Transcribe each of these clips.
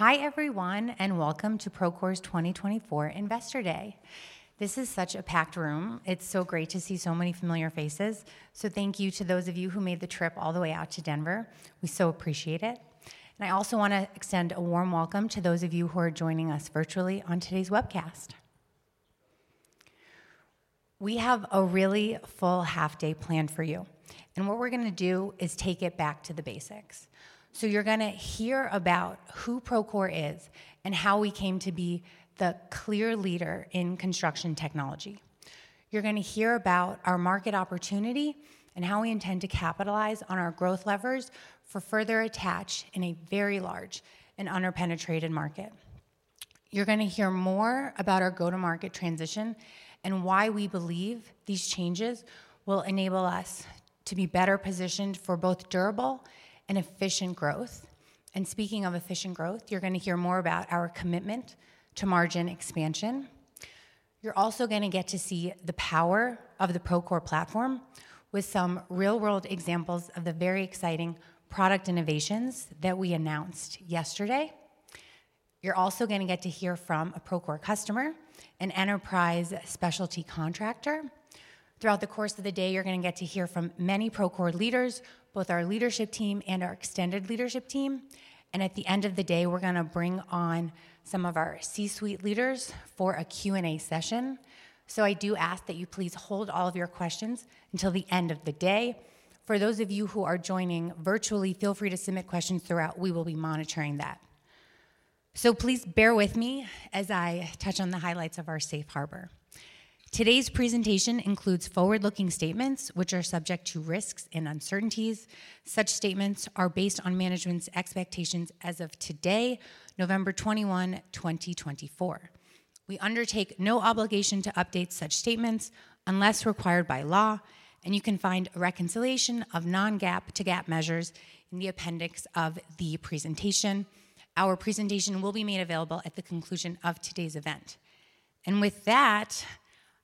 Hi everyone, and welcome to Procore's 2024 Investor Day. This is such a packed room. It's so great to see so many familiar faces. So thank you to those of you who made the trip all the way out to Denver. We so appreciate it. And I also want to extend a warm welcome to those of you who are joining us virtually on today's webcast. We have a really full half day planned for you, and what we're going to do is take it back to the basics. So you're going to hear about who Procore is and how we came to be the clear leader in construction technology. You're going to hear about our market opportunity and how we intend to capitalize on our growth levers for further attach in a very large and underpenetrated market. You're going to hear more about our go-to-market transition and why we believe these changes will enable us to be better positioned for both durable and efficient growth. And speaking of efficient growth, you're going to hear more about our commitment to margin expansion. You're also going to get to see the power of the Procore platform with some real-world examples of the very exciting product innovations that we announced yesterday. You're also going to get to hear from a Procore customer, an enterprise specialty contractor. Throughout the course of the day, you're going to get to hear from many Procore leaders, both our leadership team and our extended leadership team. And at the end of the day, we're going to bring on some of our C-suite leaders for a Q&A session. So I do ask that you please hold all of your questions until the end of the day. For those of you who are joining virtually, feel free to submit questions throughout. We will be monitoring that. So please bear with me as I touch on the highlights of our safe harbor. Today's presentation includes forward-looking statements, which are subject to risks and uncertainties. Such statements are based on management's expectations as of today, November 21, 2024. We undertake no obligation to update such statements unless required by law, and you can find a reconciliation of non-GAAP to GAAP measures in the appendix of the presentation. Our presentation will be made available at the conclusion of today's event. And with that,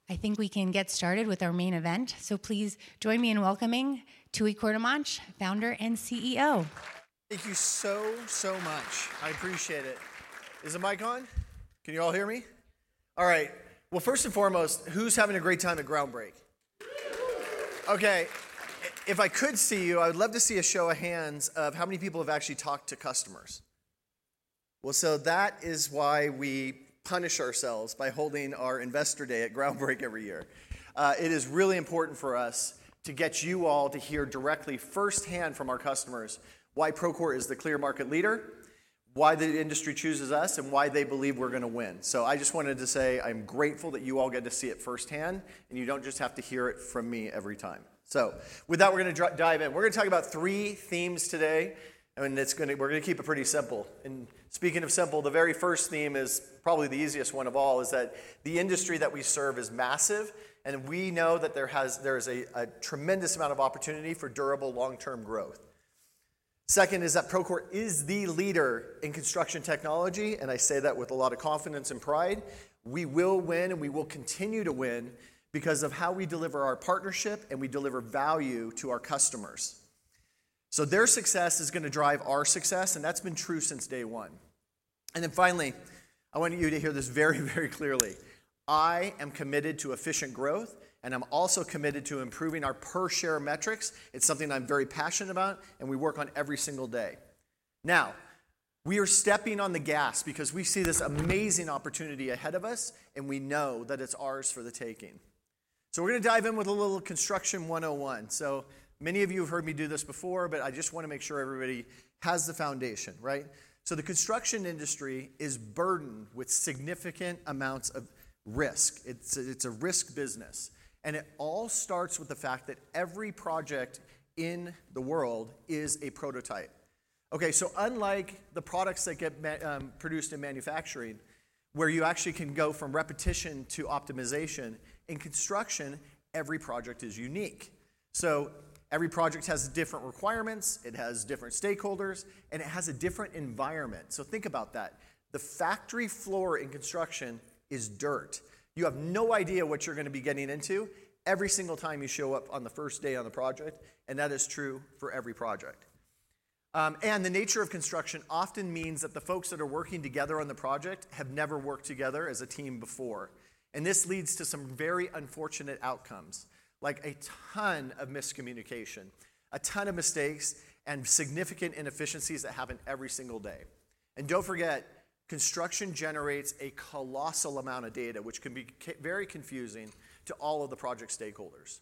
I think we can get started with our main event. So please join me in welcoming Tooey Courtemanche, Founder and CEO. Thank you so, so much. I appreciate it. Is the mic on? Can you all hear me? All right. Well, first and foremost, who's having a great time at Groundbreak? Okay. If I could see you, I would love to see a show of hands of how many people have actually talked to customers. Well, so that is why we punish ourselves by holding our Investor Day at Groundbreak every year. It is really important for us to get you all to hear directly, firsthand from our customers, why Procore is the clear market leader, why the industry chooses us, and why they believe we're going to win. So I just wanted to say I'm grateful that you all get to see it firsthand, and you don't just have to hear it from me every time. So with that, we're going to dive in. We're going to talk about three themes today, and we're going to keep it pretty simple. And speaking of simple, the very first theme is probably the easiest one of all, is that the industry that we serve is massive, and we know that there is a tremendous amount of opportunity for durable long-term growth. Second is that Procore is the leader in construction technology, and I say that with a lot of confidence and pride. We will win, and we will continue to win because of how we deliver our partnership, and we deliver value to our customers. So their success is going to drive our success, and that's been true since day one. And then finally, I want you to hear this very, very clearly. I am committed to efficient growth, and I'm also committed to improving our per-share metrics. It's something that I'm very passionate about, and we work on every single day. Now, we are stepping on the gas because we see this amazing opportunity ahead of us, and we know that it's ours for the taking. So we're going to dive in with a little construction 101. So many of you have heard me do this before, but I just want to make sure everybody has the foundation, right? So the construction industry is burdened with significant amounts of risk. It's a risk business, and it all starts with the fact that every project in the world is a prototype. Okay, so unlike the products that get produced in manufacturing, where you actually can go from repetition to optimization, in construction, every project is unique. So every project has different requirements, it has different stakeholders, and it has a different environment. So think about that. The factory floor in construction is dirt. You have no idea what you're going to be getting into every single time you show up on the first day on the project, and that is true for every project. And the nature of construction often means that the folks that are working together on the project have never worked together as a team before. And this leads to some very unfortunate outcomes, like a ton of miscommunication, a ton of mistakes, and significant inefficiencies that happen every single day. And don't forget, construction generates a colossal amount of data, which can be very confusing to all of the project stakeholders.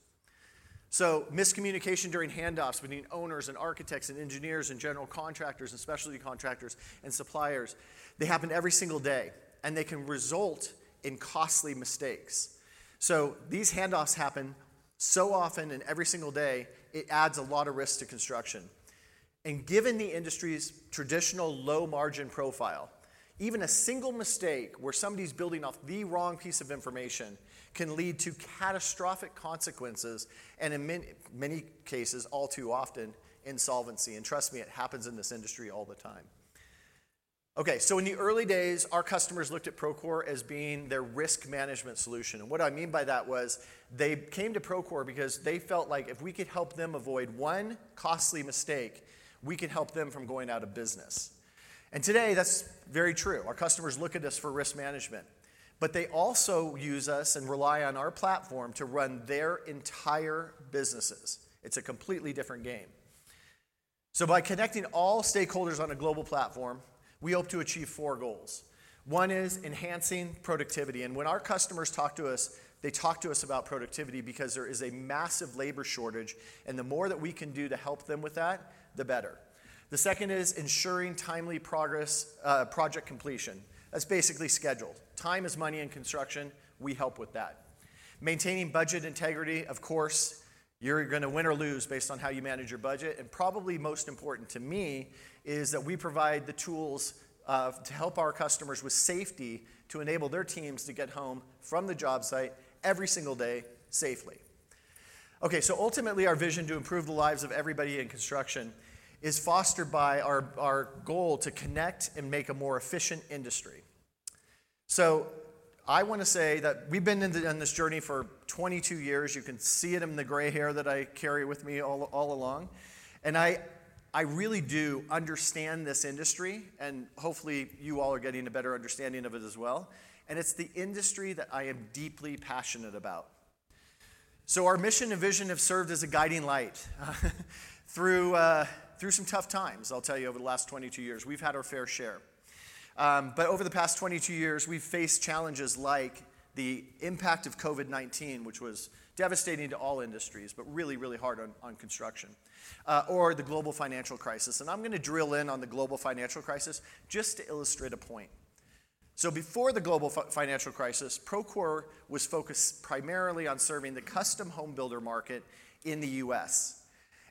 So miscommunication during handoffs between owners, architects, engineers, general contractors, specialty contractors, and suppliers; they happen every single day, and they can result in costly mistakes. So these handoffs happen so often and every single day, it adds a lot of risk to construction. And given the industry's traditional low-margin profile, even a single mistake where somebody's building off the wrong piece of information can lead to catastrophic consequences and, in many cases, all too often, insolvency. And trust me, it happens in this industry all the time. Okay, so in the early days, our customers looked at Procore as being their risk management solution. And what I mean by that was they came to Procore because they felt like if we could help them avoid one costly mistake, we could help them from going out of business. And today, that's very true. Our customers look at us for risk management, but they also use us and rely on our platform to run their entire businesses. It's a completely different game. By connecting all stakeholders on a global platform, we hope to achieve four goals. One is enhancing productivity. And when our customers talk to us, they talk to us about productivity because there is a massive labor shortage, and the more that we can do to help them with that, the better. The second is ensuring timely project completion. That's basically scheduled. Time is money in construction. We help with that. Maintaining budget integrity, of course, you're going to win or lose based on how you manage your budget. And probably most important to me is that we provide the tools to help our customers with safety to enable their teams to get home from the job site every single day safely. Okay, so ultimately, our vision to improve the lives of everybody in construction is fostered by our goal to connect and make a more efficient industry. I want to say that we've been on this journey for 22 years. You can see it in the gray hair that I carry with me all along. I really do understand this industry, and hopefully you all are getting a better understanding of it as well. It's the industry that I am deeply passionate about. Our mission and vision have served as a guiding light through some tough times. I'll tell you, over the last 22 years, we've had our fair share. Over the past 22 years, we've faced challenges like the impact of COVID-19, which was devastating to all industries, but really, really hard on construction, or the global financial crisis. I'm going to drill in on the global financial crisis just to illustrate a point. Before the global financial crisis, Procore was focused primarily on serving the custom home builder market in the U.S.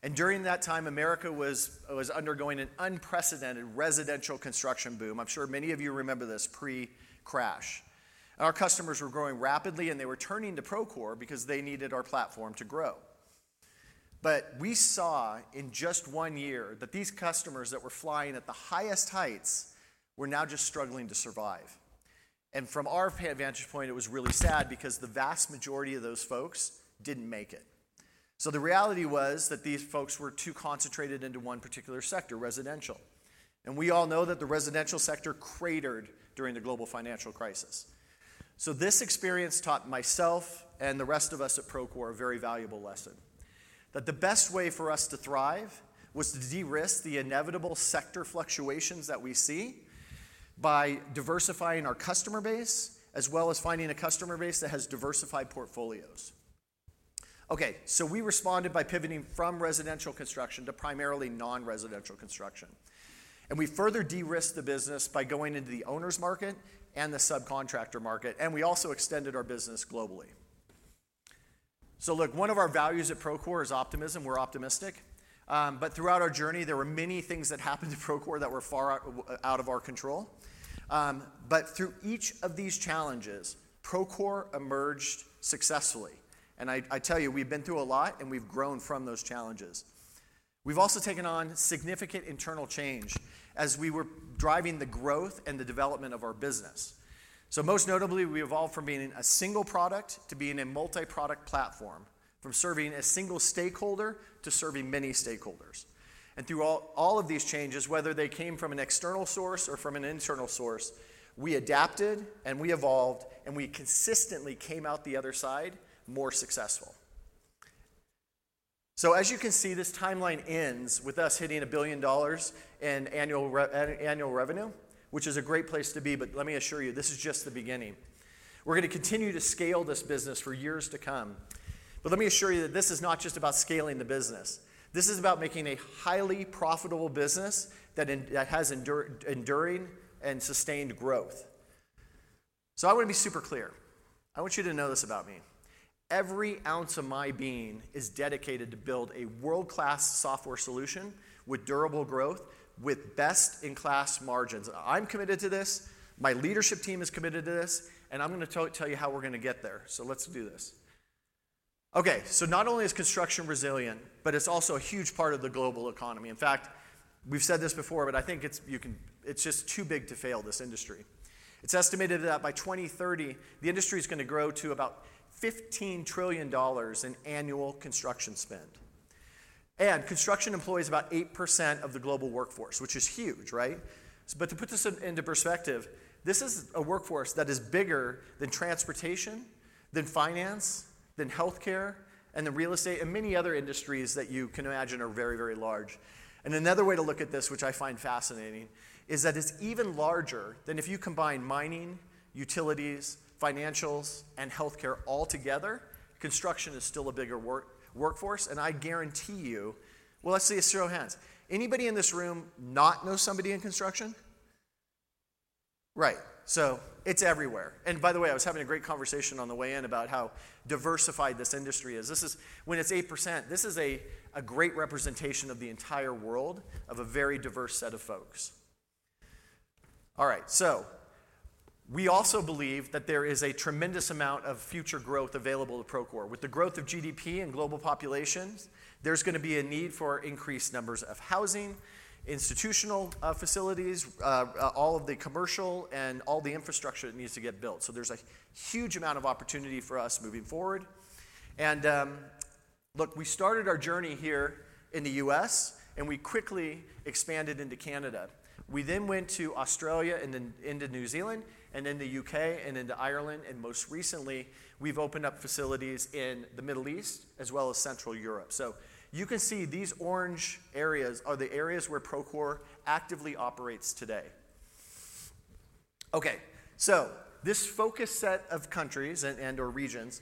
And during that time, America was undergoing an unprecedented residential construction boom. I'm sure many of you remember this pre-crash. Our customers were growing rapidly, and they were turning to Procore because they needed our platform to grow. But we saw in just one year that these customers that were flying at the highest heights were now just struggling to survive. And from our vantage point, it was really sad because the vast majority of those folks didn't make it. The reality was that these folks were too concentrated into one particular sector, residential. And we all know that the residential sector cratered during the global financial crisis. This experience taught myself and the rest of us at Procore a very valuable lesson, that the best way for us to thrive was to de-risk the inevitable sector fluctuations that we see by diversifying our customer base, as well as finding a customer base that has diversified portfolios. Okay, so we responded by pivoting from residential construction to primarily non-residential construction. And we further de-risked the business by going into the owner's market and the subcontractor market, and we also extended our business globally. So look, one of our values at Procore is optimism. We're optimistic. But throughout our journey, there were many things that happened to Procore that were far out of our control. But through each of these challenges, Procore emerged successfully. And I tell you, we've been through a lot, and we've grown from those challenges. We've also taken on significant internal change as we were driving the growth and the development of our business. So most notably, we evolved from being a single product to being a multi-product platform, from serving a single stakeholder to serving many stakeholders. And through all of these changes, whether they came from an external source or from an internal source, we adapted and we evolved, and we consistently came out the other side more successful. So as you can see, this timeline ends with us hitting $1 billion in annual revenue, which is a great place to be, but let me assure you, this is just the beginning. We're going to continue to scale this business for years to come. But let me assure you that this is not just about scaling the business. This is about making a highly profitable business that has enduring and sustained growth. I want to be super clear. I want you to know this about me. Every ounce of my being is dedicated to build a world-class software solution with durable growth, with best-in-class margins. I'm committed to this. My leadership team is committed to this, and I'm going to tell you how we're going to get there. So let's do this. Okay, so not only is construction resilient, but it's also a huge part of the global economy. In fact, we've said this before, but I think it's just too big to fail, this industry. It's estimated that by 2030, the industry is going to grow to about $15 trillion in annual construction spend. And construction employs about 8% of the global workforce, which is huge, right? But to put this into perspective, this is a workforce that is bigger than transportation, than finance, than healthcare, and the real estate and many other industries that you can imagine are very, very large. And another way to look at this, which I find fascinating, is that it's even larger than if you combine mining, utilities, financials, and healthcare all together. Construction is still a bigger workforce, and I guarantee you. Well, let's see a show of hands. Anybody in this room not know somebody in construction? Right. So it's everywhere. And by the way, I was having a great conversation on the way in about how diversified this industry is. When it's 8%, this is a great representation of the entire world, of a very diverse set of folks. All right. So we also believe that there is a tremendous amount of future growth available to Procore. With the growth of GDP and global populations, there's going to be a need for increased numbers of housing, institutional facilities, all of the commercial, and all the infrastructure that needs to get built. So there's a huge amount of opportunity for us moving forward. And look, we started our journey here in the U.S., and we quickly expanded into Canada. We then went to Australia and then into New Zealand, and then the U.K., and then to Ireland. And most recently, we've opened up facilities in the Middle East as well as Central Europe. So you can see these orange areas are the areas where Procore actively operates today. Okay, so this focus set of countries and/or regions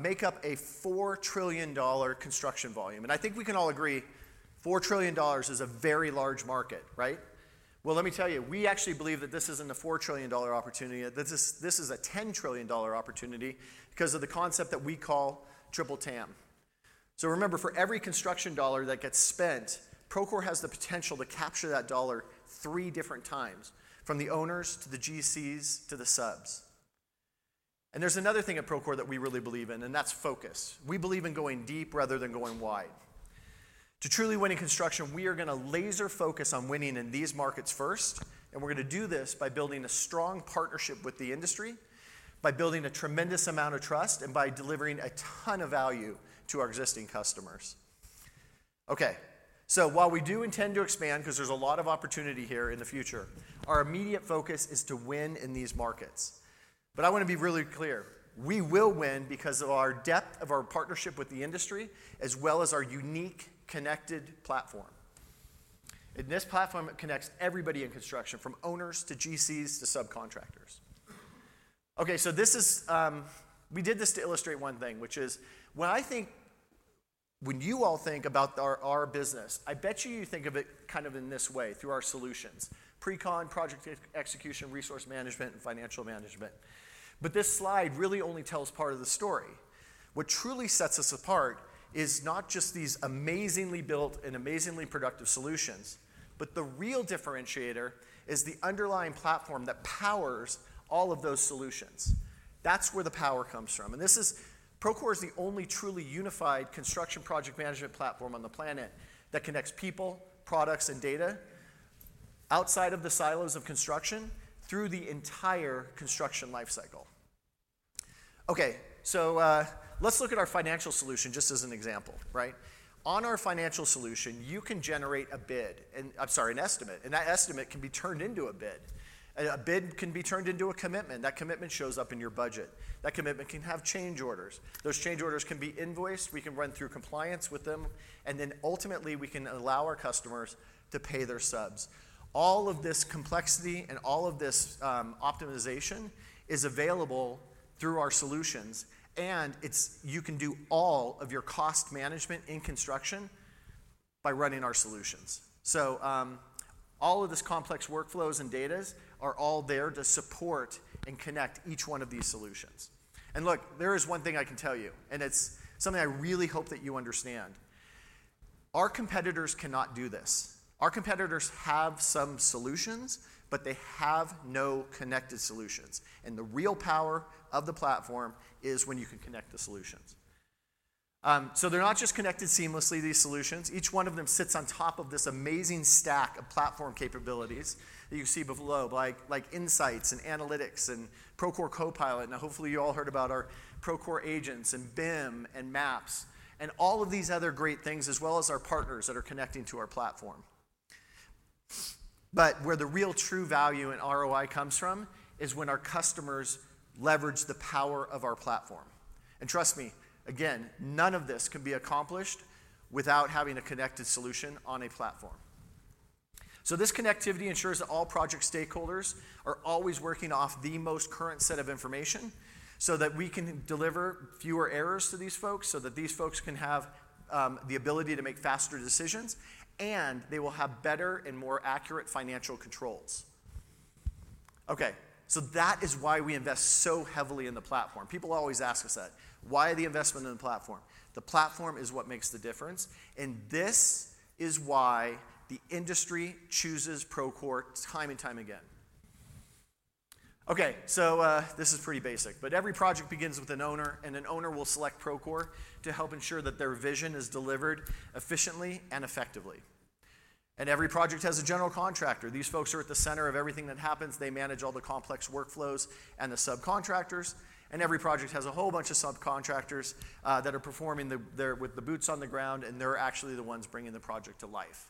make up a $4 trillion construction volume. And I think we can all agree, $4 trillion is a very large market, right? Let me tell you, we actually believe that this isn't a $4 trillion opportunity. This is a $10 trillion opportunity because of the concept that we call Triple TAM. Remember, for every construction dollar that gets spent, Procore has the potential to capture that dollar three different times, from the owners to the GCs to the subs. There's another thing at Procore that we really believe in, and that's focus. We believe in going deep rather than going wide. To truly win in construction, we are going to laser focus on winning in these markets first, and we're going to do this by building a strong partnership with the industry, by building a tremendous amount of trust, and by delivering a ton of value to our existing customers. Okay, so while we do intend to expand, because there's a lot of opportunity here in the future, our immediate focus is to win in these markets, but I want to be really clear. We will win because of our depth of our partnership with the industry, as well as our unique connected platform. This platform connects everybody in construction, from owners to GCs to subcontractors. Okay, so we did this to illustrate one thing, which is when you all think about our business, I bet you think of it kind of in this way through our solutions: Pre-con, Project Execution, Resource Management, and Financial Management. But this slide really only tells part of the story. What truly sets us apart is not just these amazingly built and amazingly productive solutions, but the real differentiator is the underlying platform that powers all of those solutions. That's where the power comes from. And Procore is the only truly unified construction Project Management platform on the planet that connects people, products, and data outside of the silos of construction through the entire construction lifecycle. Okay, so let's look at our financial solution just as an example, right? On our financial solution, you can generate a bid, I'm sorry, an estimate, and that estimate can be turned into a bid. A bid can be turned into a commitment. That commitment shows up in your budget. That commitment can have change orders. Those change orders can be invoiced. We can run through compliance with them. And then ultimately, we can allow our customers to pay their subs. All of this complexity and all of this optimization is available through our solutions. And you can do all of your cost management in construction by running our solutions. So all of this complex workflows and data are all there to support and connect each one of these solutions. And look, there is one thing I can tell you, and it's something I really hope that you understand. Our competitors cannot do this. Our competitors have some solutions, but they have no connected solutions. And the real power of the platform is when you can connect the solutions. So they're not just connected seamlessly, these solutions. Each one of them sits on top of this amazing stack of platform capabilities that you see below, like Insights and Analytics and Procore Copilot. And hopefully, you all heard about our Procore Agents and BIM and Maps and all of these other great things, as well as our partners that are connecting to our platform. Where the real true value and ROI comes from is when our customers leverage the power of our platform. Trust me, again, none of this can be accomplished without having a connected solution on a platform. This connectivity ensures that all project stakeholders are always working off the most current set of information so that we can deliver fewer errors to these folks, so that these folks can have the ability to make faster decisions, and they will have better and more accurate financial controls. Okay, that is why we invest so heavily in the platform. People always ask us that. Why the investment in the platform? The platform is what makes the difference. This is why the industry chooses Procore time and time again. Okay, this is pretty basic, but every project begins with an owner, and an owner will select Procore to help ensure that their vision is delivered efficiently and effectively. Every project has a general contractor. These folks are at the center of everything that happens. They manage all the complex workflows and the subcontractors. Every project has a whole bunch of subcontractors that are performing with the boots on the ground, and they're actually the ones bringing the project to life.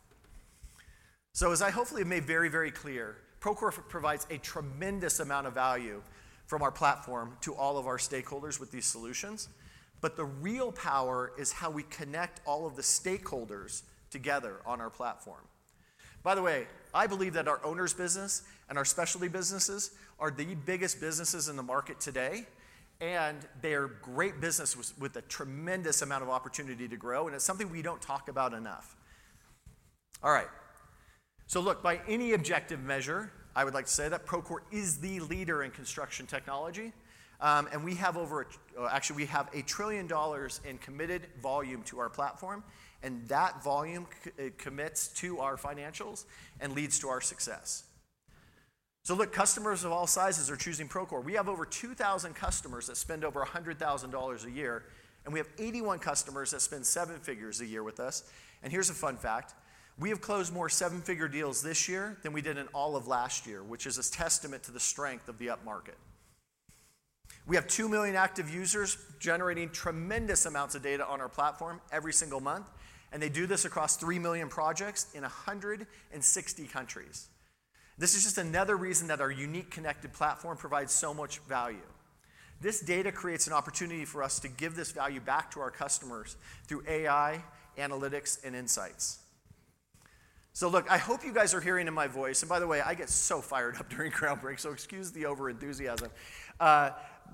I hopefully have made very, very clear, Procore provides a tremendous amount of value from our platform to all of our stakeholders with these solutions. The real power is how we connect all of the stakeholders together on our platform. By the way, I believe that our owners' business and our specialty businesses are the biggest businesses in the market today, and they are great businesses with a tremendous amount of opportunity to grow, and it's something we don't talk about enough. All right, so look, by any objective measure, I would like to say that Procore is the leader in construction technology. And we have over, actually, we have $1 trillion in committed volume to our platform, and that volume commits to our financials and leads to our success. So look, customers of all sizes are choosing Procore. We have over 2,000 customers that spend over $100,000 a year, and we have 81 customers that spend seven figures a year with us. And here's a fun fact. We have closed more seven-figure deals this year than we did in all of last year, which is a testament to the strength of the upmarket. We have 2 million active users generating tremendous amounts of data on our platform every single month, and they do this across 3 million projects in 160 countries. This is just another reason that our unique connected platform provides so much value. This data creates an opportunity for us to give this value back to our customers through AI, Analytics, and Insights. So look, I hope you guys are hearing in my voice, and by the way, I get so fired up during Groundbreak, so excuse the overenthusiasm,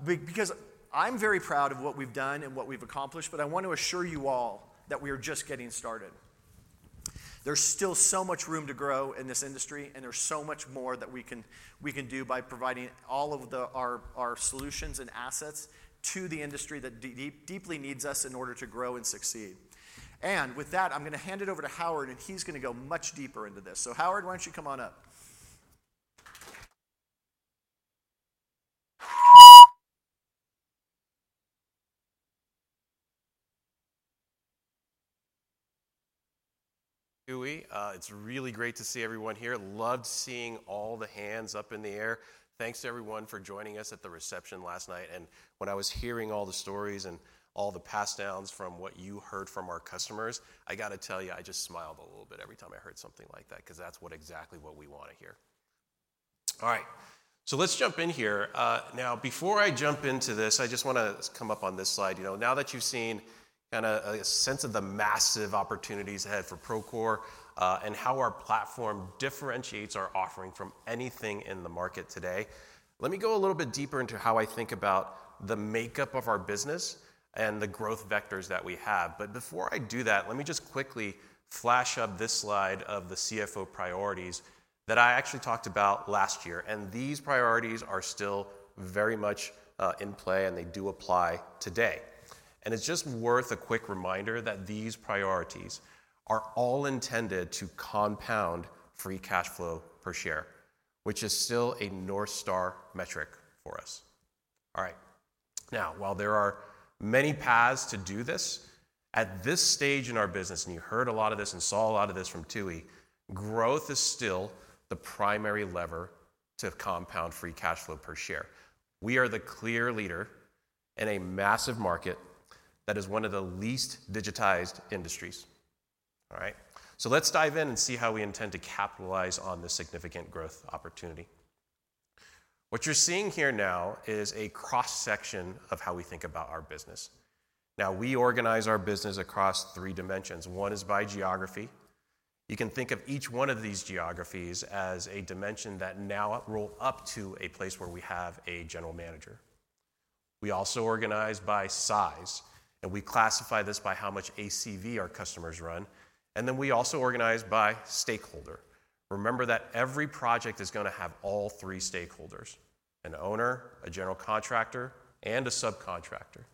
because I'm very proud of what we've done and what we've accomplished, but I want to assure you all that we are just getting started. There's still so much room to grow in this industry, and there's so much more that we can do by providing all of our solutions and assets to the industry that deeply needs us in order to grow and succeed. And with that, I'm going to hand it over to Howard, and he's going to go much deeper into this. So Howard, why don't you come on up? Tooey, it's really great to see everyone here. Loved seeing all the hands up in the air. Thanks to everyone for joining us at the reception last night. And when I was hearing all the stories and all the passed downs from what you heard from our customers, I got to tell you, I just smiled a little bit every time I heard something like that, because that's exactly what we want to hear. All right. So let's jump in here. Now, before I jump into this, I just want to come up on this slide. Now that you've seen kind of a sense of the massive opportunities ahead for Procore and how our platform differentiates our offering from anything in the market today, let me go a little bit deeper into how I think about the makeup of our business and the growth vectors that we have. But before I do that, let me just quickly flash up this slide of the CFO priorities that I actually talked about last year. And these priorities are still very much in play, and they do apply today. And it's just worth a quick reminder that these priorities are all intended to compound free cash flow per share, which is still a North Star metric for us. All right. Now, while there are many paths to do this, at this stage in our business, and you heard a lot of this and saw a lot of this from Tooey, growth is still the primary lever to compound Free Cash Flow per share. We are the clear leader in a massive market that is one of the least digitized industries. All right, so let's dive in and see how we intend to capitalize on this significant growth opportunity. What you're seeing here now is a cross-section of how we think about our business. Now, we organize our business across three dimensions. One is by geography. You can think of each one of these geographies as a dimension that now rolls up to a place where we have a general manager. We also organize by size, and we classify this by how much ACV our customers run. Then we also organize by stakeholder. Remember that every project is going to have all three stakeholders: an owner, a general contractor, and a subcontractor.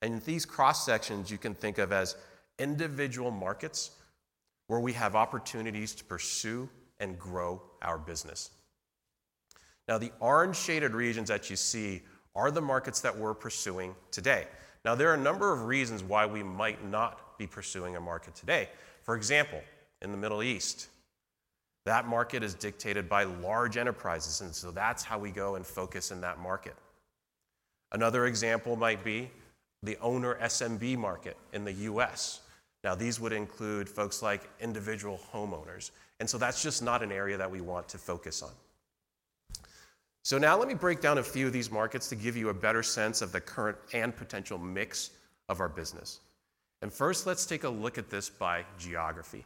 And these cross-sections you can think of as individual markets where we have opportunities to pursue and grow our business. Now, the orange shaded regions that you see are the markets that we're pursuing today. Now, there are a number of reasons why we might not be pursuing a market today. For example, in the Middle East, that market is dictated by large enterprises, and so that's how we go and focus in that market. Another example might be the owner SMB market in the U.S. Now, these would include folks like individual homeowners. And so that's just not an area that we want to focus on. So now let me break down a few of these markets to give you a better sense of the current and potential mix of our business. And first, let's take a look at this by geography.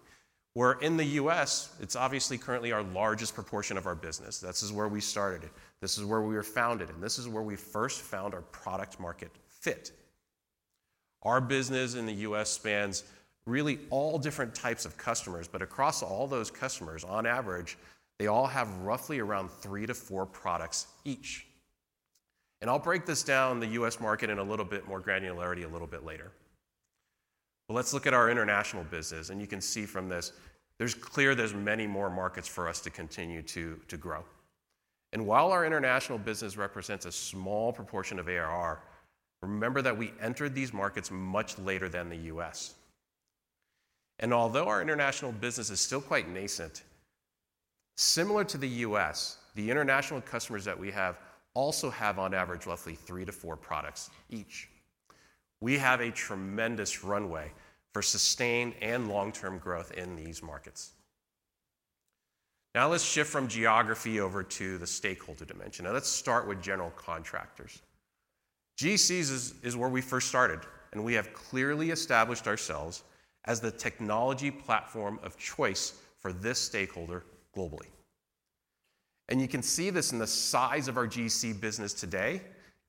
We're in the U.S. It's obviously currently our largest proportion of our business. This is where we started it. This is where we were founded, and this is where we first found our product market fit. Our business in the U.S. spans really all different types of customers, but across all those customers, on average, they all have roughly around three to four products each. And I'll break this down, the U.S. market, in a little bit more granularity a little bit later. But let's look at our international business. And you can see from this, it's clear there's many more markets for us to continue to grow. While our international business represents a small proportion of ARR, remember that we entered these markets much later than the U.S. Although our international business is still quite nascent, similar to the U.S., the international customers that we have also have, on average, roughly three to four products each. We have a tremendous runway for sustained and long-term growth in these markets. Now, let's shift from geography over to the stakeholder dimension. Now, let's start with general contractors. GCs is where we first started, and we have clearly established ourselves as the technology platform of choice for this stakeholder globally. You can see this in the size of our GC business today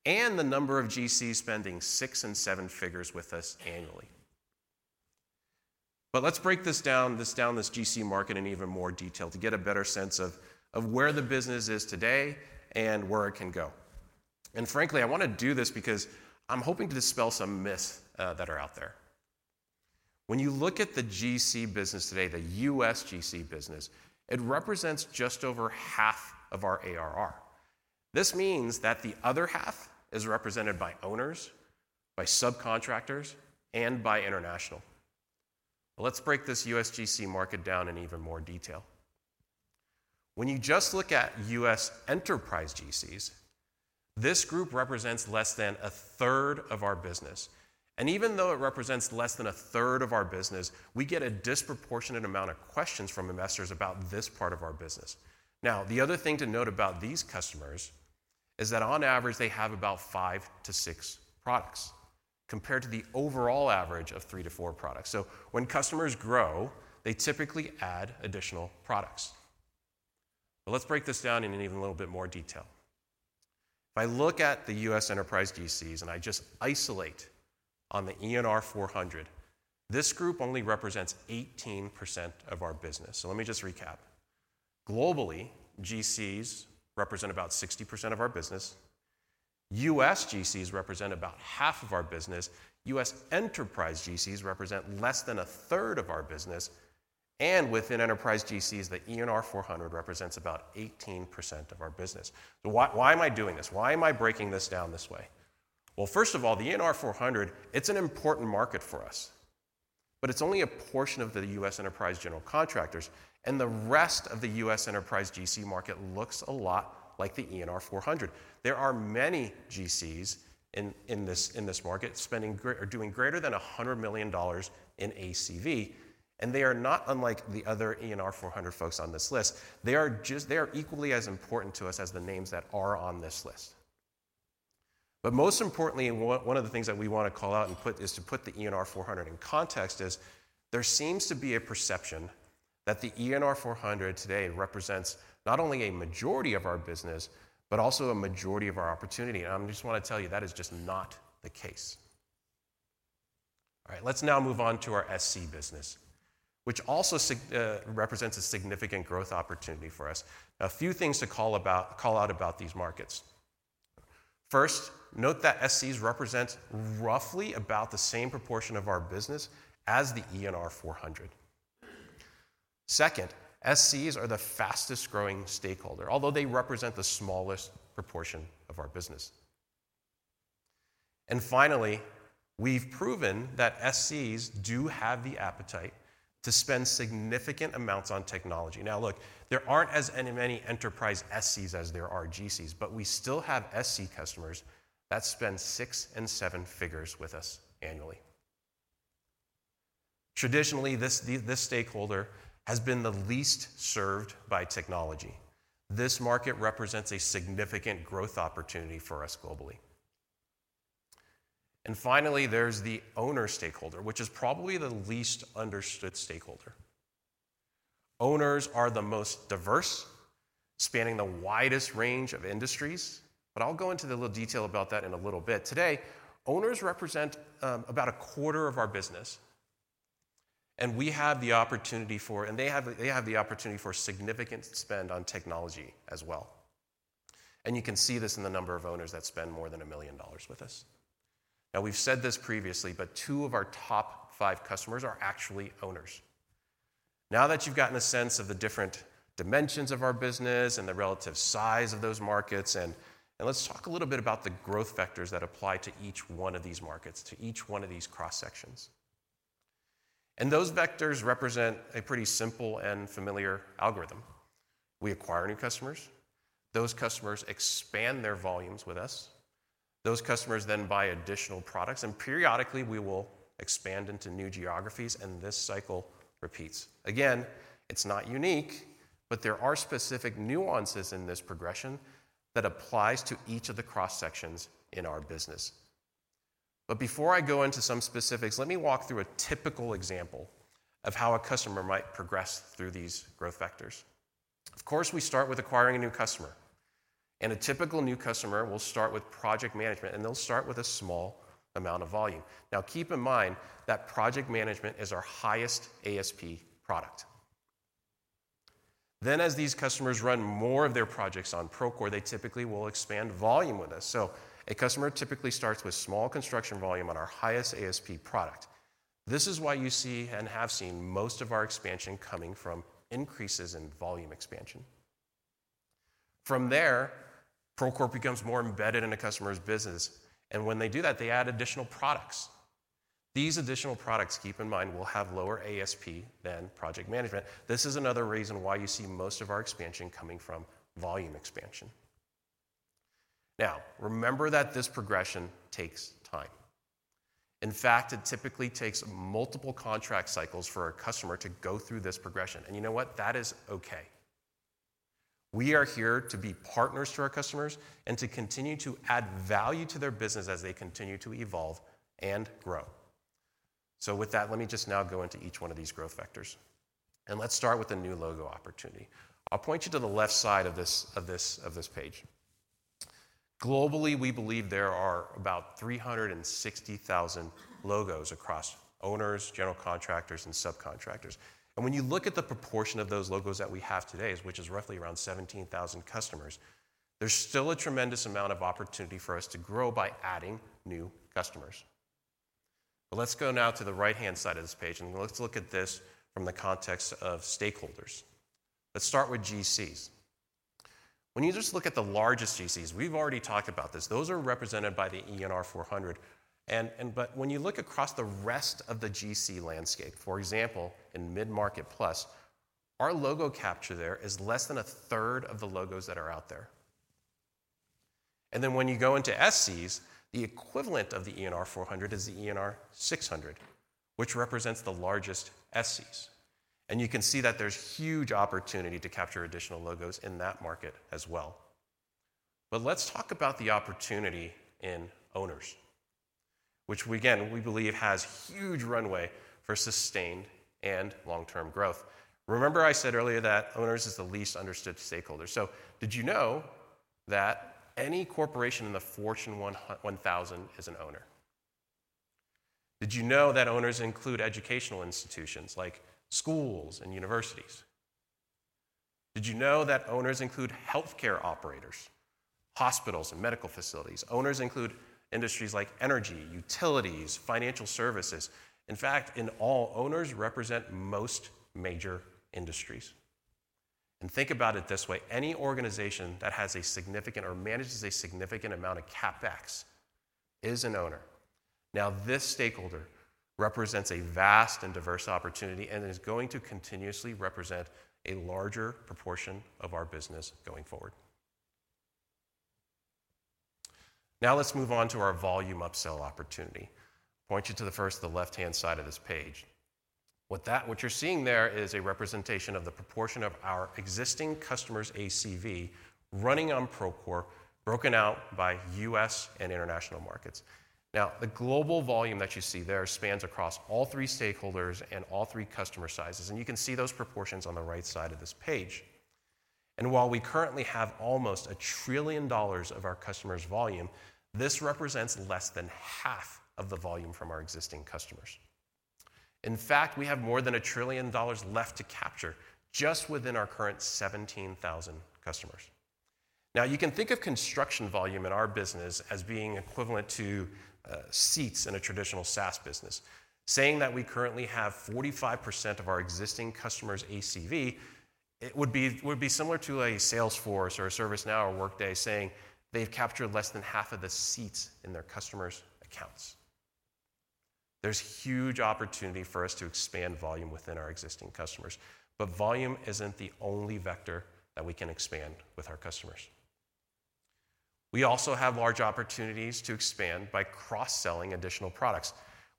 and the number of GCs spending six and seven figures with us annually. But let's break this down, this GC market in even more detail to get a better sense of where the business is today and where it can go. And frankly, I want to do this because I'm hoping to dispel some myths that are out there. When you look at the GC business today, the U.S. GC business, it represents just over half of our ARR. This means that the other half is represented by owners, by subcontractors, and by international. Let's break this U.S. GC market down in even more detail. When you just look at U.S. enterprise GCs, this group represents less than a third of our business. And even though it represents less than a third of our business, we get a disproportionate amount of questions from investors about this part of our business. Now, the other thing to note about these customers is that on average, they have about five to six products compared to the overall average of three to four products. So when customers grow, they typically add additional products. But let's break this down in even a little bit more detail. If I look at the U.S. enterprise GCs and I just isolate on the ENR 400, this group only represents 18% of our business. So let me just recap. Globally, GCs represent about 60% of our business. U.S. GCs represent about half of our business. U.S. enterprise GCs represent less than a third of our business. And within enterprise GCs, the ENR 400 represents about 18% of our business. So why am I doing this? Why am I breaking this down this way? First of all, the ENR 400, it's an important market for us, but it's only a portion of the U.S. enterprise general contractors, and the rest of the U.S. enterprise GC market looks a lot like the ENR 400. There are many GCs in this market spending or doing greater than $100 million in ACV, and they are not unlike the other ENR 400 folks on this list. They are equally as important to us as the names that are on this list. But most importantly, one of the things that we want to call out and put in context is there seems to be a perception that the ENR 400 today represents not only a majority of our business, but also a majority of our opportunity. I just want to tell you that is just not the case. All right. Let's now move on to our SC business, which also represents a significant growth opportunity for us. A few things to call out about these markets. First, note that SCs represent roughly about the same proportion of our business as the ENR 400. Second, SCs are the fastest growing stakeholder, although they represent the smallest proportion of our business. And finally, we've proven that SCs do have the appetite to spend significant amounts on technology. Now, look, there aren't as many enterprise SCs as there are GCs, but we still have SC customers that spend six and seven figures with us annually. Traditionally, this stakeholder has been the least served by technology. This market represents a significant growth opportunity for us globally. And finally, there's the owner stakeholder, which is probably the least understood stakeholder. Owners are the most diverse, spanning the widest range of industries, but I'll go into the little detail about that in a little bit. Today, owners represent about a quarter of our business, and we have the opportunity for, and they have the opportunity for significant spend on technology as well. And you can see this in the number of owners that spend more than $1 million with us. Now, we've said this previously, but two of our top five customers are actually owners. Now that you've gotten a sense of the different dimensions of our business and the relative size of those markets, and let's talk a little bit about the growth vectors that apply to each one of these markets, to each one of these cross-sections. And those vectors represent a pretty simple and familiar algorithm. We acquire new customers. Those customers expand their volumes with us. Those customers then buy additional products, and periodically, we will expand into new geographies, and this cycle repeats. Again, it's not unique, but there are specific nuances in this progression that applies to each of the cross-sections in our business, but before I go into some specifics, let me walk through a typical example of how a customer might progress through these growth vectors. Of course, we start with acquiring a new customer, and a typical new customer will start with Project Management, and they'll start with a small amount of volume. Now, keep in mind that Project Management is our highest ASP product, then as these customers run more of their projects on Procore, they typically will expand volume with us, so a customer typically starts with small construction volume on our highest ASP product. This is why you see and have seen most of our expansion coming from increases in volume expansion. From there, Procore becomes more embedded in a customer's business, and when they do that, they add additional products. These additional products, keep in mind, will have lower ASP than Project Management. This is another reason why you see most of our expansion coming from volume expansion. Now, remember that this progression takes time. In fact, it typically takes multiple contract cycles for a customer to go through this progression, and you know what? That is okay. We are here to be partners to our customers and to continue to add value to their business as they continue to evolve and grow, so with that, let me just now go into each one of these growth vectors, and let's start with a new logo opportunity. I'll point you to the left side of this page. Globally, we believe there are about 360,000 logos across owners, general contractors, and subcontractors. And when you look at the proportion of those logos that we have today, which is roughly around 17,000 customers, there's still a tremendous amount of opportunity for us to grow by adding new customers. But let's go now to the right-hand side of this page, and let's look at this from the context of stakeholders. Let's start with GCs. When you just look at the largest GCs, we've already talked about this. Those are represented by the ENR 400. But when you look across the rest of the GC landscape, for example, in mid-market plus, our logo capture there is less than a third of the logos that are out there. When you go into SCs, the equivalent of the ENR 400 is the ENR 600, which represents the largest SCs. You can see that there's huge opportunity to capture additional logos in that market as well. Let's talk about the opportunity in owners, which we, again, we believe has huge runway for sustained and long-term growth. Remember I said earlier that owners is the least understood stakeholder. Did you know that any corporation in the Fortune 1000 is an owner? Did you know that owners include educational institutions like schools and universities? Did you know that owners include healthcare operators, hospitals, and medical facilities? Owners include industries like energy, utilities, financial services. In fact, in all, owners represent most major industries. Think about it this way. Any organization that has a significant or manages a significant amount of CapEx is an owner. Now, this stakeholder represents a vast and diverse opportunity and is going to continuously represent a larger proportion of our business going forward. Now, let's move on to our volume upsell opportunity. Point you to the first, the left-hand side of this page. What you're seeing there is a representation of the proportion of our existing customers' ACV running on Procore, broken out by U.S. and international markets. Now, the global volume that you see there spans across all three stakeholders and all three customer sizes. And you can see those proportions on the right side of this page. And while we currently have almost $1 trillion of our customers' volume, this represents less than half of the volume from our existing customers. In fact, we have more than $1 trillion left to capture just within our current 17,000 customers. Now, you can think of construction volume in our business as being equivalent to seats in a traditional SaaS business. Saying that we currently have 45% of our existing customers' ACV, it would be similar to a Salesforce or a ServiceNow or Workday saying they've captured less than half of the seats in their customers' accounts. There's huge opportunity for us to expand volume within our existing customers, but volume isn't the only vector that we can expand with our customers. We also have large opportunities to expand by cross-selling additional products,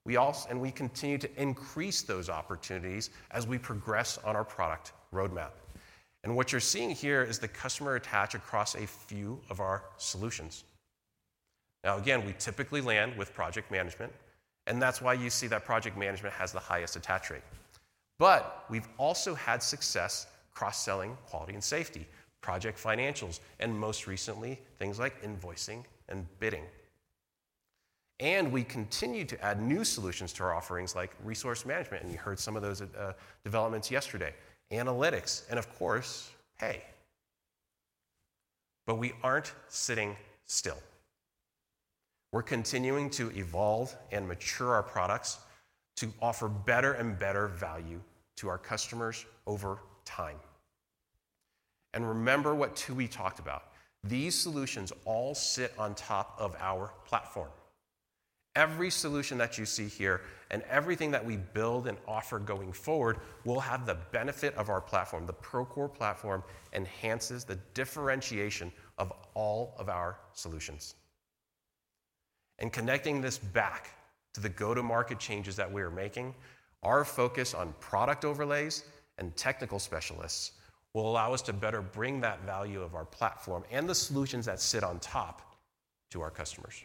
and we continue to increase those opportunities as we progress on our product roadmap, and what you're seeing here is the customer attach across a few of our solutions. Now, again, we typically land with Project Management, and that's why you see that Project Management has the highest attach rate. But we've also had success cross-selling Quality and Safety, Project Financials, and most recently, things like Invoicing and Bidding. And we continue to add new solutions to our offerings like Resource Management, and you heard some of those developments yesterday, Analytics, and of course, Pay. But we aren't sitting still. We're continuing to evolve and mature our products to offer better and better value to our customers over time. And remember what Tooey talked about. These solutions all sit on top of our platform. Every solution that you see here and everything that we build and offer going forward will have the benefit of our platform. The Procore platform enhances the differentiation of all of our solutions. Connecting this back to the go-to-market changes that we are making, our focus on product overlays and technical specialists will allow us to better bring that value of our platform and the solutions that sit on top to our customers.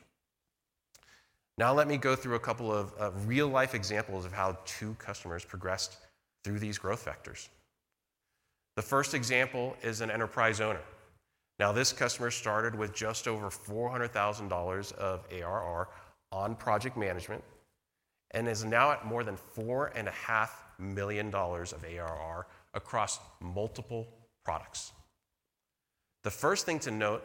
Now, let me go through a couple of real-life examples of how two customers progressed through these growth vectors. The first example is an enterprise owner. Now, this customer started with just over $400,000 of ARR on Project Management and is now at more than $4.5 million of ARR across multiple products. The first thing to note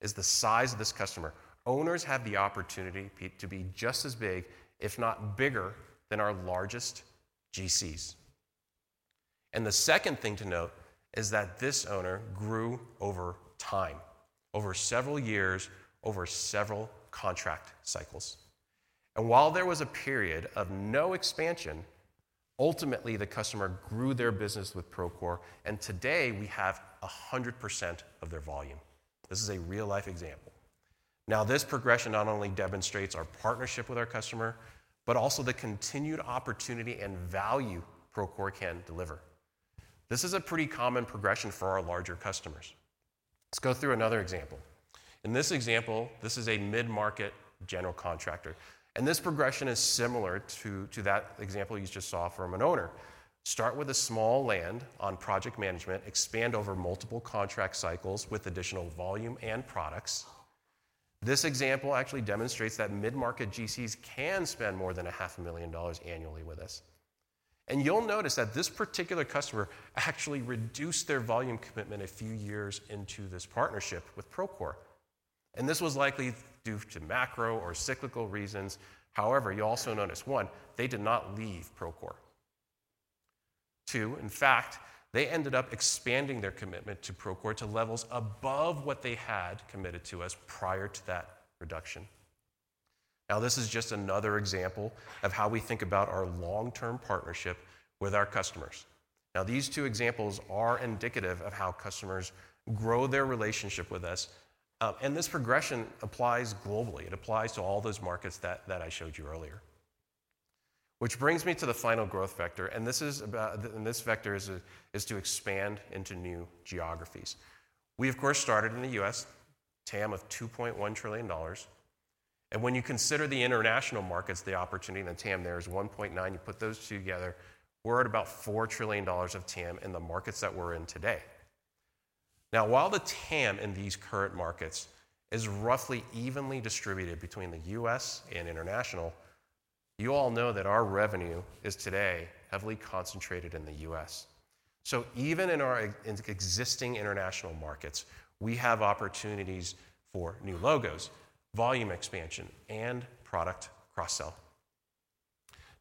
is the size of this customer. Owners have the opportunity to be just as big, if not bigger, than our largest GCs. And the second thing to note is that this owner grew over time, over several years, over several contract cycles. While there was a period of no expansion, ultimately, the customer grew their business with Procore, and today, we have 100% of their volume. This is a real-life example. Now, this progression not only demonstrates our partnership with our customer, but also the continued opportunity and value Procore can deliver. This is a pretty common progression for our larger customers. Let's go through another example. In this example, this is a mid-market general contractor. This progression is similar to that example you just saw from an owner. Start with a small land on Project Management, expand over multiple contract cycles with additional volume and products. This example actually demonstrates that mid-market GCs can spend more than $500,000 annually with us. You'll notice that this particular customer actually reduced their volume commitment a few years into this partnership with Procore. This was likely due to macro or cyclical reasons. However, you also notice, one, they did not leave Procore. Two, in fact, they ended up expanding their commitment to Procore to levels above what they had committed to us prior to that reduction. Now, this is just another example of how we think about our long-term partnership with our customers. Now, these two examples are indicative of how customers grow their relationship with us. This progression applies globally. It applies to all those markets that I showed you earlier. Which brings me to the final growth vector. This vector is to expand into new geographies. We, of course, started in the U.S., TAM of $2.1 trillion. When you consider the international markets, the opportunity in the TAM there is 1.9. You put those two together, we're at about $4 trillion of TAM in the markets that we're in today. Now, while the TAM in these current markets is roughly evenly distributed between the U.S. and international, you all know that our revenue is today heavily concentrated in the U.S. So even in our existing international markets, we have opportunities for new logos, volume expansion, and product cross-sell.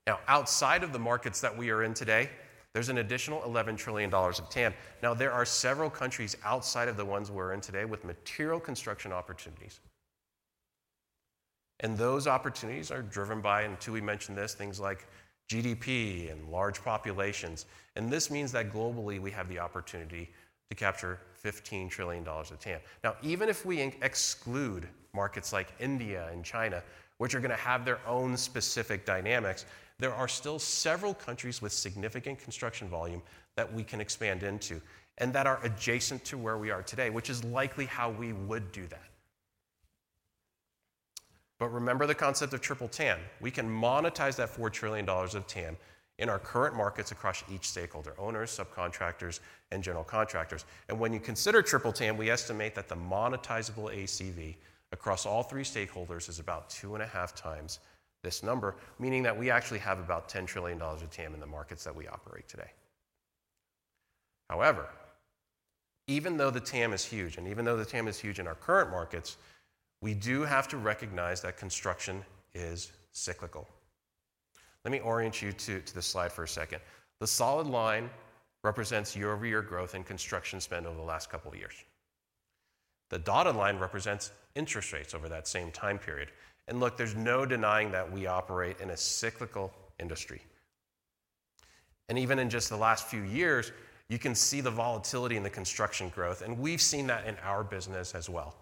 Now, outside of the markets that we are in today, there's an additional $11 trillion of TAM. Now, there are several countries outside of the ones we're in today with material construction opportunities. And those opportunities are driven by, and two we mentioned this, things like GDP and large populations. And this means that globally, we have the opportunity to capture $15 trillion of TAM. Now, even if we exclude markets like India and China, which are going to have their own specific dynamics, there are still several countries with significant construction volume that we can expand into and that are adjacent to where we are today, which is likely how we would do that. But remember the concept of Triple TAM. We can monetize that $4 trillion of TAM in our current markets across each stakeholder: owners, subcontractors, and general contractors. And when you consider Triple TAM, we estimate that the monetizable ACV across all three stakeholders is about two and a half times this number, meaning that we actually have about $10 trillion of TAM in the markets that we operate today. However, even though the TAM is huge, and even though the TAM is huge in our current markets, we do have to recognize that construction is cyclical. Let me orient you to the slide for a second. The solid line represents year-over-year growth in construction spend over the last couple of years. The dotted line represents interest rates over that same time period. And look, there's no denying that we operate in a cyclical industry. And even in just the last few years, you can see the volatility in the construction growth. And we've seen that in our business as well.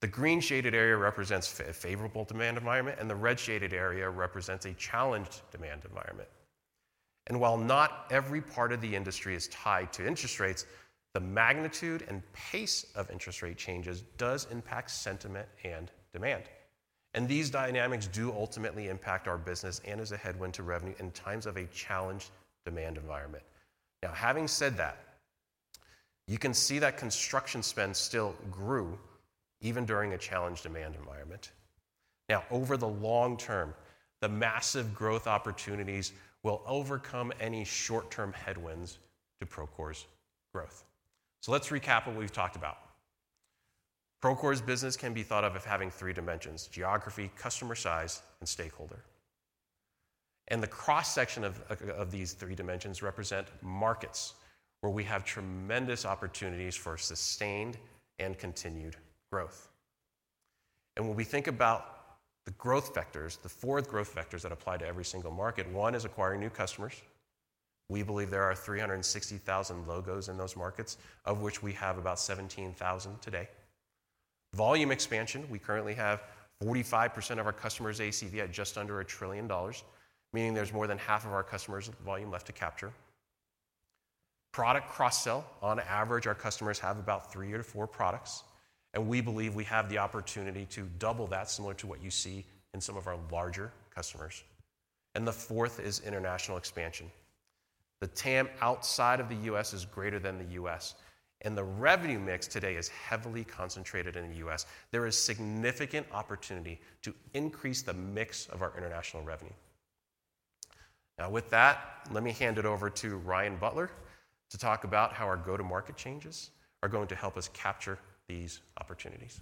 The green shaded area represents a favorable demand environment, and the red shaded area represents a challenged demand environment. And while not every part of the industry is tied to interest rates, the magnitude and pace of interest rate changes does impact sentiment and demand. And these dynamics do ultimately impact our business and is a headwind to revenue in times of a challenged demand environment. Now, having said that, you can see that construction spend still grew even during a challenged demand environment. Now, over the long term, the massive growth opportunities will overcome any short-term headwinds to Procore's growth. So let's recap what we've talked about. Procore's business can be thought of as having three dimensions: geography, customer size, and stakeholder. And the cross-section of these three dimensions represent markets where we have tremendous opportunities for sustained and continued growth. And when we think about the growth vectors, the four growth vectors that apply to every single market, one is acquiring new customers. We believe there are 360,000 logos in those markets, of which we have about 17,000 today. Volume expansion, we currently have 45% of our customers' ACV at just under $1 trillion, meaning there's more than half of our customers' volume left to capture. Product cross-sell, on average, our customers have about three or four products. And we believe we have the opportunity to double that, similar to what you see in some of our larger customers. And the fourth is international expansion. The TAM outside of the U.S. is greater than the U.S. And the revenue mix today is heavily concentrated in the U.S. There is significant opportunity to increase the mix of our international revenue. Now, with that, let me hand it over to Ryan Butler to talk about how our go-to-market changes are going to help us capture these opportunities.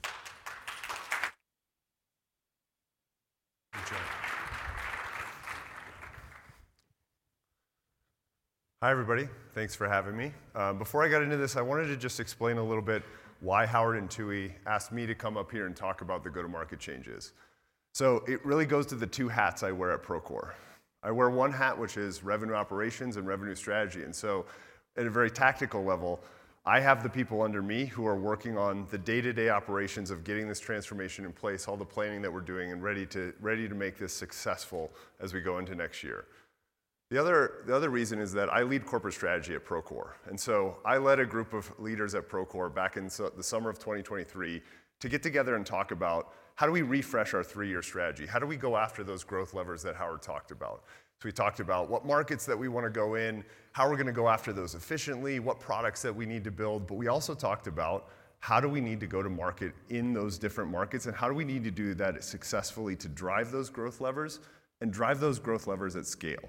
Hi everybody. Thanks for having me. Before I got into this, I wanted to just explain a little bit why Howard and Tooey asked me to come up here and talk about the go-to-market changes. So it really goes to the two hats I wear at Procore. I wear one hat, which is revenue operations and revenue strategy. And so, at a very tactical level, I have the people under me who are working on the day-to-day operations of getting this transformation in place, all the planning that we're doing, and ready to make this successful as we go into next year. The other reason is that I lead corporate strategy at Procore. And so I led a group of leaders at Procore back in the summer of 2023 to get together and talk about how do we refresh our three-year strategy? How do we go after those growth levers that Howard talked about? So we talked about what markets that we want to go in, how we're going to go after those efficiently, what products that we need to build. But we also talked about how do we need to go to market in those different markets and how do we need to do that successfully to drive those growth levers and drive those growth levers at scale.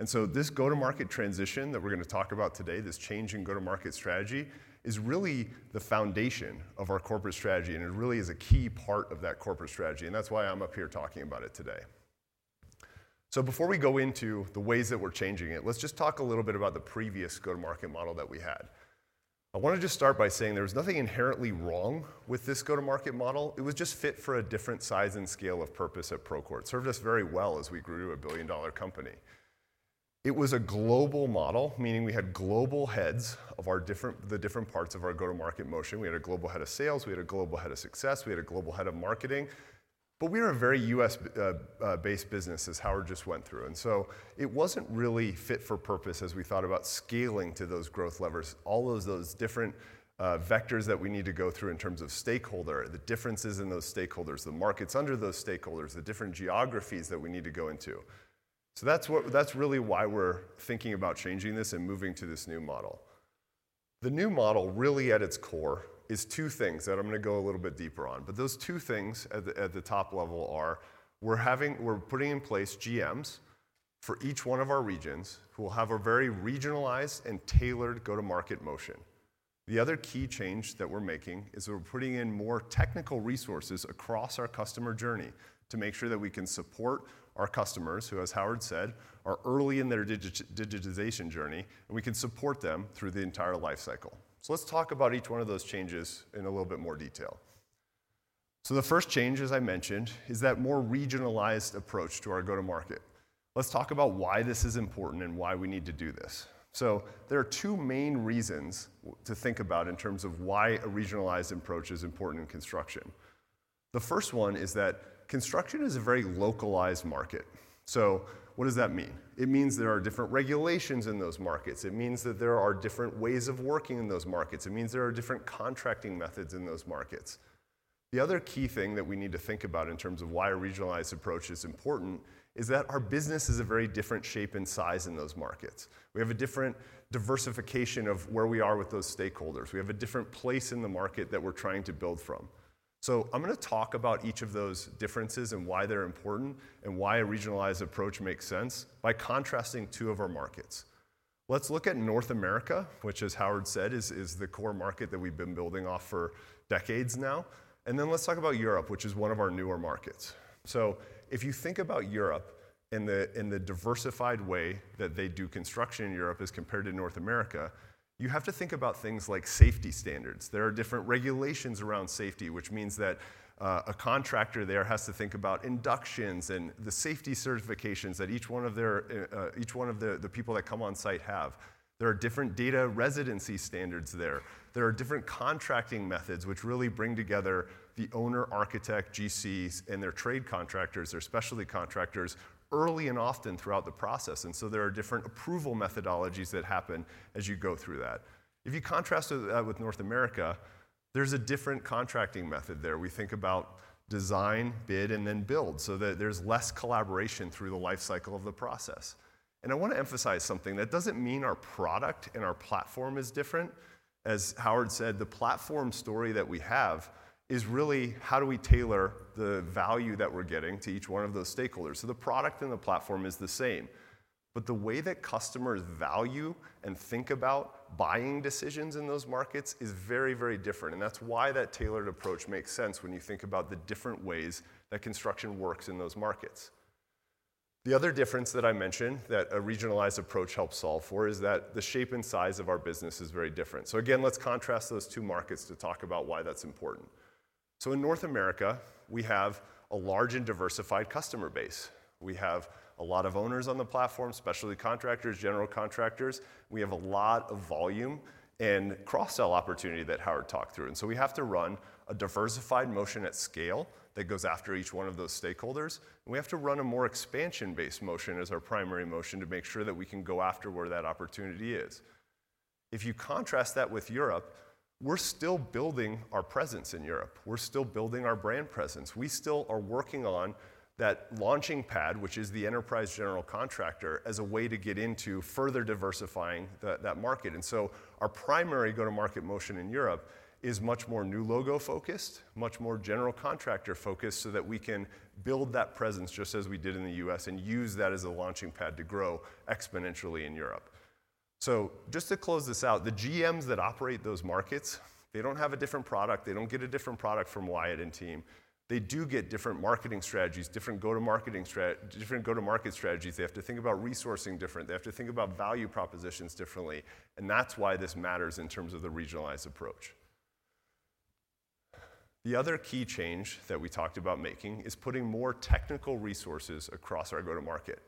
And so this go-to-market transition that we're going to talk about today, this change in go-to-market strategy, is really the foundation of our corporate strategy, and it really is a key part of that corporate strategy. And that's why I'm up here talking about it today. So before we go into the ways that we're changing it, let's just talk a little bit about the previous go-to-market model that we had. I want to just start by saying there was nothing inherently wrong with this go-to-market model. It was just fit for a different size and scale of purpose at Procore. It served us very well as we grew to a billion-dollar company. It was a global model, meaning we had global heads of the different parts of our go-to-market motion. We had a global head of sales. We had a global head of success. We had a global head of marketing. But we are a very U.S.-based business, as Howard just went through. And so it wasn't really fit for purpose as we thought about scaling to those growth levers, all of those different vectors that we need to go through in terms of stakeholder, the differences in those stakeholders, the markets under those stakeholders, the different geographies that we need to go into. So that's really why we're thinking about changing this and moving to this new model. The new model really at its core is two things that I'm going to go a little bit deeper on. But those two things at the top level are we're putting in place GMs for each one of our regions who will have a very regionalized and tailored go-to-market motion. The other key change that we're making is we're putting in more technical resources across our customer journey to make sure that we can support our customers, who as Howard said, are early in their digitization journey, and we can support them through the entire life cycle. So let's talk about each one of those changes in a little bit more detail. So the first change, as I mentioned, is that more regionalized approach to our go-to-market. Let's talk about why this is important and why we need to do this. So there are two main reasons to think about in terms of why a regionalized approach is important in construction. The first one is that construction is a very localized market. So what does that mean? It means there are different regulations in those markets. It means that there are different ways of working in those markets. It means there are different contracting methods in those markets. The other key thing that we need to think about in terms of why a regionalized approach is important is that our business is a very different shape and size in those markets. We have a different diversification of where we are with those stakeholders. We have a different place in the market that we're trying to build from. So I'm going to talk about each of those differences and why they're important and why a regionalized approach makes sense by contrasting two of our markets. Let's look at North America, which, as Howard said, is the core market that we've been building off for decades now. And then let's talk about Europe, which is one of our newer markets. So if you think about Europe in the diversified way that they do construction in Europe as compared to North America, you have to think about things like safety standards. There are different regulations around safety, which means that a contractor there has to think about inductions and the safety certifications that each one of the people that come on site have. There are different data residency standards there. There are different contracting methods, which really bring together the owner, architect, GCs, and their trade contractors, their specialty contractors, early and often throughout the process. And so there are different approval methodologies that happen as you go through that. If you contrast that with North America, there's a different contracting method there. We think about design, bid, and then build so that there's less collaboration through the life cycle of the process. And I want to emphasize something that doesn't mean our product and our platform is different. As Howard said, the platform story that we have is really how do we tailor the value that we're getting to each one of those stakeholders. So the product and the platform is the same. But the way that customers value and think about buying decisions in those markets is very, very different. And that's why that tailored approach makes sense when you think about the different ways that construction works in those markets. The other difference that I mentioned that a regionalized approach helps solve for is that the shape and size of our business is very different. So again, let's contrast those two markets to talk about why that's important. So in North America, we have a large and diversified customer base. We have a lot of owners on the platform, specialty contractors, general contractors. We have a lot of volume and cross-sell opportunity that Howard talked through. And so we have to run a diversified motion at scale that goes after each one of those stakeholders. And we have to run a more expansion-based motion as our primary motion to make sure that we can go after where that opportunity is. If you contrast that with Europe, we're still building our presence in Europe. We're still building our brand presence. We still are working on that launching pad, which is the enterprise general contractor, as a way to get into further diversifying that market, and so our primary go-to-market motion in Europe is much more new logo focused, much more general contractor focused so that we can build that presence just as we did in the U.S. and use that as a launching pad to grow exponentially in Europe, so just to close this out, the GMs that operate those markets, they don't have a different product. They don't get a different product from Wyatt and team. They do get different marketing strategies, different go-to-market strategies, different go-to-market strategies. They have to think about resourcing different. They have to think about value propositions differently. That's why this matters in terms of the regionalized approach. The other key change that we talked about making is putting more technical resources across our go-to-market.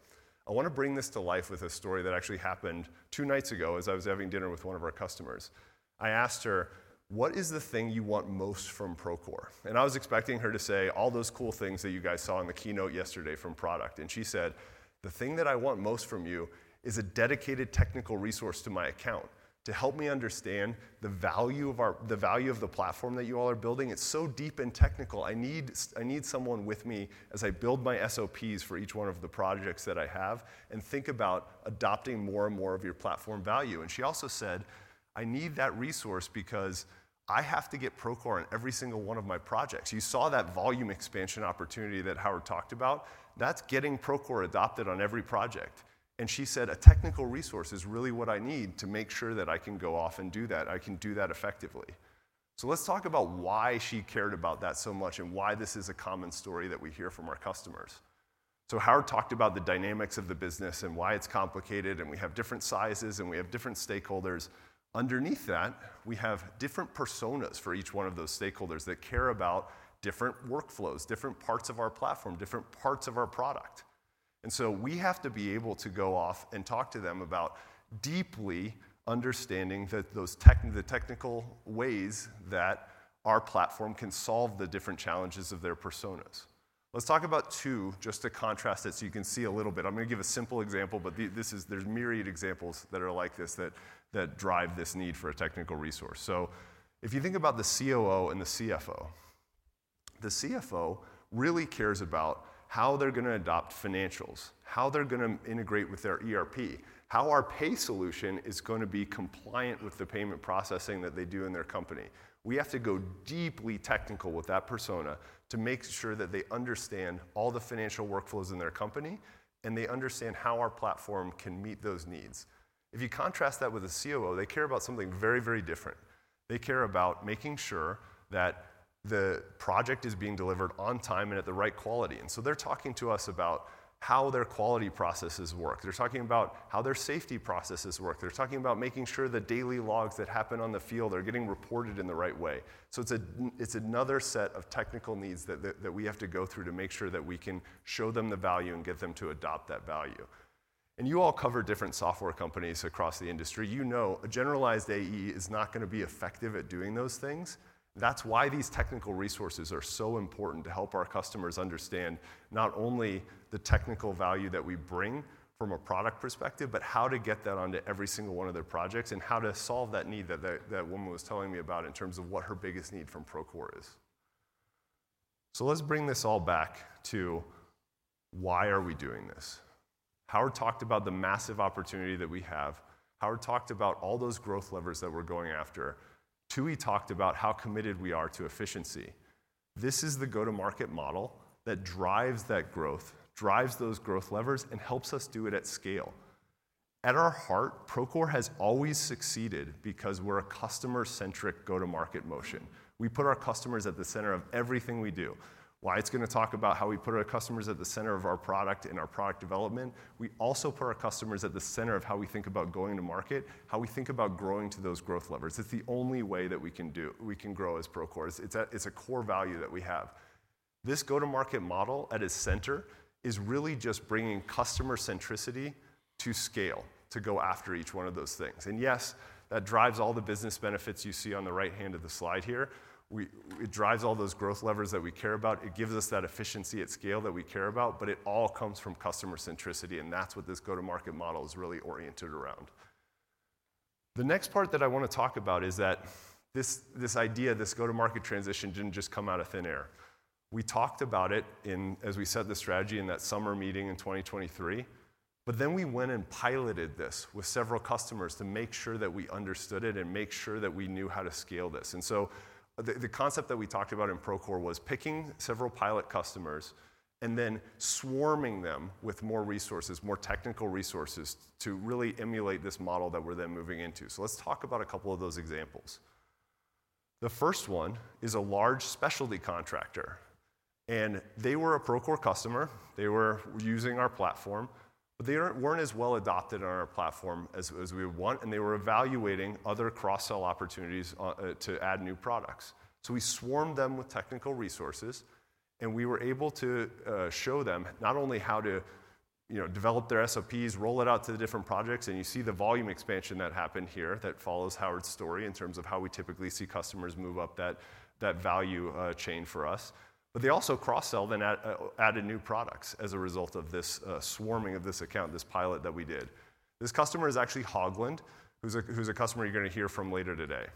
I want to bring this to life with a story that actually happened two nights ago as I was having dinner with one of our customers. I asked her, "What is the thing you want most from Procore?" And I was expecting her to say all those cool things that you guys saw in the keynote yesterday from product. And she said, "The thing that I want most from you is a dedicated technical resource to my account to help me understand the value of the platform that you all are building. It's so deep and technical. I need someone with me as I build my SOPs for each one of the projects that I have and think about adopting more and more of your platform value." And she also said, "I need that resource because I have to get Procore on every single one of my projects." You saw that volume expansion opportunity that Howard talked about. That's getting Procore adopted on every project. And she said, "A technical resource is really what I need to make sure that I can go off and do that. I can do that effectively." So let's talk about why she cared about that so much and why this is a common story that we hear from our customers. So Howard talked about the dynamics of the business and why it's complicated, and we have different sizes, and we have different stakeholders. Underneath that, we have different personas for each one of those stakeholders that care about different workflows, different parts of our platform, different parts of our product. And so we have to be able to go off and talk to them about deeply understanding the technical ways that our platform can solve the different challenges of their personas. Let's talk about two just to contrast it so you can see a little bit. I'm going to give a simple example, but there's myriad examples that are like this that drive this need for a technical resource. So if you think about the COO and the CFO, the CFO really cares about how they're going to adopt Financials, how they're going to integrate with their ERP, how our Pay solution is going to be compliant with the payment processing that they do in their company. We have to go deeply technical with that persona to make sure that they understand all the financial workflows in their company and they understand how our platform can meet those needs. If you contrast that with a COO, they care about something very, very different. They care about making sure that the project is being delivered on time and at the right quality. And so they're talking to us about how their quality processes work. They're talking about how their safety processes work. They're talking about making sure the daily logs that happen on the field are getting reported in the right way. So it's another set of technical needs that we have to go through to make sure that we can show them the value and get them to adopt that value. And you all cover different software companies across the industry. You know a generalized AE is not going to be effective at doing those things. That's why these technical resources are so important to help our customers understand not only the technical value that we bring from a product perspective, but how to get that onto every single one of their projects and how to solve that need that woman was telling me about in terms of what her biggest need from Procore is. So let's bring this all back to why are we doing this? Howard talked about the massive opportunity that we have. Howard talked about all those growth levers that we're going after. Tooey talked about how committed we are to efficiency. This is the go-to-market model that drives that growth, drives those growth levers, and helps us do it at scale. At our heart, Procore has always succeeded because we're a customer-centric go-to-market motion. We put our customers at the center of everything we do. Wyatt's going to talk about how we put our customers at the center of our product and our product development. We also put our customers at the center of how we think about going to market, how we think about growing to those growth levers. It's the only way that we can do, we can grow as Procore. It's a core value that we have. This go-to-market model at its center is really just bringing customer centricity to scale to go after each one of those things. And yes, that drives all the business benefits you see on the right hand of the slide here. It drives all those growth levers that we care about. It gives us that efficiency at scale that we care about, but it all comes from customer centricity, and that's what this go-to-market model is really oriented around. The next part that I want to talk about is that this idea, this go-to-market transition didn't just come out of thin air. We talked about it in, as we set the strategy in that summer meeting in 2023, but then we went and piloted this with several customers to make sure that we understood it and make sure that we knew how to scale this, and so the concept that we talked about in Procore was picking several pilot customers and then swarming them with more resources, more technical resources to really emulate this model that we're then moving into, so let's talk about a couple of those examples. The first one is a large specialty contractor, and they were a Procore customer. They were using our platform, but they weren't as well adopted on our platform as we would want, and they were evaluating other cross-sell opportunities to add new products. So we swarmed them with technical resources, and we were able to show them not only how to develop their SOPs, roll it out to the different projects, and you see the volume expansion that happened here that follows Howard's story in terms of how we typically see customers move up that value chain for us. But they also cross-sell and added new products as a result of this swarming of this account, this pilot that we did. This customer is actually Haugland, who's a customer you're going to hear from later today.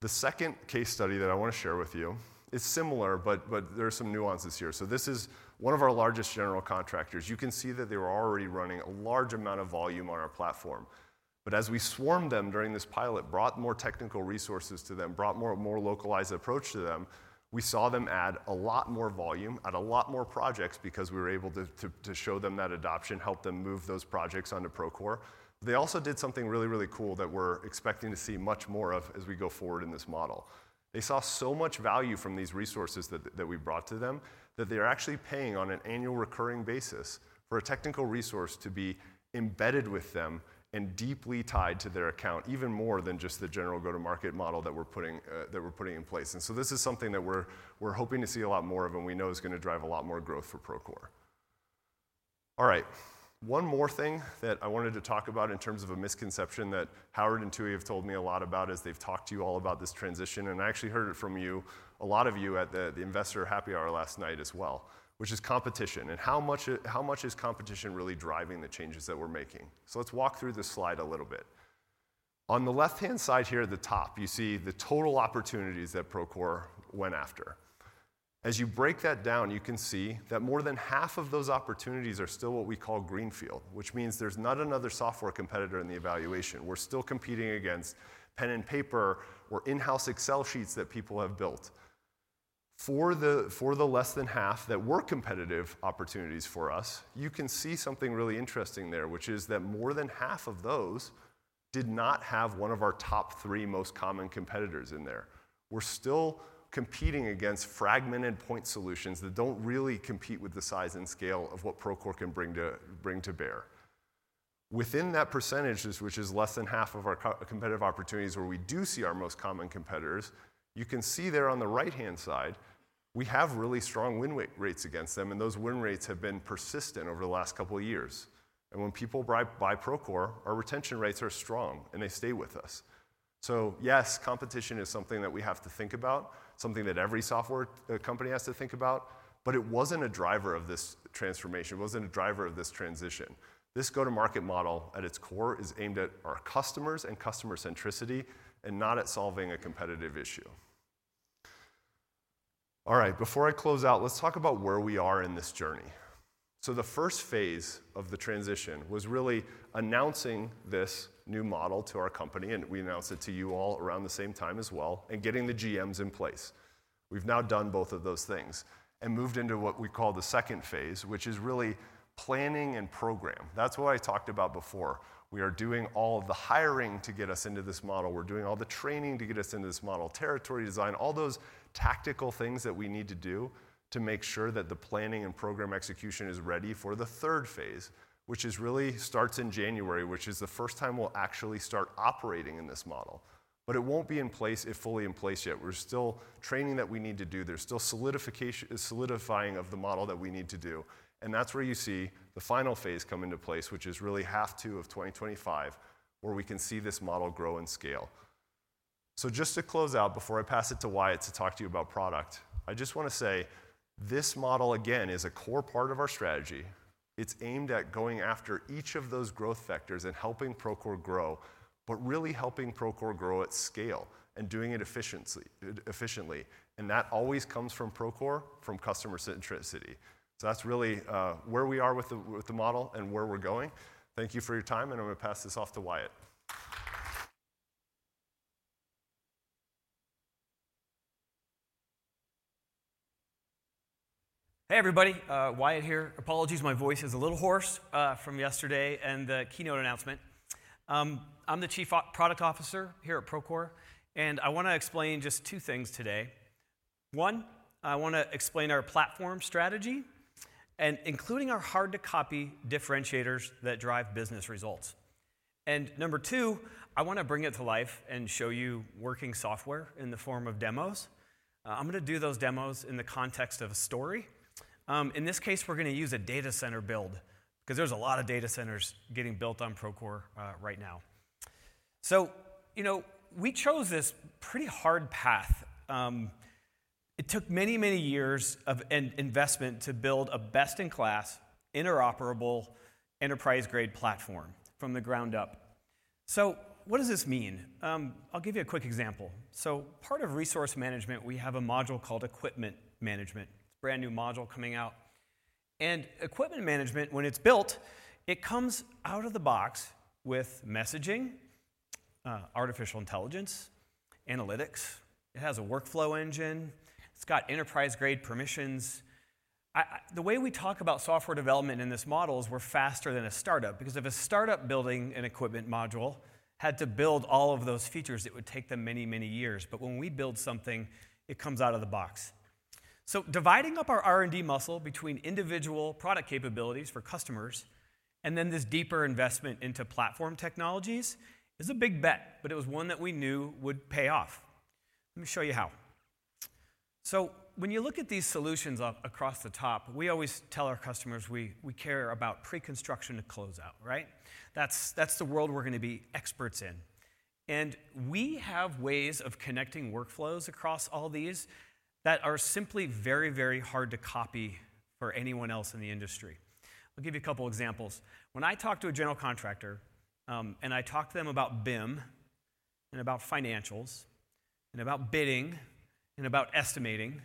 The second case study that I want to share with you. It's similar, but there are some nuances here so this is one of our largest general contractors. You can see that they were already running a large amount of volume on our platform, but as we swarmed them during this pilot, brought more technical resources to them, brought a more localized approach to them, we saw them add a lot more volume, add a lot more projects because we were able to show them that adoption, help them move those projects onto Procore. They also did something really, really cool that we're expecting to see much more of as we go forward in this model. They saw so much value from these resources that we brought to them that they are actually paying on an annual recurring basis for a technical resource to be embedded with them and deeply tied to their account, even more than just the general go-to-market model that we're putting in place. And so this is something that we're hoping to see a lot more of, and we know is going to drive a lot more growth for Procore. All right. One more thing that I wanted to talk about in terms of a misconception that Howard and Tooey have told me a lot about as they've talked to you all about this transition, and I actually heard it from you, a lot of you at the Investor Happy Hour last night as well, which is competition. And how much is competition really driving the changes that we're making? Let's walk through this slide a little bit. On the left-hand side here at the top, you see the total opportunities that Procore went after. As you break that down, you can see that more than half of those opportunities are still what we call greenfield, which means there's not another software competitor in the evaluation. We're still competing against pen and paper or in-house Excel sheets that people have built. For the less than half that were competitive opportunities for us, you can see something really interesting there, which is that more than half of those did not have one of our top three most common competitors in there. We're still competing against fragmented point solutions that don't really compete with the size and scale of what Procore can bring to bear. Within that percentage, which is less than half of our competitive opportunities where we do see our most common competitors, you can see there on the right-hand side, we have really strong win rates against them, and those win rates have been persistent over the last couple of years. And when people buy Procore, our retention rates are strong, and they stay with us. So yes, competition is something that we have to think about, something that every software company has to think about, but it wasn't a driver of this transformation. It wasn't a driver of this transition. This go-to-market model at its core is aimed at our customers and customer centricity and not at solving a competitive issue. All right. Before I close out, let's talk about where we are in this journey. So the first phase of the transition was really announcing this new model to our company, and we announced it to you all around the same time as well and getting the GMs in place. We've now done both of those things and moved into what we call the second phase, which is really planning and program. That's what I talked about before. We are doing all of the hiring to get us into this model. We're doing all the training to get us into this model, territory design, all those tactical things that we need to do to make sure that the planning and program execution is ready for the third phase, which really starts in January, which is the first time we'll actually start operating in this model. But it won't be in place fully yet. We're still training that we need to do. There's still solidifying of the model that we need to do. And that's where you see the final phase come into place, which is really half two of 2025, where we can see this model grow and scale. So just to close out, before I pass it to Wyatt to talk to you about product, I just want to say this model, again, is a core part of our strategy. It's aimed at going after each of those growth vectors and helping Procore grow, but really helping Procore grow at scale and doing it efficiently. And that always comes from Procore, from customer centricity. So that's really where we are with the model and where we're going. Thank you for your time, and I'm going to pass this off to Wyatt. Hey, everybody. Wyatt here. Apologies, my voice is a little hoarse from yesterday and the keynote announcement. I'm the Chief Product Officer here at Procore, and I want to explain just two things today. One, I want to explain our platform strategy and including our hard-to-copy differentiators that drive business results. And number two, I want to bring it to life and show you working software in the form of demos. I'm going to do those demos in the context of a story. In this case, we're going to use a data center build because there's a lot of data centers getting built on Procore right now. So we chose this pretty hard path. It took many, many years of investment to build a best-in-class, interoperable, enterprise-grade platform from the ground up. So what does this mean? I'll give you a quick example. So part of Resource Management, we have a module called Equipment Management. It's a brand new module coming out. And Equipment Management, when it's built, it comes out of the box with messaging, artificial intelligence, analytics. It has a workflow engine. It's got enterprise-grade permissions. The way we talk about software development in this model is we're faster than a startup because if a startup building an equipment module had to build all of those features, it would take them many, many years. But when we build something, it comes out of the box. So dividing up our R&D muscle between individual product capabilities for customers and then this deeper investment into platform technologies is a big bet, but it was one that we knew would pay off. Let me show you how. So when you look at these solutions up across the top, we always tell our customers we care about pre-construction to close out, right? That's the world we're going to be experts in. And we have ways of connecting workflows across all these that are simply very, very hard to copy for anyone else in the industry. I'll give you a couple of examples. When I talk to a general contractor and I talk to them about BIM and about financials and about bidding and about estimating,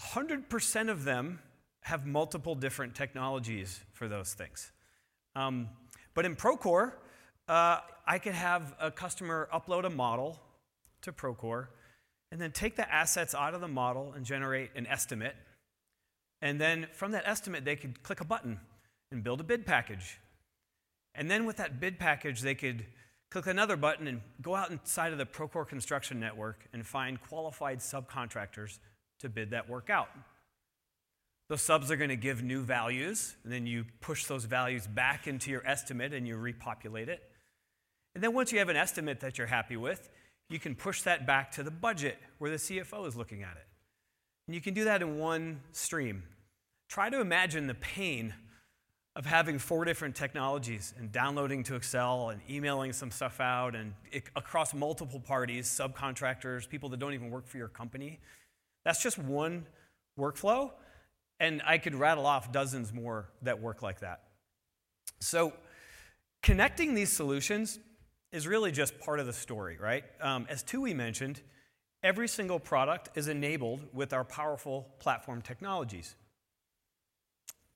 100% of them have multiple different technologies for those things. But in Procore, I could have a customer upload a model to Procore and then take the assets out of the model and generate an estimate. And then from that estimate, they could click a button and build a bid package. And then with that bid package, they could click another button and go out inside of the Procore Construction Network and find qualified subcontractors to bid that work out. Those subs are going to give new values, and then you push those values back into your estimate and you repopulate it. And then once you have an estimate that you're happy with, you can push that back to the budget where the CFO is looking at it. And you can do that in one stream. Try to imagine the pain of having four different technologies and downloading to Excel and emailing some stuff out and across multiple parties, subcontractors, people that don't even work for your company. That's just one workflow, and I could rattle off dozens more that work like that. So connecting these solutions is really just part of the story, right? As Tooey mentioned, every single product is enabled with our powerful platform technologies.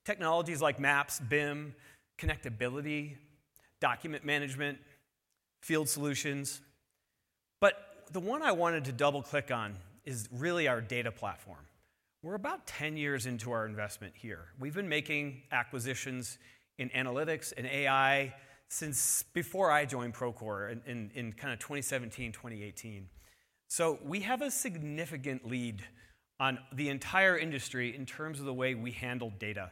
Technologies like Maps, BIM, Connectability, document management, field solutions. But the one I wanted to double-click on is really our data platform. We're about 10 years into our investment here. We've been making acquisitions in Analytics and AI since before I joined Procore in kind of 2017, 2018. So we have a significant lead on the entire industry in terms of the way we handle data.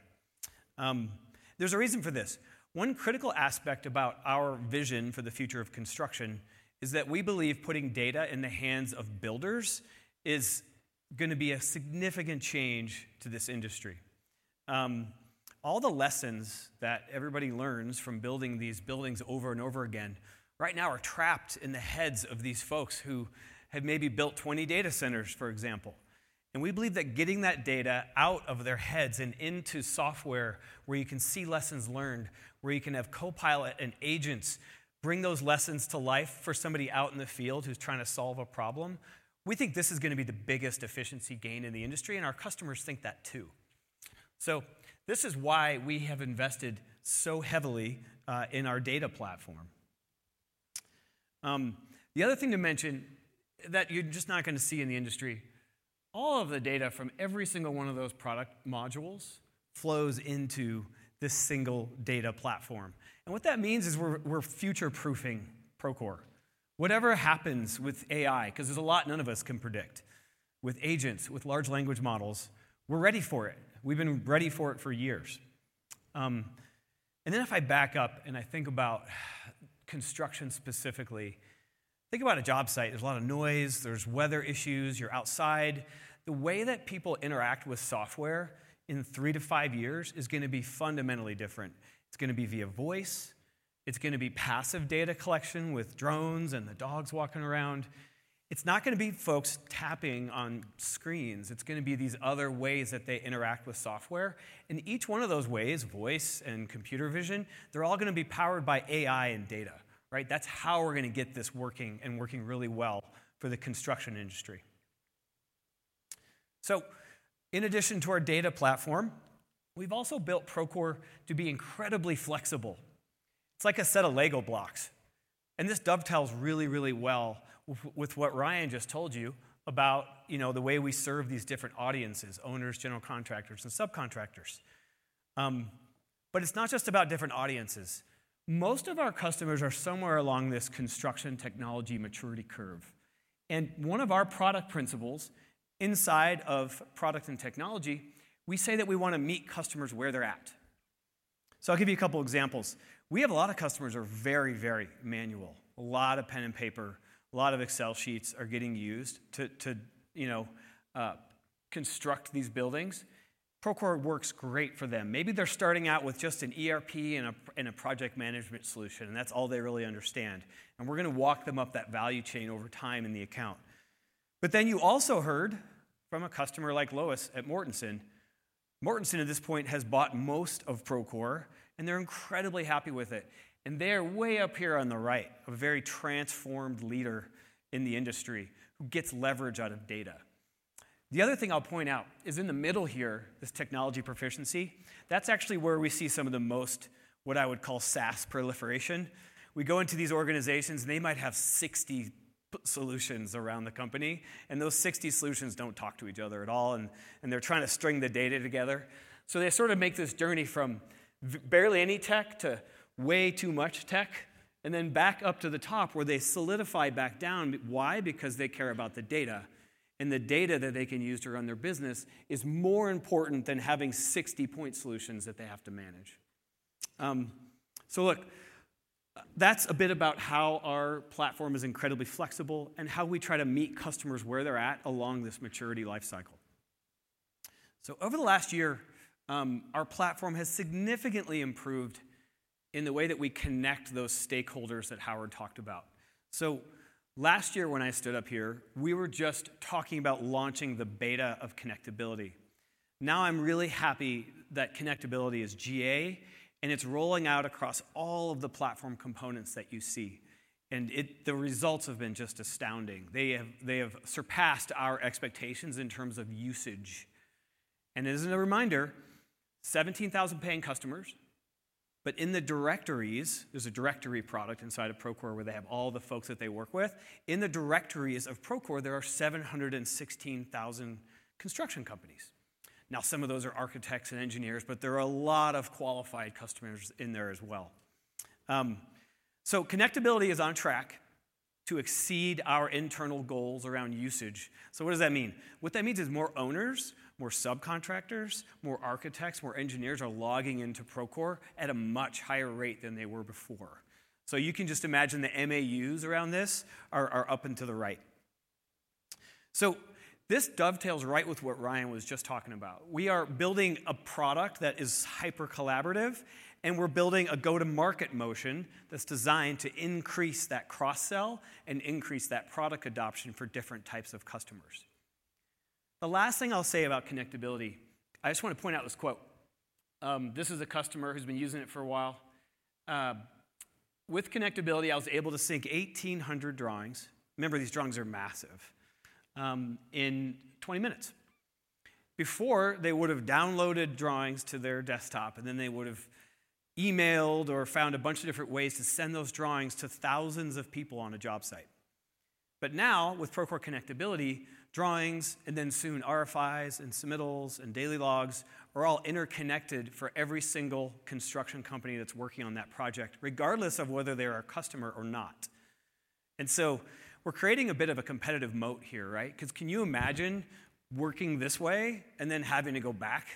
There's a reason for this. One critical aspect about our vision for the future of construction is that we believe putting data in the hands of builders is going to be a significant change to this industry. All the lessons that everybody learns from building these buildings over and over again right now are trapped in the heads of these folks who have maybe built 20 data centers, for example. We believe that getting that data out of their heads and into software where you can see lessons learned, where you can have Copilot and agents bring those lessons to life for somebody out in the field who's trying to solve a problem. We think this is going to be the biggest efficiency gain in the industry, and our customers think that too. This is why we have invested so heavily in our data platform. The other thing to mention that you're just not going to see in the industry is all of the data from every single one of those product modules flows into this single data platform. What that means is we're future-proofing Procore. Whatever happens with AI, because there's a lot none of us can predict, with agents, with large language models, we're ready for it. We've been ready for it for years. And then, if I back up and I think about construction specifically, think about a job site. There's a lot of noise. There's weather issues. You're outside. The way that people interact with software in three to five years is going to be fundamentally different. It's going to be via voice. It's going to be passive data collection with drones and the dogs walking around. It's not going to be folks tapping on screens. It's going to be these other ways that they interact with software. And each one of those ways, voice and computer vision, they're all going to be powered by AI and data, right? That's how we're going to get this working and working really well for the construction industry. So in addition to our data platform, we've also built Procore to be incredibly flexible. It's like a set of Lego blocks. This dovetails really, really well with what Ryan just told you about the way we serve these different audiences, owners, general contractors, and subcontractors. It's not just about different audiences. Most of our customers are somewhere along this construction technology maturity curve. One of our product principles inside of product and technology, we say that we want to meet customers where they're at. I'll give you a couple of examples. We have a lot of customers who are very, very manual. A lot of pen and paper, a lot of Excel sheets are getting used to construct these buildings. Procore works great for them. Maybe they're starting out with just an ERP and a Project Management solution, and that's all they really understand. We're going to walk them up that value chain over time in the account. But then you also heard from a customer like Lois at Mortenson. Mortenson at this point has bought most of Procore, and they're incredibly happy with it. And they're way up here on the right of a very transformed leader in the industry who gets leverage out of data. The other thing I'll point out is in the middle here, this technology proficiency, that's actually where we see some of the most, what I would call SaaS proliferation. We go into these organizations, and they might have 60 solutions around the company, and those 60 solutions don't talk to each other at all, and they're trying to string the data together. So they sort of make this journey from barely any tech to way too much tech, and then back up to the top where they solidify back down. Why? Because they care about the data. And the data that they can use to run their business is more important than having 60-point solutions that they have to manage. So look, that's a bit about how our platform is incredibly flexible and how we try to meet customers where they're at along this maturity life cycle. So over the last year, our platform has significantly improved in the way that we connect those stakeholders that Howard talked about. So last year when I stood up here, we were just talking about launching the beta of Connectability. Now I'm really happy that Connectability is GA, and it's rolling out across all of the platform components that you see. And the results have been just astounding. They have surpassed our expectations in terms of usage. As a reminder, 17,000 paying customers, but in the directories, there's a directory product inside of Procore where they have all the folks that they work with. In the directories of Procore, there are 716,000 construction companies. Now, some of those are architects and engineers, but there are a lot of qualified customers in there as well. Connectability is on track to exceed our internal goals around usage. What does that mean? What that means is more owners, more subcontractors, more architects, more engineers are logging into Procore at a much higher rate than they were before. You can just imagine the MAUs around this are up and to the right. This dovetails right with what Ryan was just talking about. We are building a product that is hyper-collaborative, and we're building a go-to-market motion that's designed to increase that cross-sell and increase that product adoption for different types of customers. The last thing I'll say about Connectability, I just want to point out this quote. This is a customer who's been using it for a while. With Connectability, I was able to sync 1,800 drawings. Remember, these drawings are massive in 20 minutes. Before, they would have downloaded drawings to their desktop, and then they would have emailed or found a bunch of different ways to send those drawings to thousands of people on a job site. But now, with Procore Connectability, drawings, and then soon RFIs and submittals and daily logs are all interconnected for every single construction company that's working on that project, regardless of whether they're a customer or not. And so we're creating a bit of a competitive moat here, right? Because can you imagine working this way and then having to go back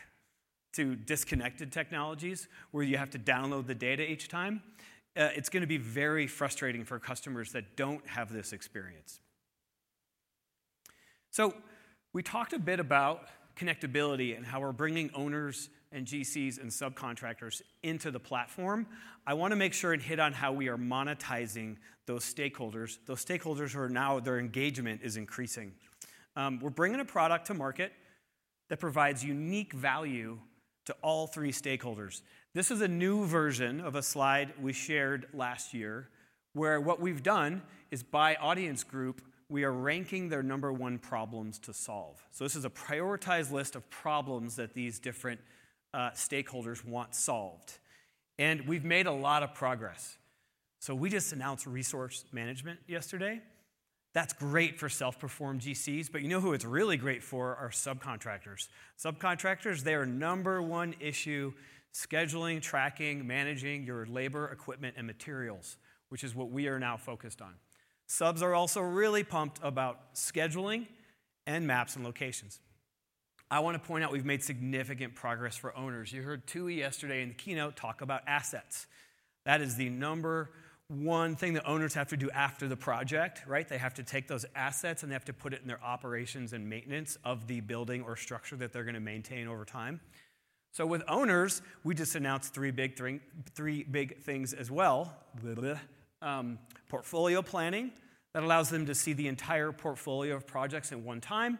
to disconnected technologies where you have to download the data each time? It's going to be very frustrating for customers that don't have this experience. So we talked a bit about Connectability and how we're bringing owners and GCs and subcontractors into the platform. I want to make sure and hit on how we are monetizing those stakeholders, those stakeholders who are now, their engagement is increasing. We're bringing a product to market that provides unique value to all three stakeholders. This is a new version of a slide we shared last year where what we've done is by audience group, we are ranking their number one problems to solve. So this is a prioritized list of problems that these different stakeholders want solved. We've made a lot of progress. We just announced Resource Management yesterday. That's great for self-performed GCs, but you know who it's really great for are subcontractors. Subcontractors, they are number one issue scheduling, tracking, managing your labor, equipment, and materials, which is what we are now focused on. Subs are also really pumped about scheduling and maps and locations. I want to point out we've made significant progress for owners. You heard Tooey yesterday in the keynote talk about Assets. That is the number one thing that owners have to do after the project, right? They have to take those assets and they have to put it in their operations and maintenance of the building or structure that they're going to maintain over time. So with owners, we just announced three big things as well: Portfolio Planning that allows them to see the entire portfolio of projects at one time,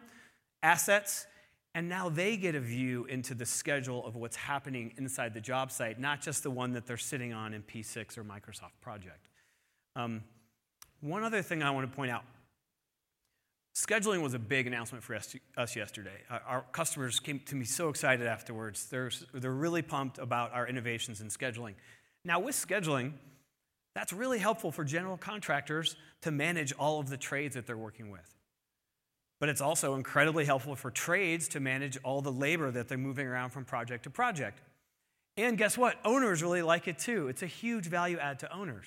assets, and now they get a view into the schedule of what's happening inside the job site, not just the one that they're sitting on in P6 or Microsoft Project. One other thing I want to point out, scheduling was a big announcement for us yesterday. Our customers came to me so excited afterwards. They're really pumped about our innovations in scheduling. Now, with scheduling, that's really helpful for general contractors to manage all of the trades that they're working with. But it's also incredibly helpful for trades to manage all the labor that they're moving around from project to project. And guess what? Owners really like it too. It's a huge value add to owners.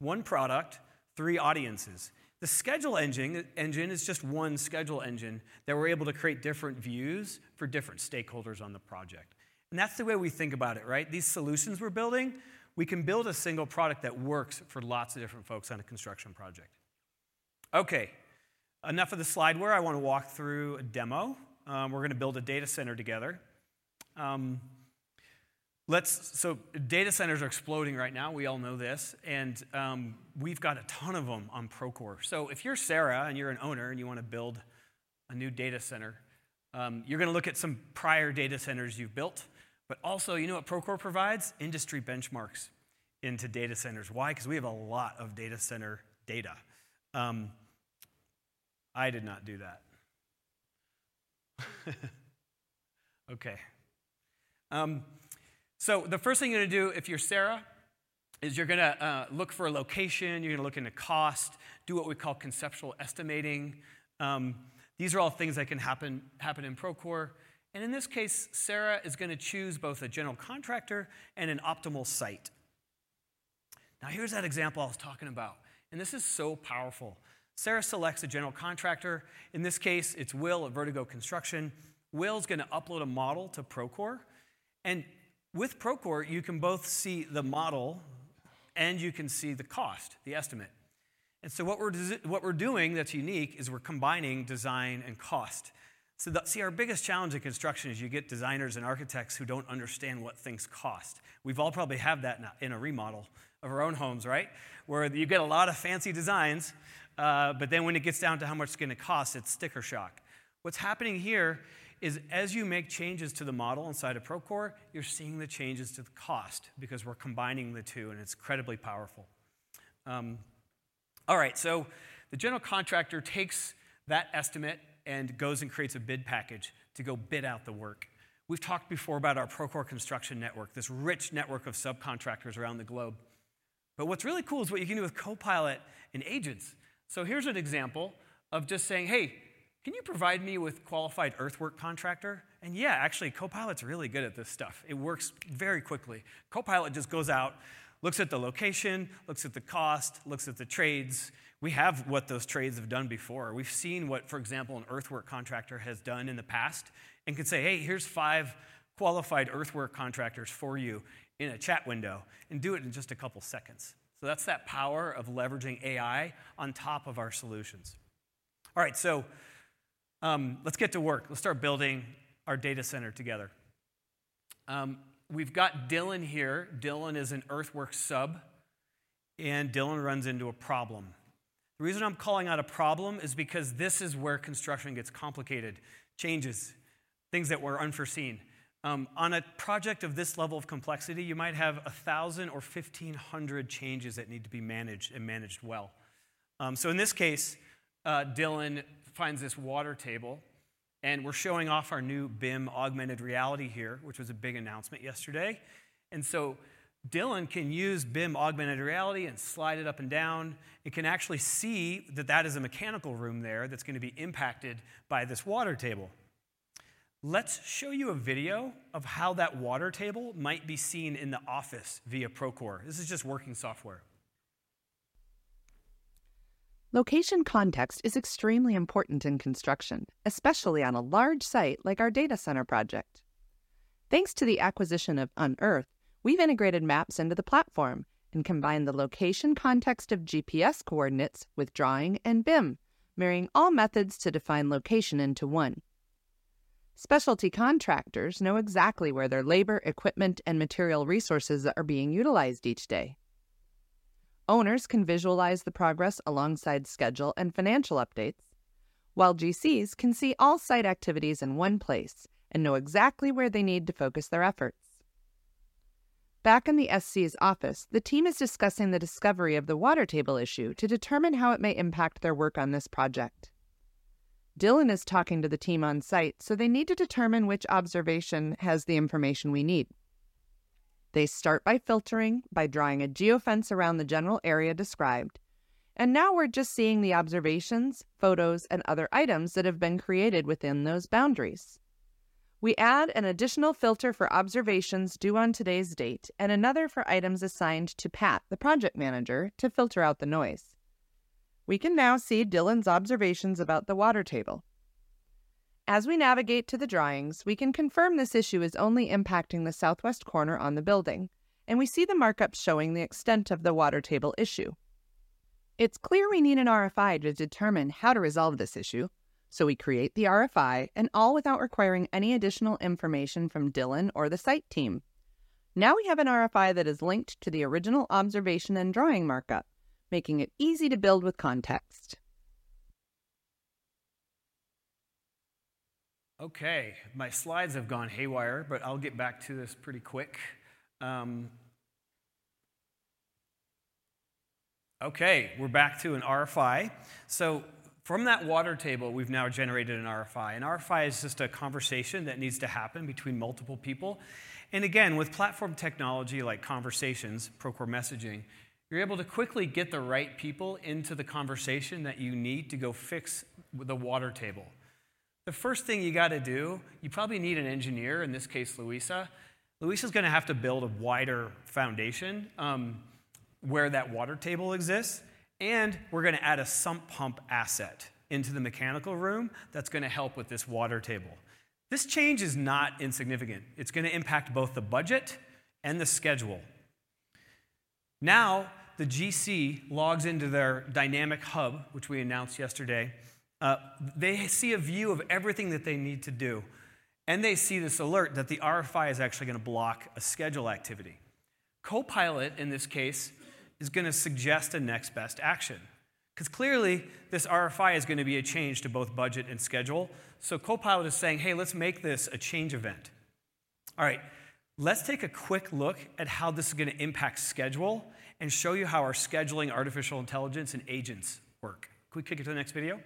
One product, three audiences. The schedule engine is just one schedule engine that we're able to create different views for different stakeholders on the project. That's the way we think about it, right? These solutions we're building, we can build a single product that works for lots of different folks on a construction project. Okay, enough of the slideware. I want to walk through a demo. We're going to build a data center together. So data centers are exploding right now. We all know this. We've got a ton of them on Procore. So if you're Sarah and you're an owner and you want to build a new data center, you're going to look at some prior data centers you've built. But also, you know what Procore provides? Industry benchmarks into data centers. Why? Because we have a lot of data center data. I did not do that. Okay. The first thing you're going to do if you're Sarah is you're going to look for a location. You're going to look into cost, do what we call conceptual estimating. These are all things that can happen in Procore. In this case, Sarah is going to choose both a general contractor and an optimal site. Now, here's that example I was talking about. This is so powerful. Sarah selects a general contractor. In this case, it's Will at Vertigo Construction. Will's going to upload a model to Procore. With Procore, you can both see the model and you can see the cost, the estimate. What we're doing that's unique is we're combining design and cost. See, our biggest challenge in construction is you get designers and architects who don't understand what things cost. We've all probably had that in a remodel of our own homes, right? Where you get a lot of fancy designs, but then when it gets down to how much it's going to cost, it's sticker shock. What's happening here is as you make changes to the model inside of Procore, you're seeing the changes to the cost because we're combining the two, and it's incredibly powerful. All right, so the general contractor takes that estimate and goes and creates a bid package to go bid out the work. We've talked before about our Procore Construction Network, this rich network of subcontractors around the globe. But what's really cool is what you can do with Copilot and agents. So here's an example of just saying, "Hey, can you provide me with qualified earthwork contractor?" And yeah, actually, Copilot's really good at this stuff. It works very quickly. Copilot just goes out, looks at the location, looks at the cost, looks at the trades. We have what those trades have done before. We've seen what, for example, an earthwork contractor has done in the past and can say, "Hey, here's five qualified earthwork contractors for you in a chat window," and do it in just a couple of seconds. So that's that power of leveraging AI on top of our solutions. All right, so let's get to work. Let's start building our data center together. We've got Dylan here. Dylan is an earthwork sub, and Dylan runs into a problem. The reason I'm calling out a problem is because this is where construction gets complicated, changes, things that were unforeseen. On a project of this level of complexity, you might have 1,000 or 1,500 changes that need to be managed and managed well. So in this case, Dylan finds this water table, and we're showing off our new BIM Augmented Reality here, which was a big announcement yesterday. And so Dylan can use BIM Augmented Reality and slide it up and down. It can actually see that that is a mechanical room there that's going to be impacted by this water table. Let's show you a video of how that water table might be seen in the office via Procore. This is just working software. Location context is extremely important in construction, especially on a large site like our data center project. Thanks to the acquisition of Unearth, we've integrated Maps into the platform and combined the location context of GPS coordinates with drawing and BIM, marrying all methods to define location into one. Specialty contractors know exactly where their labor, equipment, and material resources are being utilized each day. Owners can visualize the progress alongside schedule and financial updates, while GCs can see all site activities in one place and know exactly where they need to focus their efforts. Back in the SC's office, the team is discussing the discovery of the water table issue to determine how it may impact their work on this project. Dylan is talking to the team on site, so they need to determine which observation has the information we need. They start by filtering by drawing a geofence around the general area described, and now we're just seeing the observations, photos, and other items that have been created within those boundaries. We add an additional filter for observations due on today's date and another for items assigned to Pat, the project manager, to filter out the noise. We can now see Dylan's observations about the water table. As we navigate to the drawings, we can confirm this issue is only impacting the southwest corner on the building, and we see the markup showing the extent of the water table issue. It's clear we need an RFI to determine how to resolve this issue, so we create the RFI, and all without requiring any additional information from Dylan or the site team. Now we have an RFI that is linked to the original observation and drawing markup, making it easy to build with context. Okay, my slides have gone haywire, but I'll get back to this pretty quick. Okay, we're back to an RFI. So from that water table, we've now generated an RFI. An RFI is just a conversation that needs to happen between multiple people. Again, with platform technology like Conversations, Procore messaging, you're able to quickly get the right people into the conversation that you need to go fix the water table. The first thing you got to do, you probably need an engineer, in this case, Luisa. Luisa's going to have to build a wider foundation where that water table exists, and we're going to add a sump pump asset into the mechanical room that's going to help with this water table. This change is not insignificant. It's going to impact both the budget and the schedule. Now the GC logs into their Dynamic Hub, which we announced yesterday. They see a view of everything that they need to do, and they see this alert that the RFI is actually going to block a schedule activity. Copilot, in this case, is going to suggest a next best action because clearly this RFI is going to be a change to both budget and schedule. So Copilot is saying, "Hey, let's make this a change event." All right, let's take a quick look at how this is going to impact schedule and show you how our scheduling artificial intelligence and agents work. Can we kick it to the next video?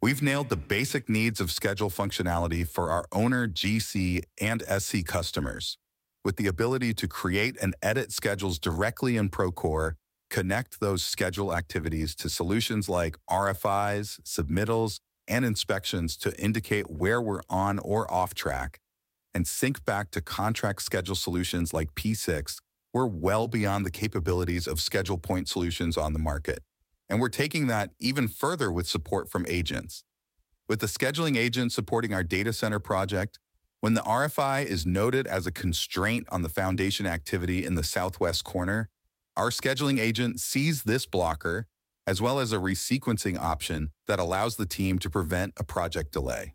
We've nailed the basic needs of schedule functionality for our owner, GC, and SC customers. With the ability to create and edit schedules directly in Procore, connect those schedule activities to solutions like RFIs, submittals, and inspections to indicate where we're on or off track, and sync back to contract schedule solutions like P6, we're well beyond the capabilities of schedule point solutions on the market, and we're taking that even further with support from agents. With the scheduling agent supporting our data center project, when the RFI is noted as a constraint on the foundation activity in the southwest corner, our scheduling agent sees this blocker as well as a re-sequencing option that allows the team to prevent a project delay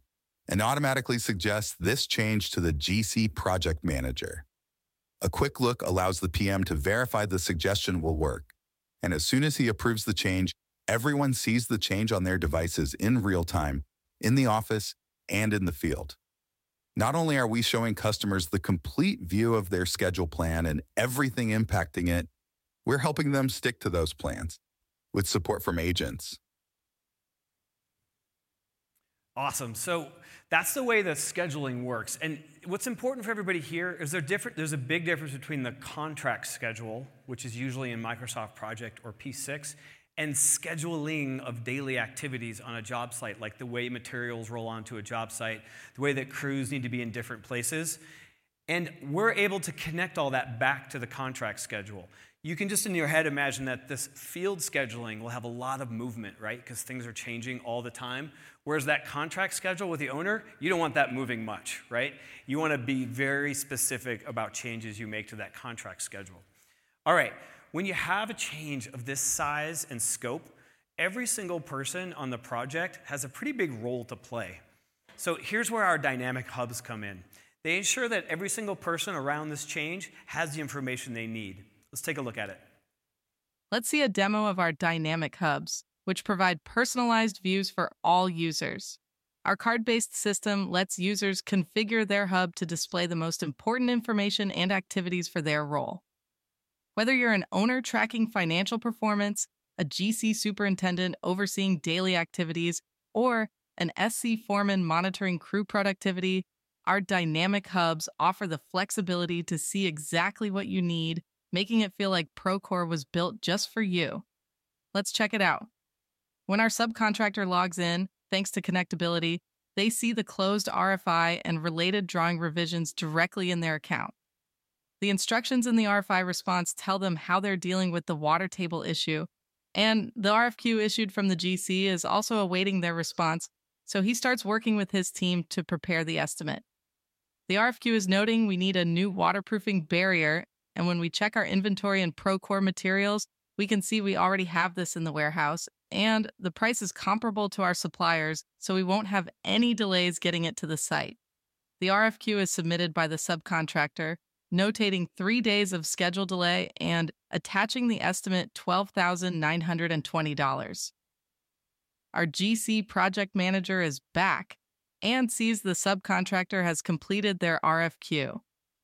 and automatically suggests this change to the GC project manager. A quick look allows the PM to verify the suggestion will work, and as soon as he approves the change, everyone sees the change on their devices in real time, in the office, and in the field. Not only are we showing customers the complete view of their schedule plan and everything impacting it, we're helping them stick to those plans with support from agents. Awesome. So that's the way the scheduling works. And what's important for everybody here is there's a big difference between the contract schedule, which is usually in Microsoft Project or P6, and scheduling of daily activities on a job site, like the way materials roll onto a job site, the way that crews need to be in different places. And we're able to connect all that back to the contract schedule. You can just in your head imagine that this field scheduling will have a lot of movement, right? Because things are changing all the time. Whereas that contract schedule with the owner, you don't want that moving much, right? You want to be very specific about changes you make to that contract schedule. All right, when you have a change of this size and scope, every single person on the project has a pretty big role to play. So here's where our Dynamic Hubs come in. They ensure that every single person around this change has the information they need. Let's take a look at it. Let's see a demo of our Dynamic Hubs, which provide personalized views for all users. Our card-based system lets users configure their hub to display the most important information and activities for their role. Whether you're an owner tracking financial performance, a GC superintendent overseeing daily activities, or an SC foreman monitoring crew productivity, our Dynamic Hubs offer the flexibility to see exactly what you need, making it feel like Procore was built just for you. Let's check it out. When our subcontractor logs in, thanks to Connectability, they see the closed RFI and related drawing revisions directly in their account. The instructions in the RFI response tell them how they're dealing with the water table issue, and the RFQ issued from the GC is also awaiting their response, so he starts working with his team to prepare the estimate. The RFQ is noting we need a new waterproofing barrier, and when we check our inventory and Procore materials, we can see we already have this in the warehouse, and the price is comparable to our suppliers, so we won't have any delays getting it to the site. The RFQ is submitted by the subcontractor, notating three days of schedule delay and attaching the estimate $12,920. Our GC project manager is back and sees the subcontractor has completed their RFQ.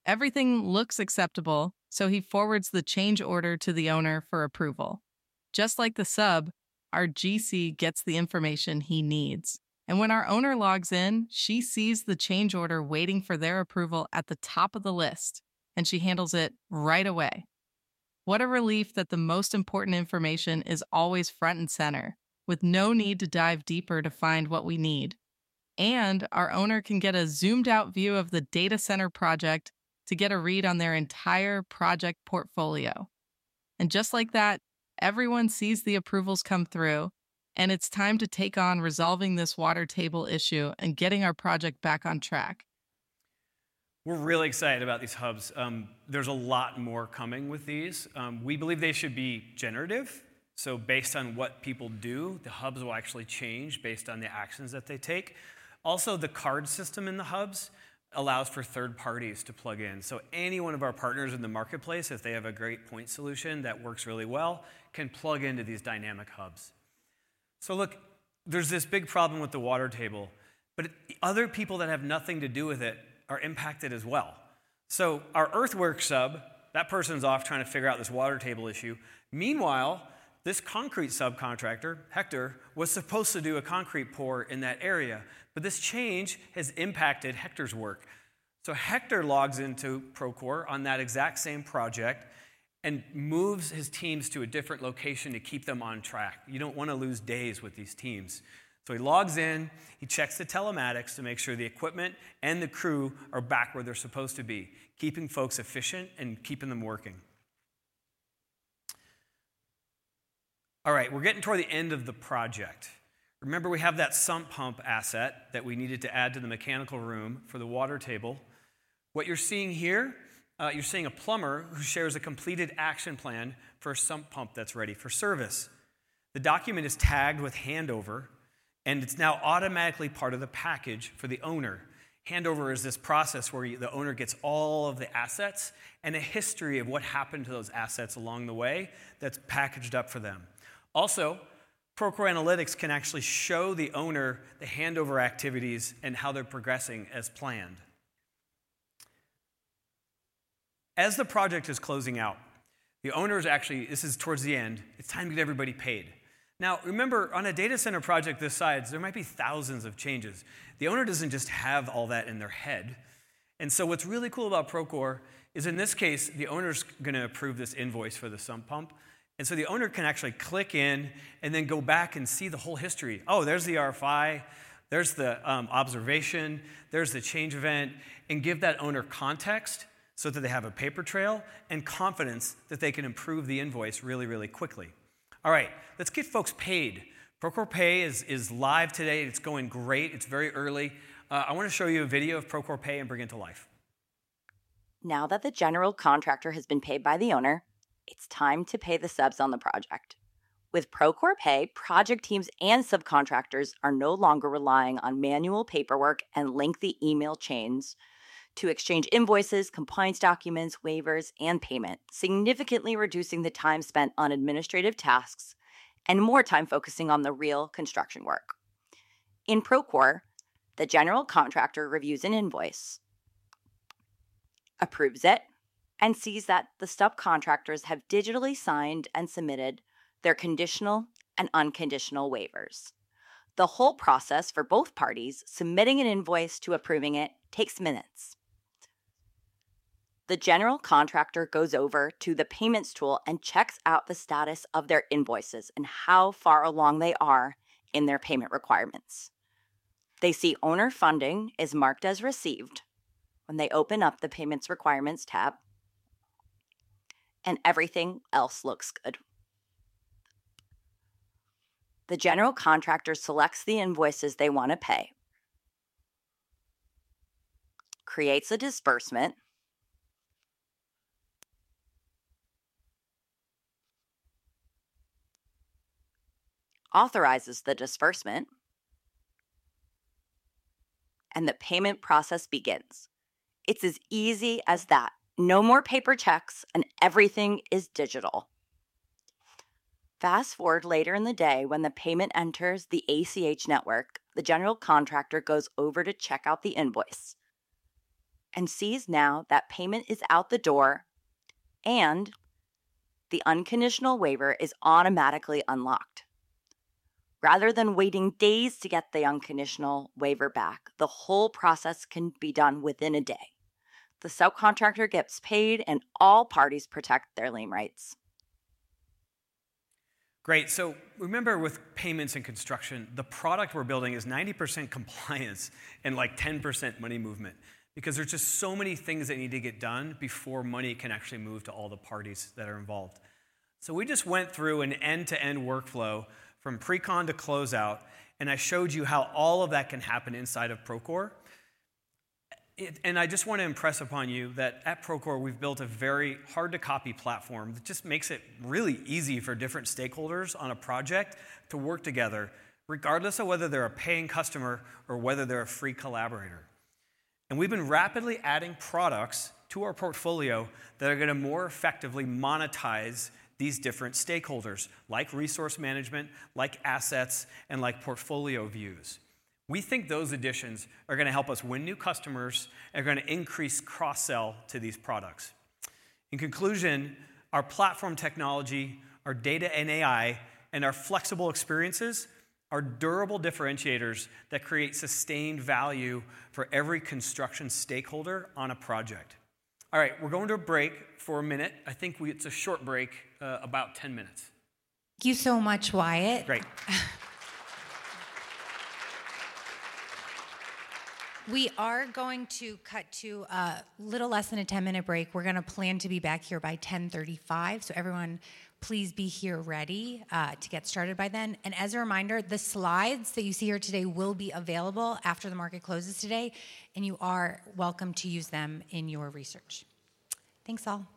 Everything looks acceptable, so he forwards the change order to the owner for approval. Just like the sub, our GC gets the information he needs. When our owner logs in, she sees the change order waiting for their approval at the top of the list, and she handles it right away. What a relief that the most important information is always front and center, with no need to dive deeper to find what we need. Our owner can get a zoomed-out view of the data center project to get a read on their entire project portfolio. Just like that, everyone sees the approvals come through, and it's time to take on resolving this water table issue and getting our project back on track. We're really excited about these hubs. There's a lot more coming with these. We believe they should be generative. Based on what people do, the hubs will actually change based on the actions that they take. Also, the card system in the hubs allows for third parties to plug in. So any one of our partners in the marketplace, if they have a great point solution that works really well, can plug into these Dynamic Hubs. So look, there's this big problem with the water table, but other people that have nothing to do with it are impacted as well. So our earthwork sub, that person's off trying to figure out this water table issue. Meanwhile, this concrete subcontractor, Hector, was supposed to do a concrete pour in that area, but this change has impacted Hector's work. So Hector logs into Procore on that exact same project and moves his teams to a different location to keep them on track. You don't want to lose days with these teams. So he logs in, he checks the telematics to make sure the equipment and the crew are back where they're supposed to be, keeping folks efficient and keeping them working. All right, we're getting toward the end of the project. Remember, we have that sump pump asset that we needed to add to the mechanical room for the water table. What you're seeing here, you're seeing a plumber who shares a completed action plan for a sump pump that's ready for service. The document is tagged with handover, and it's now automatically part of the package for the owner. Handover is this process where the owner gets all of the assets and a history of what happened to those assets along the way that's packaged up for them. Also, Procore Analytics can actually show the owner the handover activities and how they're progressing as planned. As the project is closing out, the owner is actually—this is towards the end—it's time to get everybody paid. Now, remember, on a data center project this size, there might be thousands of changes. The owner doesn't just have all that in their head. And so what's really cool about Procore is, in this case, the owner's going to approve this invoice for the sump pump. And so the owner can actually click in and then go back and see the whole history. Oh, there's the RFI, there's the observation, there's the change event, and give that owner context so that they have a paper trail and confidence that they can approve the invoice really, really quickly. All right, let's get folks paid. Procore Pay is live today. It's going great. It's very early. I want to show you a video of Procore Pay and bring it to life. Now that the general contractor has been paid by the owner, it's time to pay the subs on the project. With Procore Pay, project teams and subcontractors are no longer relying on manual paperwork and lengthy email chains to exchange invoices, compliance documents, waivers, and payment, significantly reducing the time spent on administrative tasks and more time focusing on the real construction work. In Procore, the general contractor reviews an invoice, approves it, and sees that the subcontractors have digitally signed and submitted their conditional and unconditional waivers. The whole process for both parties submitting an invoice to approving it takes minutes. The general contractor goes over to the payments tool and checks out the status of their invoices and how far along they are in their payment requirements. They see owner funding is marked as received when they open up the payments requirements tab, and everything else looks good. The general contractor selects the invoices they want to pay, creates a disbursement, authorizes the disbursement, and the payment process begins. It's as easy as that. No more paper checks, and everything is digital. Fast forward later in the day when the payment enters the ACH network, the general contractor goes over to check out the invoice and sees now that payment is out the door and the unconditional waiver is automatically unlocked. Rather than waiting days to get the unconditional waiver back, the whole process can be done within a day. The subcontractor gets paid, and all parties protect their lien rights. Great. So remember, with payments and construction, the product we're building is 90% compliance and like 10% money movement because there's just so many things that need to get done before money can actually move to all the parties that are involved. So we just went through an end-to-end workflow from pre-con to closeout, and I showed you how all of that can happen inside of Procore. And I just want to impress upon you that at Procore, we've built a very hard-to-copy platform that just makes it really easy for different stakeholders on a project to work together, regardless of whether they're a paying customer or whether they're a free collaborator. And we've been rapidly adding products to our portfolio that are going to more effectively monetize these different stakeholders, like Resource Management, like Assets, and like portfolio views. We think those additions are going to help us win new customers and are going to increase cross-sell to these products. In conclusion, our platform technology, our data and AI, and our flexible experiences are durable differentiators that create sustained value for every construction stakeholder on a project. All right, we're going to break for a minute. I think it's a short break, about 10 minutes. Thank you so much, Wyatt. Great. We are going to cut to a little less than a 10-minute break. We're going to plan to be back here by 10:35 A.M. So everyone, please be here ready to get started by then. And as a reminder, the slides that you see here today will be available after the market closes today, and you are welcome to use them in your research. Thanks, all.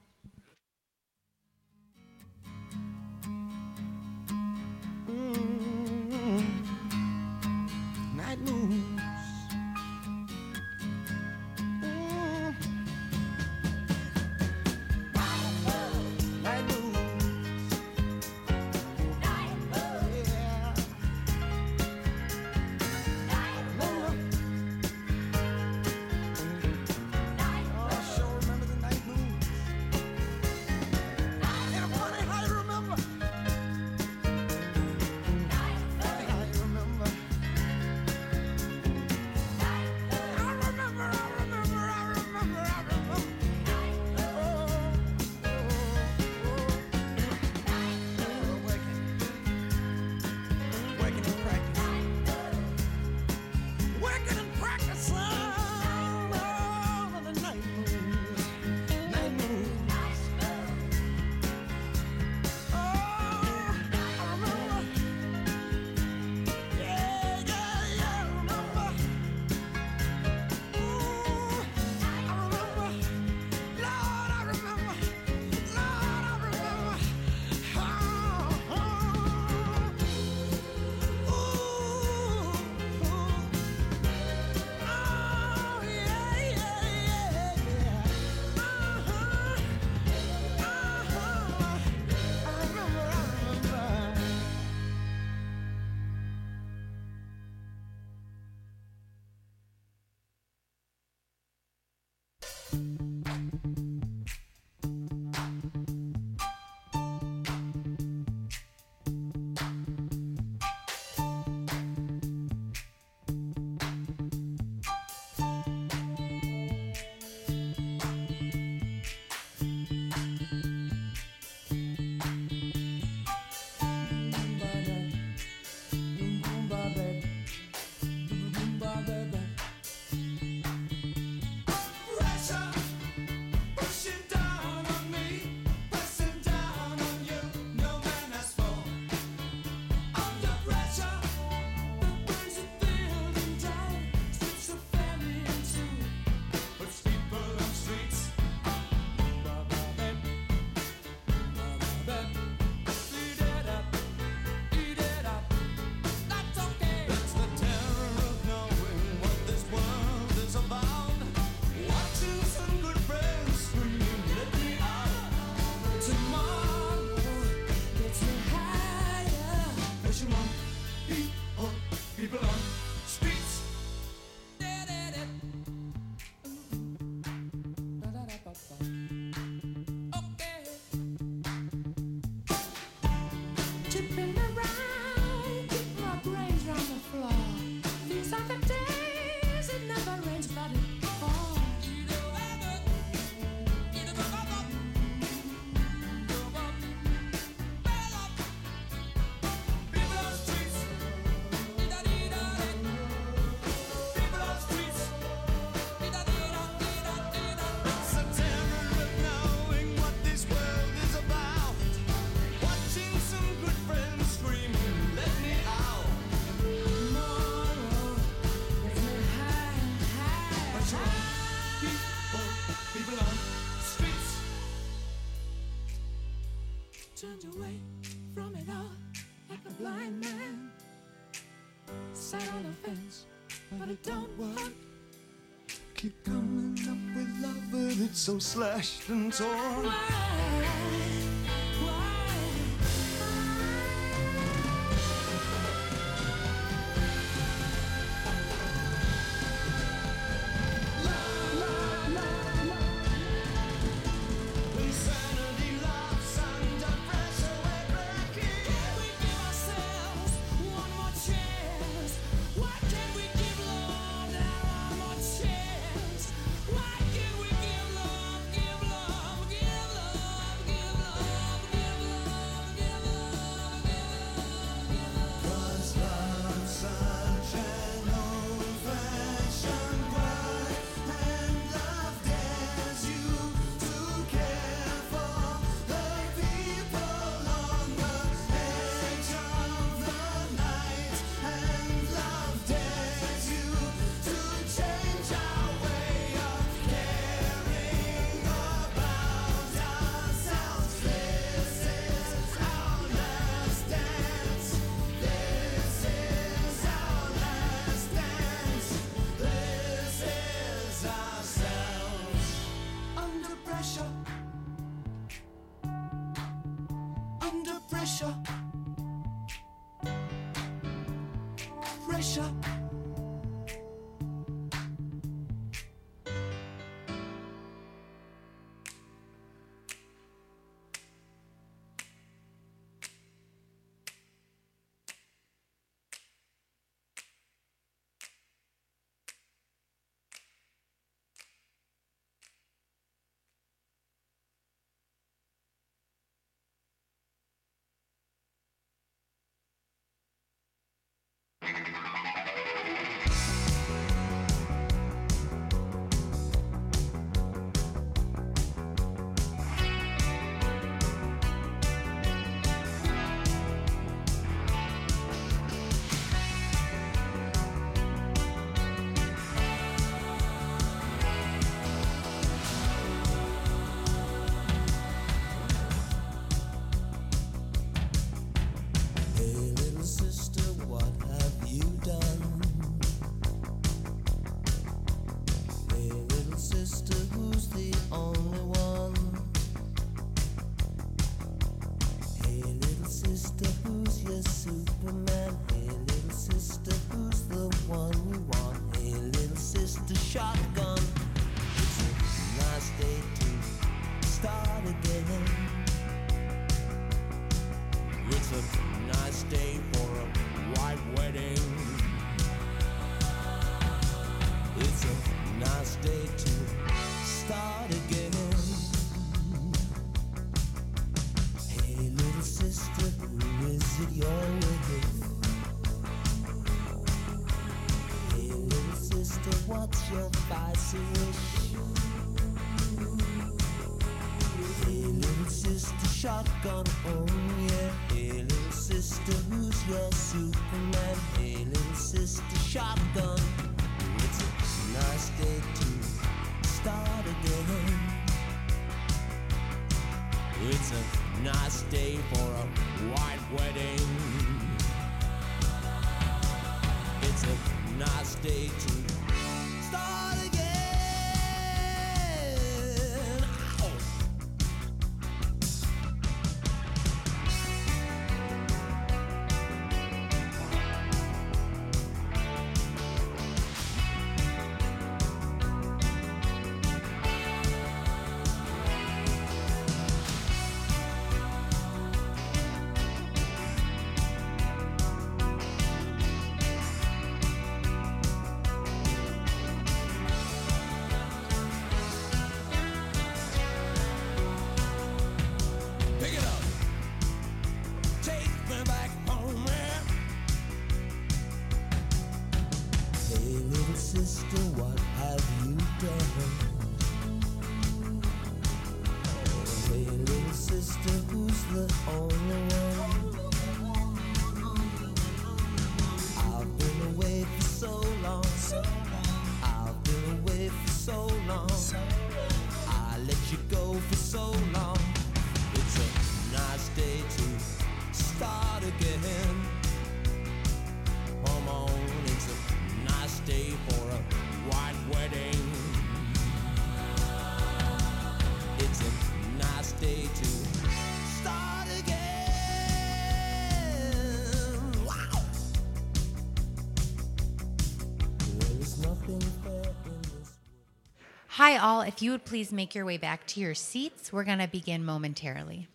Hi all, if you would please make your way back to your seats, we're going to begin momentarily.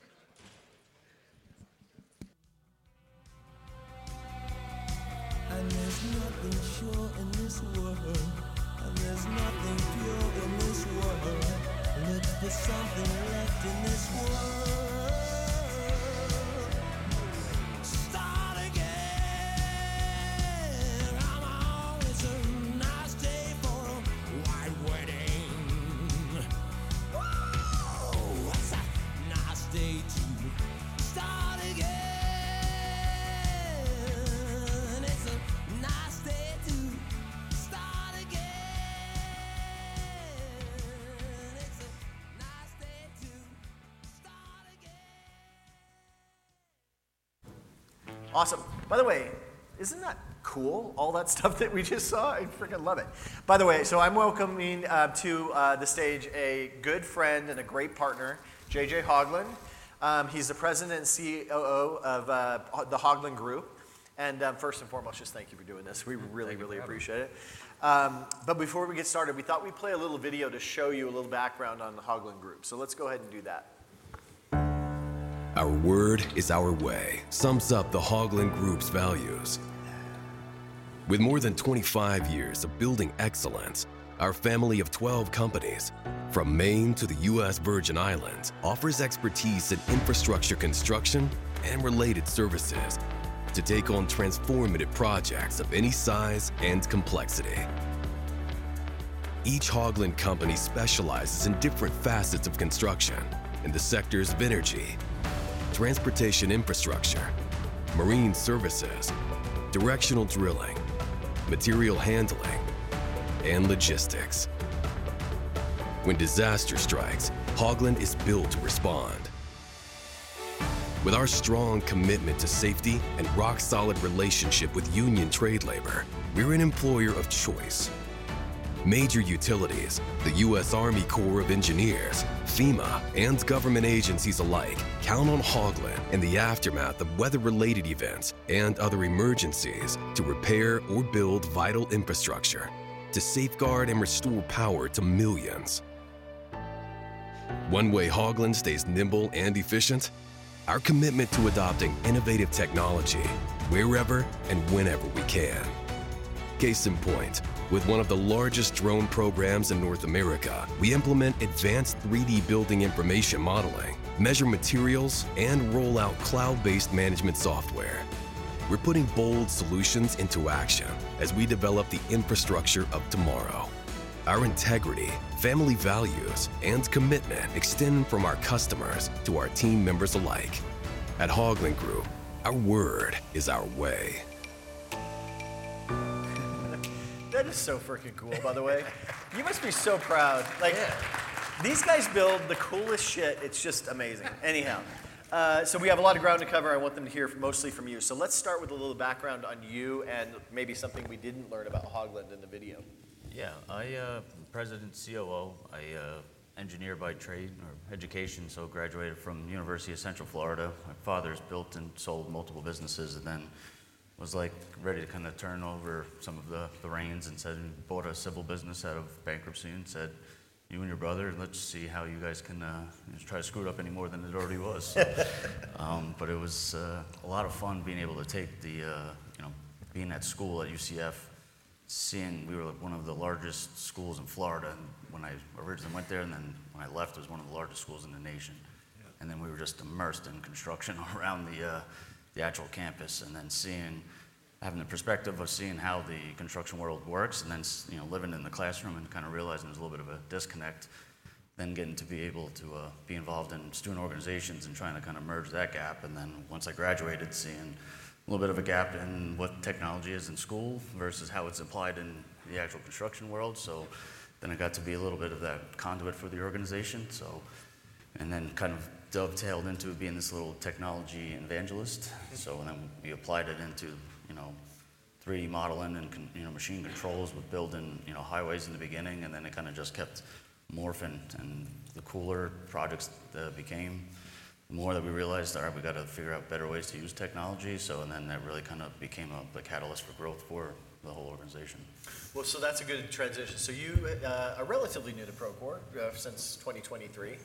By the way, isn't that cool, all that stuff that we just saw? I freaking love it. By the way, so I'm welcoming to the stage a good friend and a great partner, JJ Haugland. He's the President and COO of the Haugland Group, and first and foremost, just thank you for doing this. We really, really appreciate it, but before we get started, we thought we'd play a little video to show you a little background on the Haugland Group, so let's go ahead and do that. Our word is our way sums up the Haugland Group's values. With more than 25 years of building excellence, our family of 12 companies from Maine to the U.S. Virgin Islands offers expertise in infrastructure construction and related services to take on transformative projects of any size and complexity. Each Haugland company specializes in different facets of construction in the sectors of energy, transportation infrastructure, marine services, directional drilling, material handling, and logistics. When disaster strikes, Haugland is built to respond. With our strong commitment to safety and rock-solid relationship with union trade labor, we're an employer of choice. Major utilities, the U.S. Army Corps of Engineers, FEMA, and government agencies alike count on Haugland in the aftermath of weather-related events and other emergencies to repair or build vital infrastructure to safeguard and restore power to millions. One way Haugland stays nimble and efficient? Our commitment to adopting innovative technology wherever and whenever we can. Case in point, with one of the largest drone programs in North America, we implement advanced 3D building information modeling, measure materials, and roll out cloud-based management software. We're putting bold solutions into action as we develop the infrastructure of tomorrow. Our integrity, family values, and commitment extend from our customers to our team members alike. At Haugland Group, our word is our way. That is so freaking cool, by the way. You must be so proud. Like, these guys build the coolest shit. It's just amazing. Anyhow, so we have a lot of ground to cover. I want them to hear mostly from you. So let's start with a little background on you and maybe something we didn't learn about Haugland in the video. Yeah, I'm the President and COO. I'm an engineer by trade or education, so I graduated from the University of Central Florida. My father's built and sold multiple businesses and then was like ready to kind of turn over some of the reins and said we bought a civil business out of bankruptcy and said, "You and your brother, let's see how you guys can try to screw it up any more than it already was." But it was a lot of fun being able to take the, you know, being at school at UCF, seeing we were one of the largest schools in Florida when I originally went there, and then when I left, it was one of the largest schools in the nation. And then we were just immersed in construction around the actual campus and then seeing, having the perspective of seeing how the construction world works and then, you know, living in the classroom and kind of realizing there's a little bit of a disconnect, then getting to be able to be involved in student organizations and trying to kind of merge that gap. And then once I graduated, seeing a little bit of a gap in what technology is in school versus how it's applied in the actual construction world. So then I got to be a little bit of that conduit for the organization. And then kind of dovetailed into being this little technology evangelist. So then we applied it into, you know, 3D modeling and, you know, machine controls with building, you know, highways in the beginning, and then it kind of just kept morphing and the cooler projects that became, the more that we realized, all right, we got to figure out better ways to use technology. So then that really kind of became a catalyst for growth for the whole organization. Well, so that's a good transition. So you are relatively new to Procore since 2023.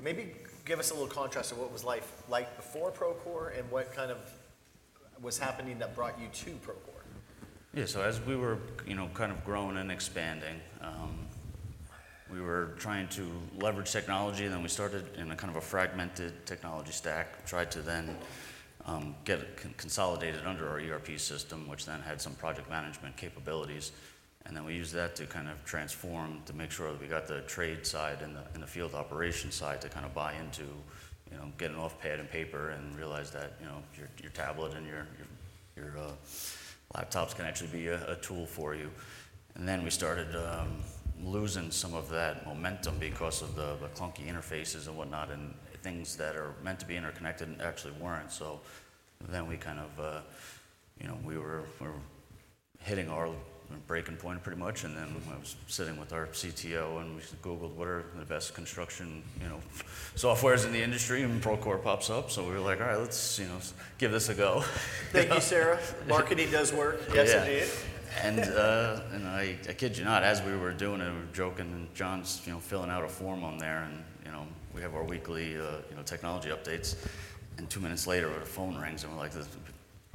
Maybe give us a little contrast of what was life like before Procore and what kind of was happening that brought you to Procore. Yeah, so as we were, you know, kind of growing and expanding, we were trying to leverage technology, and then we started in a kind of a fragmented technology stack, tried to then get it consolidated under our ERP system, which then had some Project Management capabilities. And then we used that to kind of transform to make sure that we got the trade side and the field operation side to kind of buy into, you know, getting off pad and paper and realize that, you know, your tablet and your laptops can actually be a tool for you. And then we started losing some of that momentum because of the clunky interfaces and whatnot and things that are meant to be interconnected and actually weren't. So then we kind of, you know, we were hitting our breaking point pretty much. Then I was sitting with our CTO and we googled what are the best construction, you know, softwares in the industry and Procore pops up. So we were like, all right, let's, you know, give this a go. Thank you, Sarah. Marketing does work. Yes, indeed. I kid you not, as we were doing it, we were joking and John's, you know, filling out a form on there and, you know, we have our weekly, you know, technology updates. Two minutes later, a phone rings and we're like, this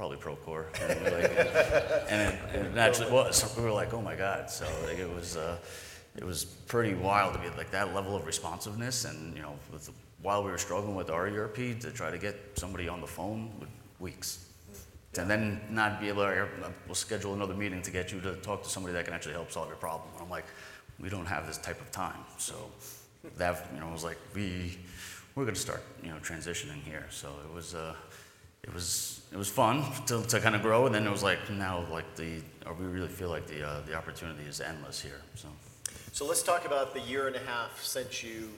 is probably Procore. We're like, and it naturally, well, we were like, oh my God. So it was pretty wild to be at like that level of responsiveness. You know, while we were struggling with our ERP to try to get somebody on the phone with weeks. And then not be able to. We'll schedule another meeting to get you to talk to somebody that can actually help solve your problem. And I'm like, we don't have this type of time. So that, you know, I was like, we're going to start, you know, transitioning here. So it was fun to kind of grow. And then it was like, now like the, we really feel like the opportunity is endless here. So let's talk about the year and a half since you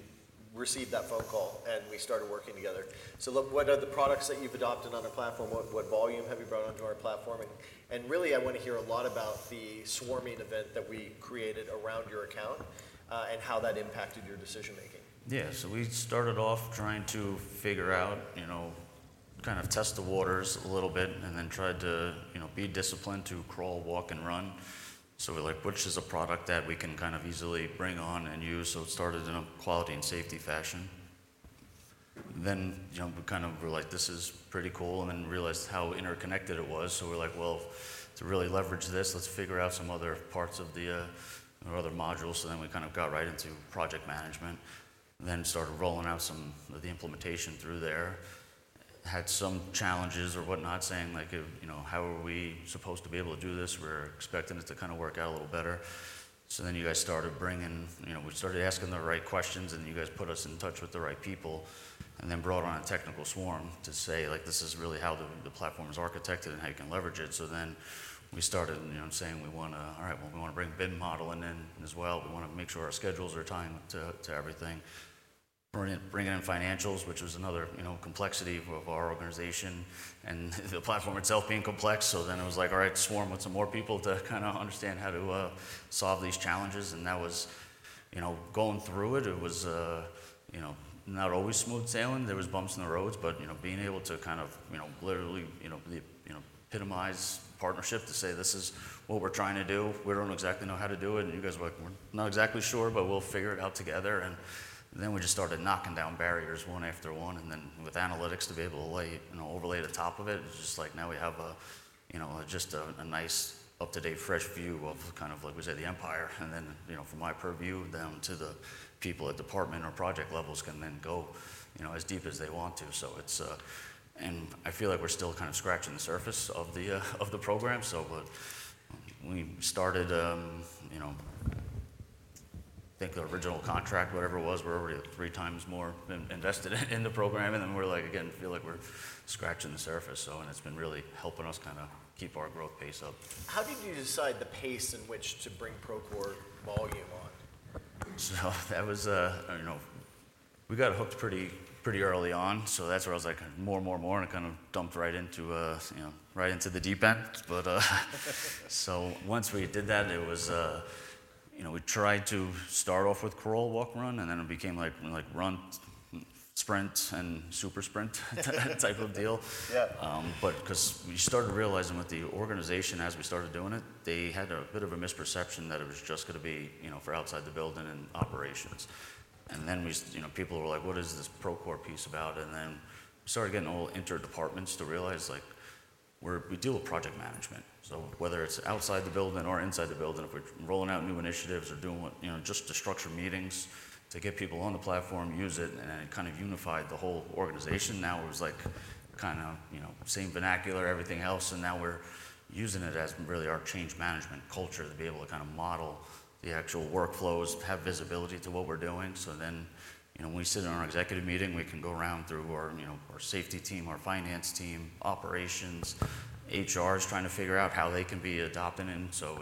received that phone call and we started working together. So what are the products that you've adopted on our platform? What volume have you brought onto our platform? And really, I want to hear a lot about the swarming event that we created around your account and how that impacted your decision-making. Yeah, so we started off trying to figure out, you know, kind of test the waters a little bit and then tried to, you know, be disciplined to crawl, walk, and run, so we're like, which is a product that we can kind of easily bring on and use, so it started in a Quality and Safety fashion. Then, you know, we kind of were like, this is pretty cool and then realized how interconnected it was, so we're like, well, to really leverage this, let's figure out some other parts of the other modules, so then we kind of got right into Project Management, then started rolling out some of the implementation through there. Had some challenges or whatnot saying like, you know, how are we supposed to be able to do this? We're expecting it to kind of work out a little better. So then you guys started bringing, you know, we started asking the right questions and you guys put us in touch with the right people and then brought on a technical swarm to say like, this is really how the platform is architected and how you can leverage it. So then we started, you know, saying we want to, all right, well, we want to bring BIM modeling in as well. We want to make sure our schedules are tying to everything. Bringing in Financials, which was another, you know, complexity of our organization and the platform itself being complex. So then it was like, all right, swarm with some more people to kind of understand how to solve these challenges. And that was, you know, going through it, it was, you know, not always smooth sailing. There were bumps in the roads, but, you know, being able to kind of, you know, literally, you know, epitomize partnership to say, this is what we're trying to do. We don't exactly know how to do it. And you guys were like, we're not exactly sure, but we'll figure it out together. And then we just started knocking down barriers one after one. And then with Analytics to be able to lay, you know, overlay the top of it, it's just like now we have a, you know, just a nice up-to-date fresh view of kind of like we say the empire. And then, you know, from my purview, then to the people at department or project levels can then go, you know, as deep as they want to. So it's, and I feel like we're still kind of scratching the surface of the program. When we started, you know, I think the original contract, whatever it was, we're already three times more invested in the program. Then we're like, again, feel like we're scratching the surface. It's been really helping us kind of keep our growth pace up. How did you decide the pace in which to bring Procore volume on? That was, you know, we got hooked pretty early on. That's where I was like, more, more, more. And it kind of dumped right into, you know, right into the deep end. Once we did that, it was, you know, we tried to start off with crawl, walk, run. Then it became like, like run, sprint, and super sprint type of deal. Yeah. But because we started realizing with the organization as we started doing it, they had a bit of a misperception that it was just going to be, you know, for outside the building and operations, and then we, you know, people were like, "What is this Procore piece about?", and then we started getting all inter-departments to realize like we deal with Project Management, so whether it's outside the building or inside the building, if we're rolling out new initiatives or doing what, you know, just to structure meetings to get people on the platform, use it, and kind of unify the whole organization. Now it was like kind of, you know, same vernacular, everything else, and now we're using it as really our change management culture to be able to kind of model the actual workflows, have visibility to what we're doing. So then, you know, when we sit in our executive meeting, we can go around through our, you know, our safety team, our finance team, operations, HR is trying to figure out how they can be adopting in. So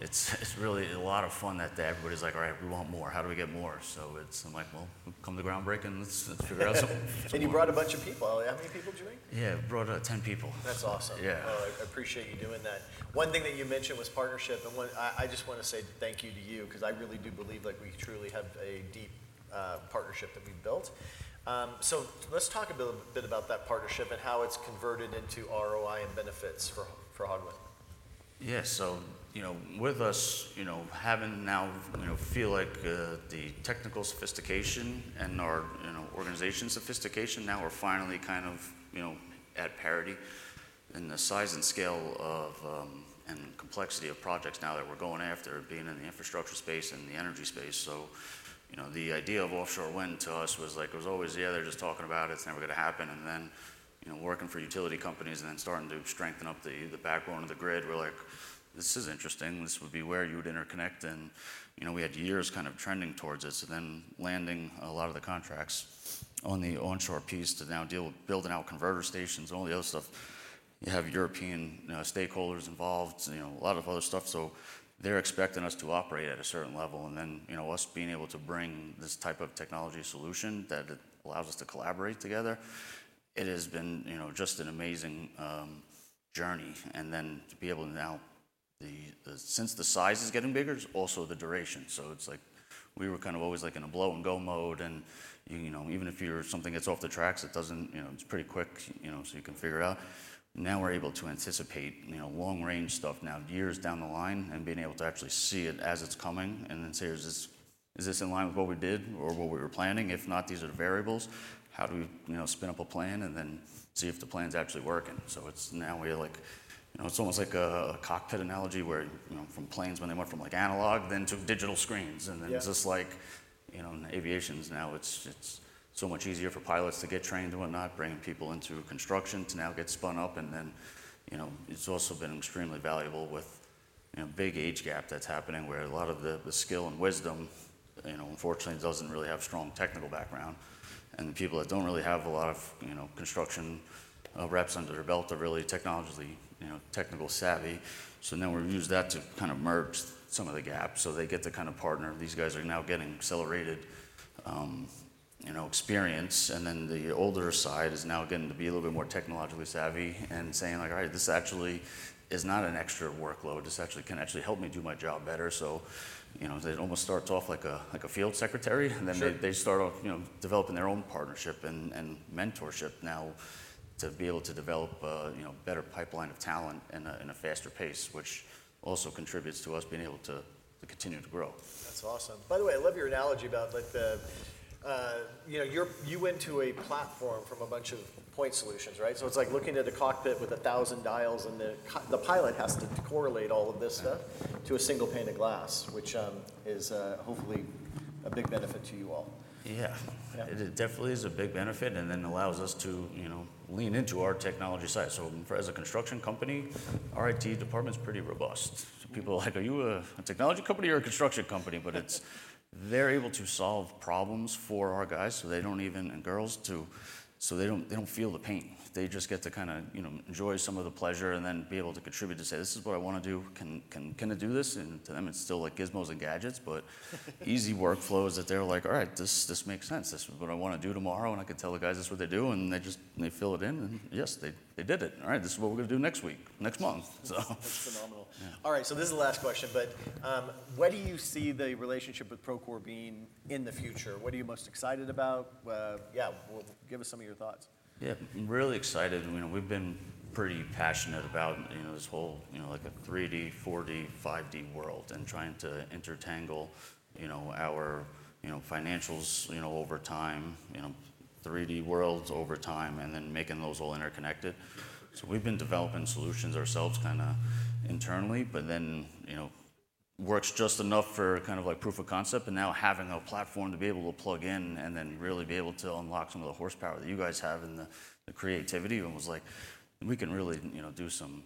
it's really a lot of fun that everybody's like, all right, we want more. How do we get more? So it's, I'm like, well, come to Groundbreak and let's figure out something. And you brought a bunch of people. How many people did you bring? Yeah, we brought 10 people. That's awesome. Yeah. Well, I appreciate you doing that. One thing that you mentioned was partnership. And I just want to say thank you to you because I really do believe like we truly have a deep partnership that we've built. So let's talk a bit about that partnership and how it's converted into ROI and benefits for Haugland. Yeah. So, you know, with us, you know, having now, you know, feel like the technical sophistication and our, you know, organization sophistication, now we're finally kind of, you know, at parity in the size and scale of and complexity of projects now that we're going after being in the infrastructure space and the energy space, so you know the idea of offshore wind to us was like, it was always, yeah, they're just talking about it. It's never going to happen, and then, you know, working for utility companies and then starting to strengthen up the backbone of the grid, we're like, this is interesting. This would be where you would interconnect, and, you know, we had years kind of trending towards it, so then landing a lot of the contracts on the onshore piece to now deal with building out converter stations and all the other stuff. You have European stakeholders involved, you know, a lot of other stuff. So they're expecting us to operate at a certain level. And then, you know, us being able to bring this type of technology solution that allows us to collaborate together, it has been, you know, just an amazing journey. And then to be able to now, since the size is getting bigger, also the duration. So it's like we were kind of always like in a blow-and-go mode. And, you know, even if something gets off the tracks, it doesn't, you know, it's pretty quick, you know, so you can figure it out. Now we're able to anticipate, you know, long-range stuff now, years down the line and being able to actually see it as it's coming and then say, is this in line with what we did or what we were planning? If not, these are the variables. How do we, you know, spin up a plan and then see if the plan's actually working? So it's now we like, you know, it's almost like a cockpit analogy where, you know, from planes when they went from like analog then to digital screens. And then it's just like, you know, in aviation now it's so much easier for pilots to get trained and whatnot, bringing people into construction to now get spun up. And then, you know, it's also been extremely valuable with, you know, big age gap that's happening where a lot of the skill and wisdom, you know, unfortunately doesn't really have strong technical background. And the people that don't really have a lot of, you know, construction reps under their belt are really technologically, you know, technical savvy. So then we've used that to kind of merge some of the gaps. So they get to kind of partner. These guys are now getting accelerated, you know, experience. And then the older side is now getting to be a little bit more technologically savvy and saying like, all right, this actually is not an extra workload. This actually can actually help me do my job better. So, you know, it almost starts off like a field secretary. And then they start off, you know, developing their own partnership and mentorship now to be able to develop, you know, a better pipeline of talent in a faster pace, which also contributes to us being able to continue to grow. That's awesome. By the way, I love your analogy about like, you know, you went to a platform from a bunch of point solutions, right? So it's like looking at a cockpit with a thousand dials and the pilot has to correlate all of this stuff to a single pane of glass, which is hopefully a big benefit to you all. Yeah. It definitely is a big benefit and then allows us to, you know, lean into our technology side. So as a construction company, our IT department is pretty robust. So people are like, are you a technology company or a construction company? But it's they're able to solve problems for our guys. So they don't even, and girls too, so they don't feel the pain. They just get to kind of, you know, enjoy some of the pleasure and then be able to contribute to say, this is what I want to do. Can I do this? And to them, it's still like gizmos and gadgets, but easy workflows that they're like, all right, this makes sense. This is what I want to do tomorrow. And I can tell the guys this is what they do. And they just, they fill it in. And yes, they did it. All right, this is what we're going to do next week, next month. That's phenomenal. All right. So this is the last question, but what do you see the relationship with Procore being in the future? What are you most excited about? Yeah, give us some of your thoughts. Yeah, I'm really excited. You know, we've been pretty passionate about, you know, this whole, you know, like a 3D, 4D, 5D world and trying to intertwine, you know, our, you know, Financials, you know, over time, you know, 3D worlds over time and then making those all interconnected. So we've been developing solutions ourselves kind of internally, but then, you know, works just enough for kind of like proof of concept. And now having a platform to be able to plug in and then really be able to unlock some of the horsepower that you guys have and the creativity was like, we can really, you know, do some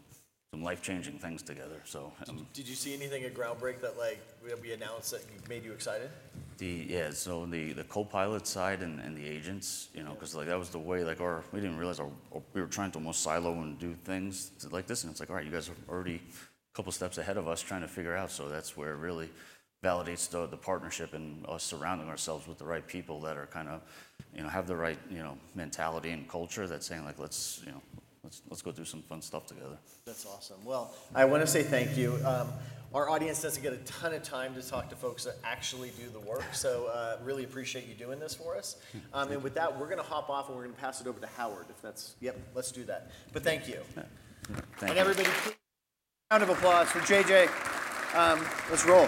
life-changing things together. So did you see anything at Groundbreak that like we announced that made you excited? Yeah. So the Copilot side and the agents, you know, because like that was the way like our, we didn't realize our, we were trying to almost silo and do things like this. And it's like, all right, you guys are already a couple steps ahead of us trying to figure out. So that's where it really validates the partnership and us surrounding ourselves with the right people that are kind of, you know, have the right, you know, mentality and culture that's saying like, let's, you know, let's go do some fun stuff together. That's awesome. Well, I want to say thank you. Our audience doesn't get a ton of time to talk to folks that actually do the work. So I really appreciate you doing this for us. And with that, we're going to hop off and we're going to pass it over to Howard. If that's, yep, let's do that. But thank you. Thank you. And everybody, round of applause for JJ. Let's roll.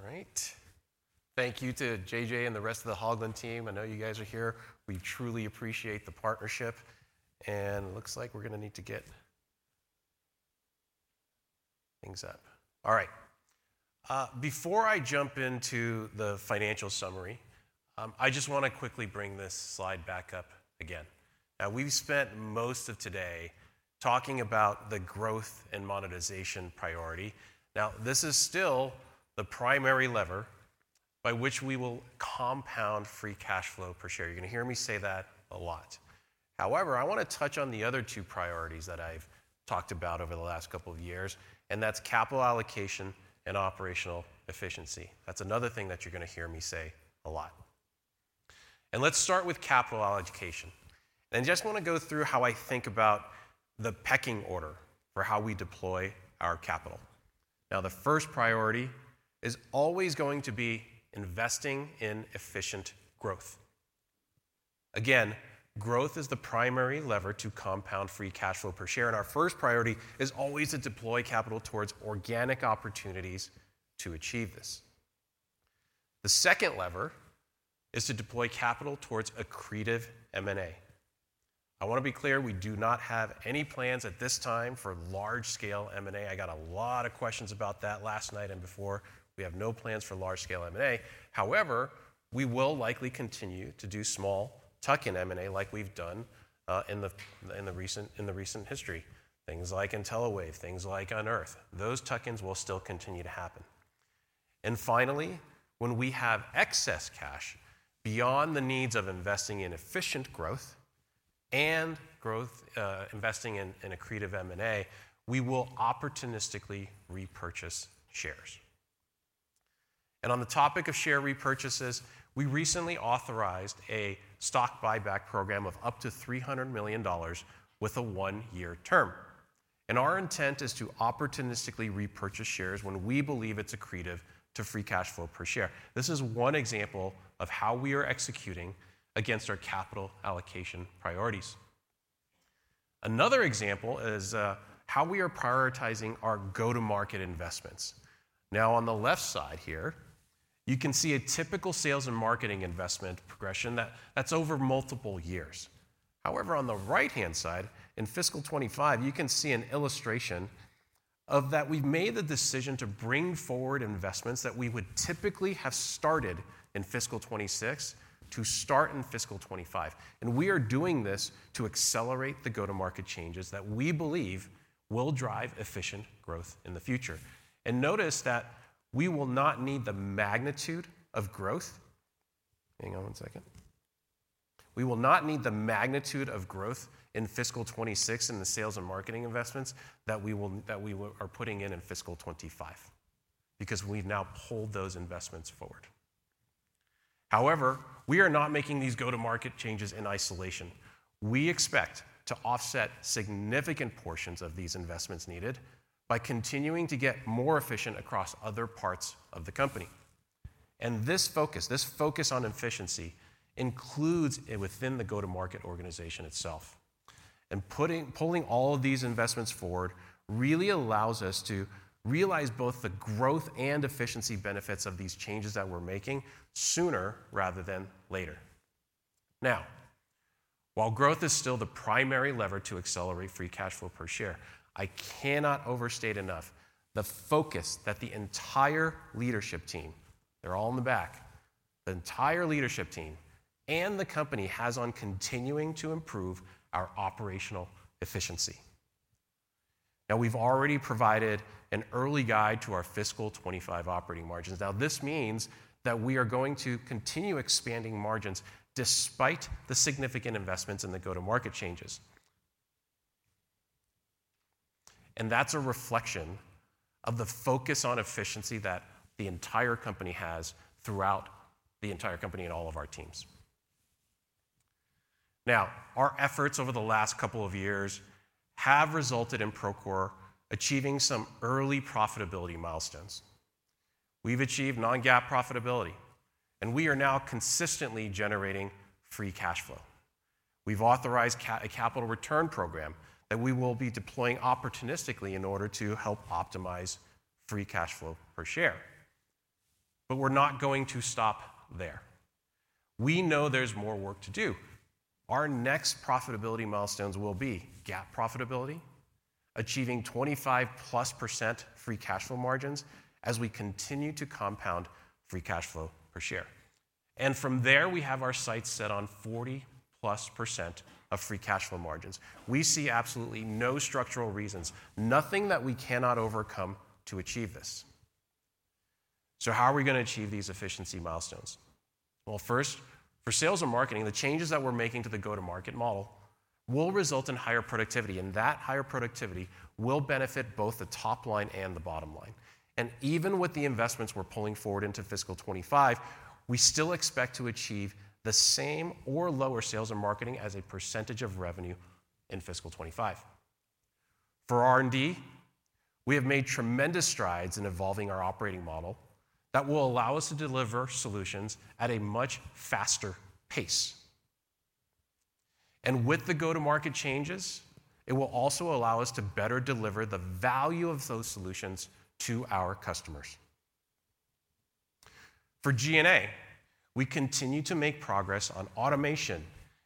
All right. Thank you to JJ and the rest of the Haugland team. I know you guys are here. We truly appreciate the partnership. It looks like we're going to need to get things up. All right. Before I jump into the financial summary, I just want to quickly bring this slide back up again. Now we've spent most of today talking about the growth and monetization priority. Now this is still the primary lever by which we will compound Free Cash Flow per share. You're going to hear me say that a lot. However, I want to touch on the other two priorities that I've talked about over the last couple of years. That's capital allocation and operational efficiency. That's another thing that you're going to hear me say a lot. Let's start with capital allocation. I just want to go through how I think about the pecking order for how we deploy our capital. Now the first priority is always going to be investing in efficient growth. Again, growth is the primary lever to compound Free Cash Flow per share. Our first priority is always to deploy capital towards organic opportunities to achieve this. The second lever is to deploy capital towards accretive M&A. I want to be clear, we do not have any plans at this time for large-scale M&A. I got a lot of questions about that last night and before. We have no plans for large-scale M&A. However, we will likely continue to do small tuck-in M&A like we've done in the recent history. Things like Intelliwave, things like Unearth. Those tuck-ins will still continue to happen. And finally, when we have excess cash beyond the needs of investing in efficient growth and growth, investing in accretive M&A, we will opportunistically repurchase shares. And on the topic of share repurchases, we recently authorized a stock buyback program of up to $300 million with a one-year term. And our intent is to opportunistically repurchase shares when we believe it's accretive to free cash flow per share. This is one example of how we are executing against our capital allocation priorities. Another example is how we are prioritizing our go-to-market investments. Now on the left side here, you can see a typical sales and marketing investment progression that's over multiple years. However, on the right-hand side in fiscal 2025, you can see an illustration of that we've made the decision to bring forward investments that we would typically have started in fiscal 2026 to start in fiscal 2025. And we are doing this to accelerate the go-to-market changes that we believe will drive efficient growth in the future. Notice that we will not need the magnitude of growth. Hang on one second. We will not need the magnitude of growth in fiscal 2026 and the sales and marketing investments that we are putting in in fiscal 25 because we've now pulled those investments forward. However, we are not making these go-to-market changes in isolation. We expect to offset significant portions of these investments needed by continuing to get more efficient across other parts of the company. This focus, this focus on efficiency includes within the go-to-market organization itself. Pulling all of these investments forward really allows us to realize both the growth and efficiency benefits of these changes that we're making sooner rather than later. Now, while growth is still the primary lever to accelerate free cash flow per share, I cannot overstate enough the focus that the entire leadership team, they're all in the back, the entire leadership team and the company has on continuing to improve our operational efficiency. Now we've already provided an early guide to our fiscal 2025 operating margins. Now this means that we are going to continue expanding margins despite the significant investments in the go-to-market changes, and that's a reflection of the focus on efficiency that the entire company has throughout the entire company and all of our teams. Now, our efforts over the last couple of years have resulted in Procore achieving some early profitability milestones. We've achieved non-GAAP profitability, and we are now consistently generating free cash flow. We've authorized a capital return program that we will be deploying opportunistically in order to help optimize free cash flow per share. But we're not going to stop there. We know there's more work to do. Our next profitability milestones will be GAAP profitability, achieving 25% free cash flow margins as we continue to compound free cash flow per share. And from there, we have our sights set on 40% free cash flow margins. We see absolutely no structural reasons, nothing that we cannot overcome to achieve this. So how are we going to achieve these efficiency milestones? Well, first, for sales and marketing, the changes that we're making to the go-to-market model will result in higher productivity. And that higher productivity will benefit both the top line and the bottom line. Even with the investments we're pulling forward into fiscal 2025, we still expect to achieve the same or lower sales and marketing as a percentage of revenue in fiscal 2025. For R&D, we have made tremendous strides in evolving our operating model that will allow us to deliver solutions at a much faster pace. With the go-to-market changes, it will also allow us to better deliver the value of those solutions to our customers. For G&A, we continue to make progress on automation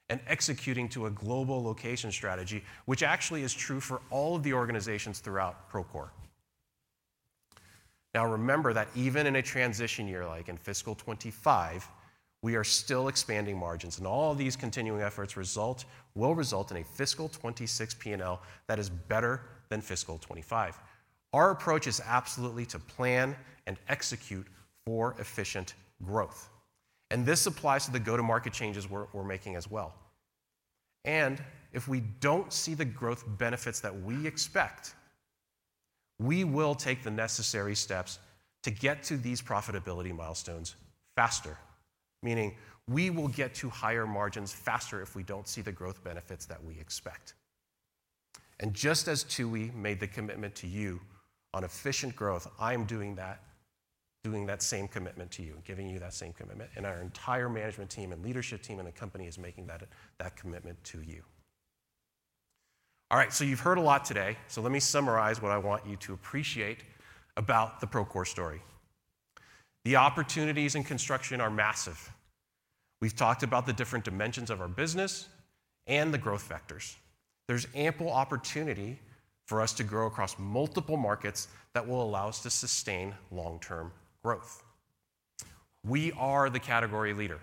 and executing to a global location strategy, which actually is true for all of the organizations throughout Procore. Now remember that even in a transition year like in fiscal 2025, we are still expanding margins. All of these continuing efforts will result in a fiscal 2026 P&L that is better than fiscal 2025. Our approach is absolutely to plan and execute for efficient growth. And this applies to the go-to-market changes we're making as well. And if we don't see the growth benefits that we expect, we will take the necessary steps to get to these profitability milestones faster. Meaning we will get to higher margins faster if we don't see the growth benefits that we expect. And just as Tooey made the commitment to you on efficient growth, I'm doing that, doing that same commitment to you, giving you that same commitment. And our entire management team and leadership team and the company is making that commitment to you. All right, so you've heard a lot today. So let me summarize what I want you to appreciate about the Procore story. The opportunities in construction are massive. We've talked about the different dimensions of our business and the growth factors. There's ample opportunity for us to grow across multiple markets that will allow us to sustain long-term growth. We are the category leader.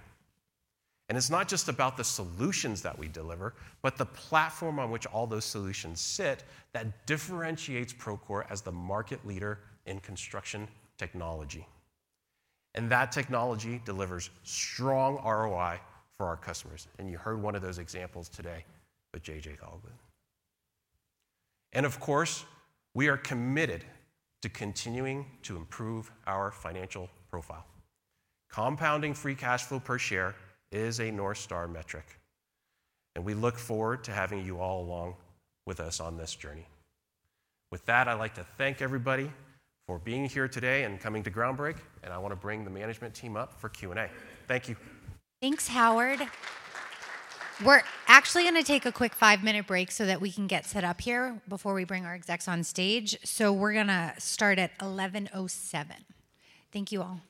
And it's not just about the solutions that we deliver, but the platform on which all those solutions sit that differentiates Procore as the market leader in construction technology. And that technology delivers strong ROI for our customers. And you heard one of those examples today with JJ Haugland. And of course, we are committed to continuing to improve our financial profile. Compounding free cash flow per share is a North Star metric. And we look forward to having you all along with us on this journey. With that, I'd like to thank everybody for being here today and coming to Groundbreak. And I want to bring the management team up for Q&A. Thank you. Thanks, Howard. We're actually going to take a quick five-minute break so that we can get set up here before we bring our execs on stage. So we're going to start at 11:07 A.M. Thank you all.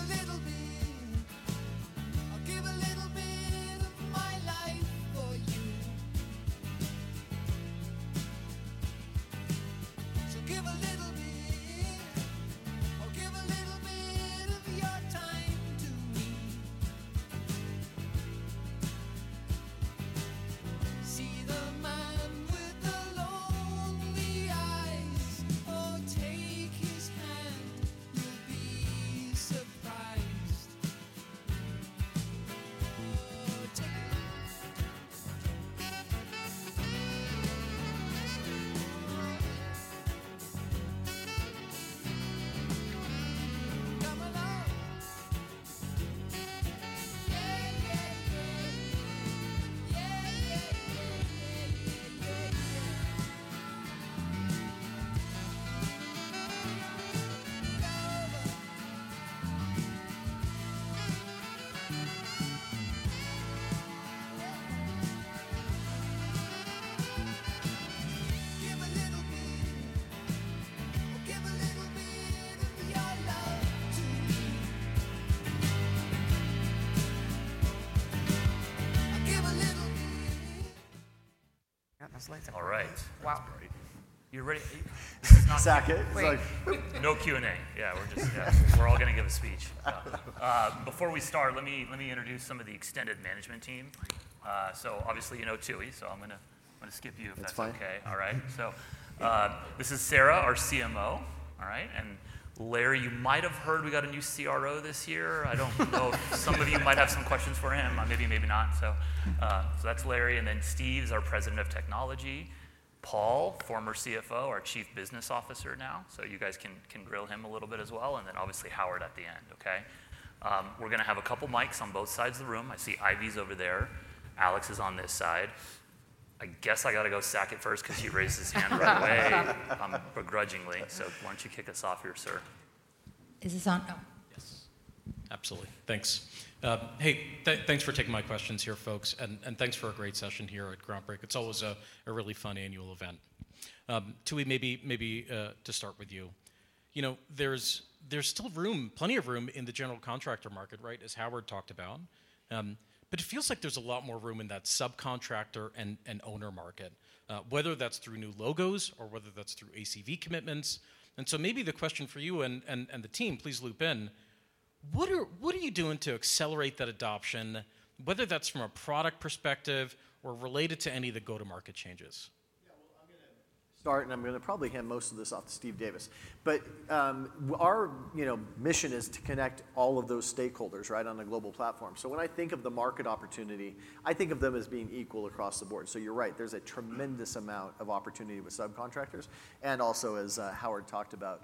That's late. All right. Wow. You're ready? This is not a. It's not a. It's like no Q&A. Yeah, we're just. Yeah, we're all going to give a speech. Before we start, let me introduce some of the extended management team. So obviously, you know Tooey, so I'm going to skip you if that's okay. That's fine. Okay. All right. So this is Sarah, our CMO. All right. And Larry, you might have heard we got a new CRO this year. I don't know. Some of you might have some questions for him. Maybe, maybe not. So that's Larry. And then Steve's our President of Technology. Paul, former CFO, our Chief Business Officer now. So you guys can grill him a little bit as well. And then obviously Howard at the end. Okay. We're going to have a couple of mics on both sides of the room. I see Ivy's over there. Alex is on this side. I guess I got to go to Saket first because he raised his hand right away begrudgingly. So why don't you kick us off here, sir? Is this on? Oh. Yes. Absolutely. Thanks. Hey, thanks for taking my questions here, folks. And thanks for a great session here at Groundbreak. It's always a really fun annual event. Tooey, maybe to start with you, you know there's still room, plenty of room in the general contractor market, right, as Howard talked about. But it feels like there's a lot more room in that subcontractor and owner market, whether that's through new logos or whether that's through ACV commitments. Maybe the question for you and the team, please loop in, what are you doing to accelerate that adoption, whether that's from a product perspective or related to any of the go-to-market changes? Yeah, well, I'm going to start, and I'm going to probably hand most of this off to Steve Davis. But our mission is to connect all of those stakeholders right on a global platform. So when I think of the market opportunity, I think of them as being equal across the board. So you're right. There's a tremendous amount of opportunity with subcontractors and also, as Howard talked about,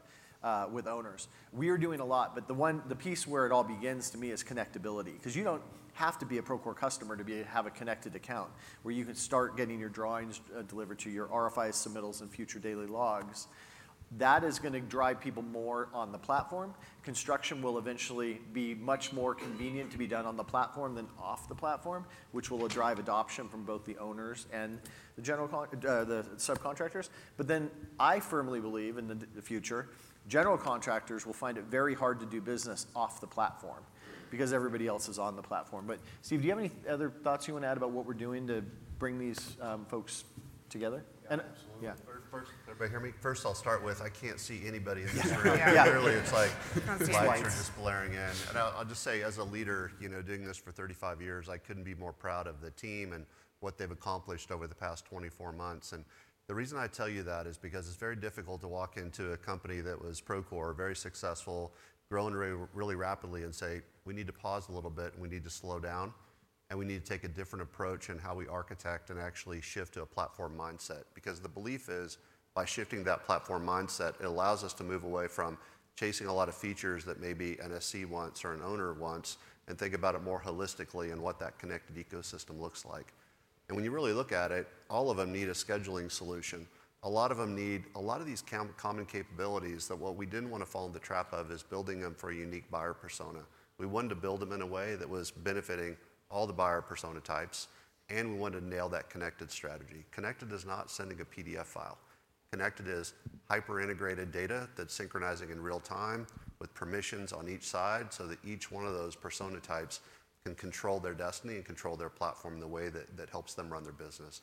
with owners. We are doing a lot, but the piece where it all begins to me is connectability. Because you don't have to be a Procore customer to have a connected account where you can start getting your drawings delivered to your RFIs, submittals, and future daily logs. That is going to drive people more on the platform. Construction will eventually be much more convenient to be done on the platform than off the platform, which will drive adoption from both the owners and the subcontractors. But then I firmly believe in the future, general contractors will find it very hard to do business off the platform because everybody else is on the platform. But Steve, do you have any other thoughts you want to add about what we're doing to bring these folks together? Yeah, absolutely. First, everybody hear me? First, I'll start with, I can't see anybody in this room. Clearly, it's like my eyes are just glaring in. And I'll just say, as a leader doing this for 35 years, I couldn't be more proud of the team and what they've accomplished over the past 24 months. And the reason I tell you that is because it's very difficult to walk into a company that was Procore, very successful, growing really rapidly, and say, we need to pause a little bit, and we need to slow down, and we need to take a different approach in how we architect and actually shift to a platform mindset. Because the belief is, by shifting that platform mindset, it allows us to move away from chasing a lot of features that maybe an SC wants or an owner wants and think about it more holistically and what that connected ecosystem looks like. And when you really look at it, all of them need a scheduling solution. A lot of them need a lot of these common capabilities that what we didn't want to fall into the trap of is building them for a unique buyer persona. We wanted to build them in a way that was benefiting all the buyer persona types, and we wanted to nail that connected strategy. Connected is not sending a PDF file. Connected is hyper-integrated data that's synchronizing in real time with permissions on each side so that each one of those persona types can control their destiny and control their platform in the way that helps them run their business.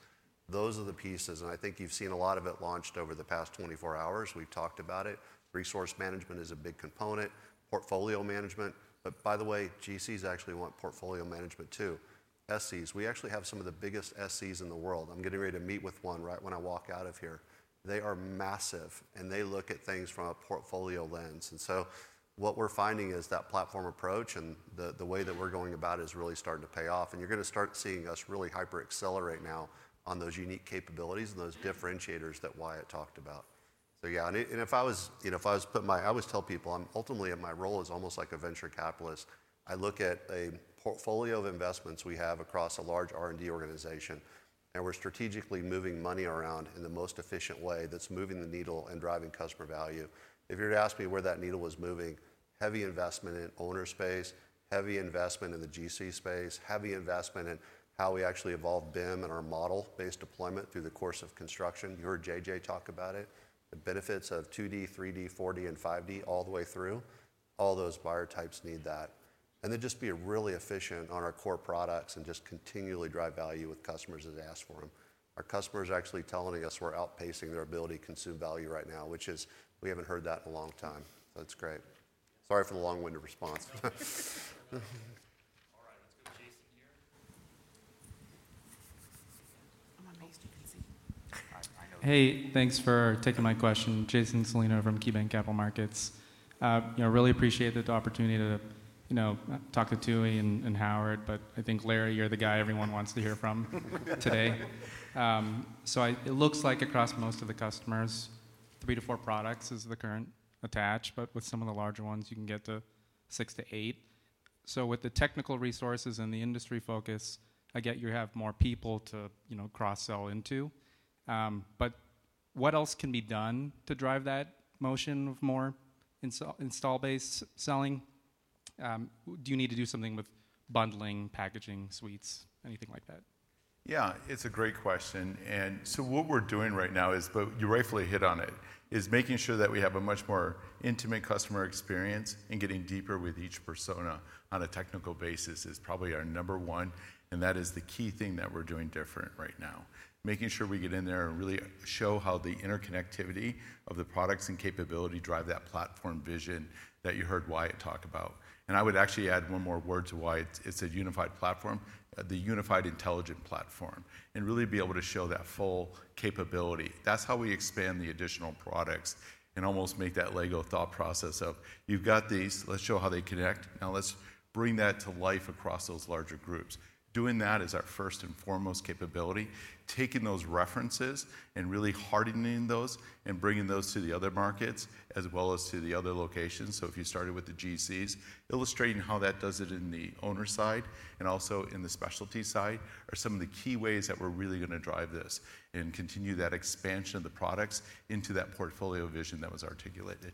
Those are the pieces, and I think you've seen a lot of it launched over the past 24 hours. We've talked about it. Resource Management is a big component. Portfolio management. GCs actually want portfolio management too, by the way. SCs, we actually have some of the biggest SCs in the world. I'm getting ready to meet with one right when I walk out of here. They are massive, and they look at things from a portfolio lens, and so what we're finding is that platform approach and the way that we're going about it is really starting to pay off, and you're going to start seeing us really hyper-accelerate now on those unique capabilities and those differentiators that Wyatt talked about. So yeah, and if I was putting my, I always tell people, ultimately, my role is almost like a venture capitalist. I look at a portfolio of investments we have across a large R&D organization, and we're strategically moving money around in the most efficient way that's moving the needle and driving customer value. If you were to ask me where that needle was moving, heavy investment in owner space, heavy investment in the GC space, heavy investment in how we actually evolve BIM and our model-based deployment through the course of construction. You heard JJ talk about it, the benefits of 2D, 3D, 4D, and 5D all the way through. All those buyer types need that. And then just be really efficient on our core products and just continually drive value with customers as they ask for them. Our customers are actually telling us we're outpacing their ability to consume value right now, which is we haven't heard that in a long time. That's great. Sorry for the long-winded response. All right. Let's go to Jason here. I'm amazed you're busy. Hey, thanks for taking my question. Jason Celino from KeyBanc Capital Markets. I really appreciate the opportunity to talk to Tooey and Howard, but I think, Larry, you're the guy everyone wants to hear from today. So it looks like across most of the customers, three to four products is the current attach, but with some of the larger ones, you can get to six to eight. So with the technical resources and the industry focus, I get you have more people to cross-sell into. But what else can be done to drive that motion of more install-based selling? Do you need to do something with bundling, packaging suites, anything like that? Yeah, it's a great question. And so what we're doing right now is, but you rightfully hit on it, is making sure that we have a much more intimate customer experience and getting deeper with each persona on a technical basis is probably our number one. That is the key thing that we're doing different right now, making sure we get in there and really show how the interconnectivity of the products and capability drive that platform vision that you heard Wyatt talk about. I would actually add one more word to why it's a unified platform, the unified intelligent platform, and really be able to show that full capability. That's how we expand the additional products and almost make that Lego thought process of, you've got these, let's show how they connect. Now let's bring that to life across those larger groups. Doing that is our first and foremost capability, taking those references and really hardening those and bringing those to the other markets as well as to the other locations. So if you started with the GCs, illustrating how that does it in the owner side and also in the specialty side are some of the key ways that we're really going to drive this and continue that expansion of the products into that portfolio vision that was articulated.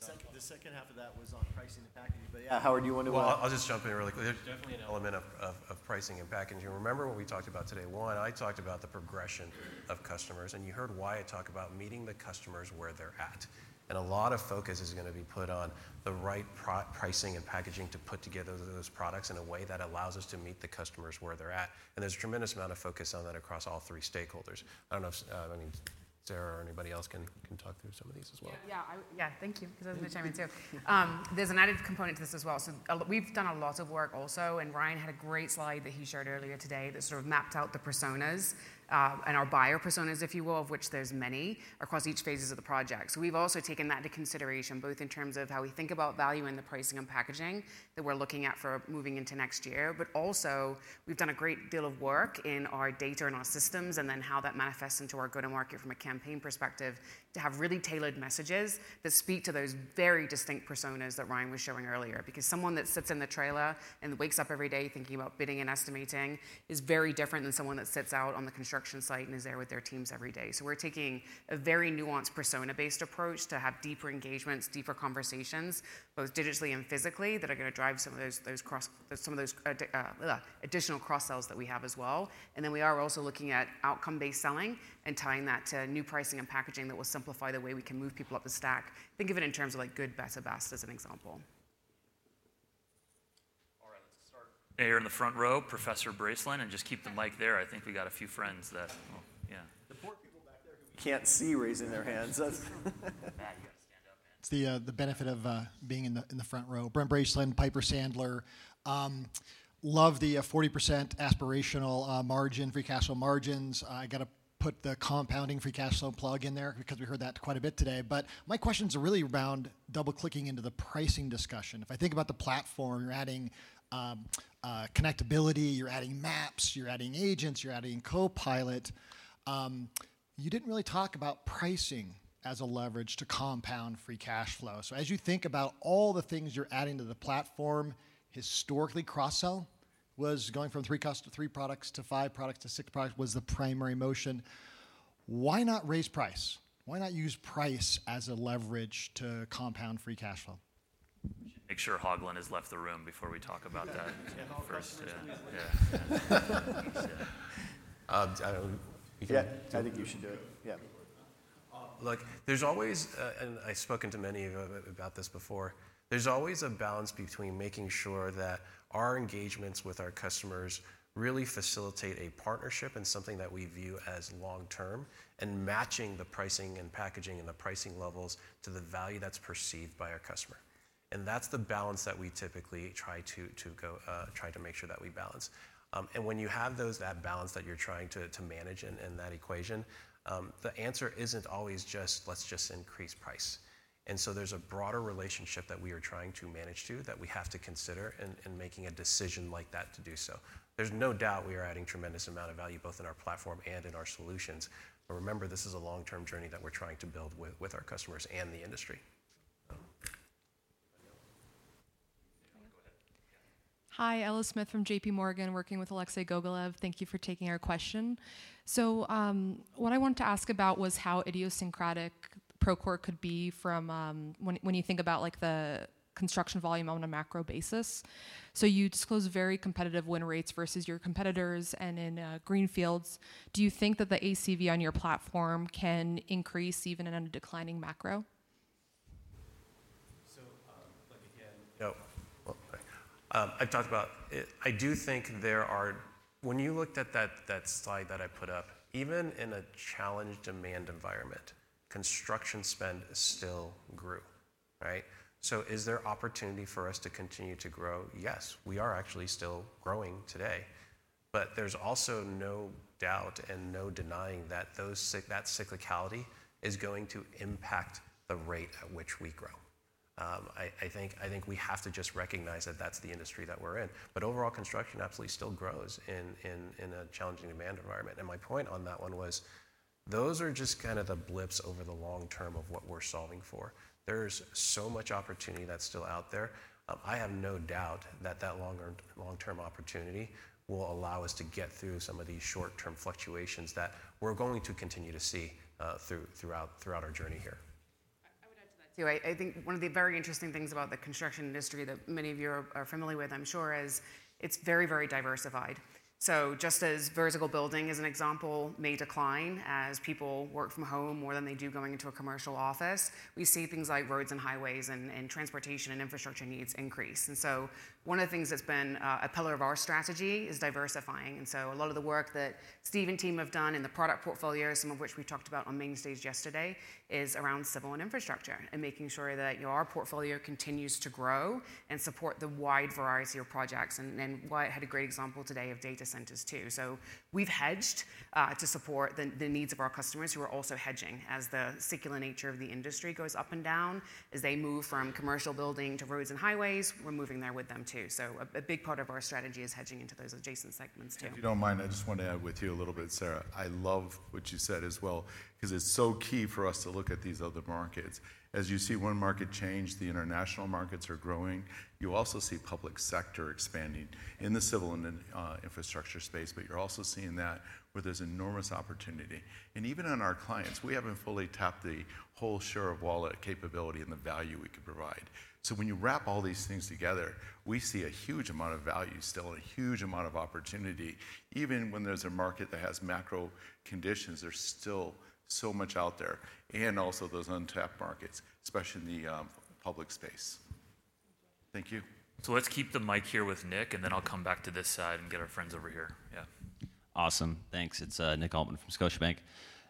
The second half of that was on pricing and packaging. But yeah, Howard, you want to. Well, I'll just jump in really quick. There's definitely an element of pricing and packaging. Remember what we talked about today? One, I talked about the progression of customers. And you heard Wyatt talk about meeting the customers where they're at. And a lot of focus is going to be put on the right pricing and packaging to put together those products in a way that allows us to meet the customers where they're at. There's a tremendous amount of focus on that across all three stakeholders. I don't know if, I mean, Sarah or anybody else can talk through some of these as well. Yeah, yeah, thank you for the chime in too. There's an added component to this as well. We've done a lot of work also. Ryan had a great slide that he shared earlier today that sort of mapped out the personas and our buyer personas, if you will, of which there's many across each phases of the project. We've also taken that into consideration, both in terms of how we think about value and the pricing and packaging that we're looking at for moving into next year. But also, we've done a great deal of work in our data and our systems and then how that manifests into our go-to-market from a campaign perspective to have really tailored messages that speak to those very distinct personas that Ryan was showing earlier. Because someone that sits in the trailer and wakes up every day thinking about bidding and estimating is very different than someone that sits out on the construction site and is there with their teams every day. So we're taking a very nuanced persona-based approach to have deeper engagements, deeper conversations, both digitally and physically, that are going to drive some of those additional cross-sells that we have as well. And then we are also looking at outcome-based selling and tying that to new pricing and packaging that will simplify the way we can move people up the stack. Think of it in terms of good, better, best as an example. All right, let's start. There in the front row, Professor Bracelin, and just keep the mic there. I think we got a few friends that, well, yeah. Can't see raising their hands. The benefit of being in the front row. Brent Bracelin, Piper Sandler. Love the 40% aspirational margin, free cash flow margins. I got to put the compounding free cash flow plug in there because we heard that quite a bit today. But my questions are really around double-clicking into the pricing discussion. If I think about the platform, you're adding connectability, you're adding Maps, you're adding agents, you're adding Copilot. You didn't really talk about pricing as a leverage to compound free cash flow. So as you think about all the things you're adding to the platform, historically, cross-sell was going from three products to five products to six products was the primary motion. Why not raise price? Why not use price as a leverage to compound free cash flow? Make sure Haugland has left the room before we talk about that. Yeah, I think you should do it. Yeah. Look, there's always, and I've spoken to many of you about this before, there's always a balance between making sure that our engagements with our customers really facilitate a partnership and something that we view as long-term and matching the pricing and packaging and the pricing levels to the value that's perceived by our customer. And that's the balance that we typically try to make sure that we balance. When you have that balance that you're trying to manage in that equation, the answer isn't always just, let's just increase price. So there's a broader relationship that we are trying to manage to that we have to consider in making a decision like that to do so. There's no doubt we are adding a tremendous amount of value both in our platform and in our solutions. But remember, this is a long-term journey that we're trying to build with our customers and the industry. Hi, Ella Smith from JPMorgan working with Alexei Gogolev. Thank you for taking our question. So what I wanted to ask about was how insulated Procore could be from, when you think about the construction volume on a macro basis. So you disclose very competitive win rates versus your competitors. And in greenfields, do you think that the ACV on your platform can increase even in a declining macro? So again, I talked about it. I do think there are, when you looked at that slide that I put up, even in a challenged demand environment, construction spend still grew, right? So is there opportunity for us to continue to grow? Yes, we are actually still growing today. But there's also no doubt and no denying that that cyclicality is going to impact the rate at which we grow. I think we have to just recognize that that's the industry that we're in. But overall, construction absolutely still grows in a challenging demand environment. And my point on that one was those are just kind of the blips over the long term of what we're solving for. There's so much opportunity that's still out there. I have no doubt that that long-term opportunity will allow us to get through some of these short-term fluctuations that we're going to continue to see throughout our journey here. I would add to that too. I think one of the very interesting things about the construction industry that many of you are familiar with, I'm sure, is it's very, very diversified. So just as vertical building is an example, may decline as people work from home more than they do going into a commercial office, we see things like roads and highways and transportation and infrastructure needs increase, and so one of the things that's been a pillar of our strategy is diversifying. And so a lot of the work that Steve and team have done in the product portfolio, some of which we talked about on Main Stage yesterday, is around civil and infrastructure and making sure that our portfolio continues to grow and support the wide variety of projects. And Wyatt had a great example today of data centers too. So we've hedged to support the needs of our customers who are also hedging as the cyclical nature of the industry goes up and down as they move from commercial building to roads and highways. We're moving there with them too. So a big part of our strategy is hedging into those adjacent segments too. If you don't mind, I just want to add with you a little bit, Sarah. I love what you said as well because it's so key for us to look at these other markets. As you see one market change, the international markets are growing. You also see public sector expanding in the civil and infrastructure space, but you're also seeing that where there's enormous opportunity, and even on our clients, we haven't fully tapped the whole share of wallet capability and the value we could provide, so when you wrap all these things together, we see a huge amount of value still, a huge amount of opportunity. Even when there's a market that has macro conditions, there's still so much out there and also those untapped markets, especially in the public space. Thank you, so let's keep the mic here with Nick, and then I'll come back to this side and get our friends over here. Yeah. Awesome. Thanks. It's Nick Altmann from Scotiabank.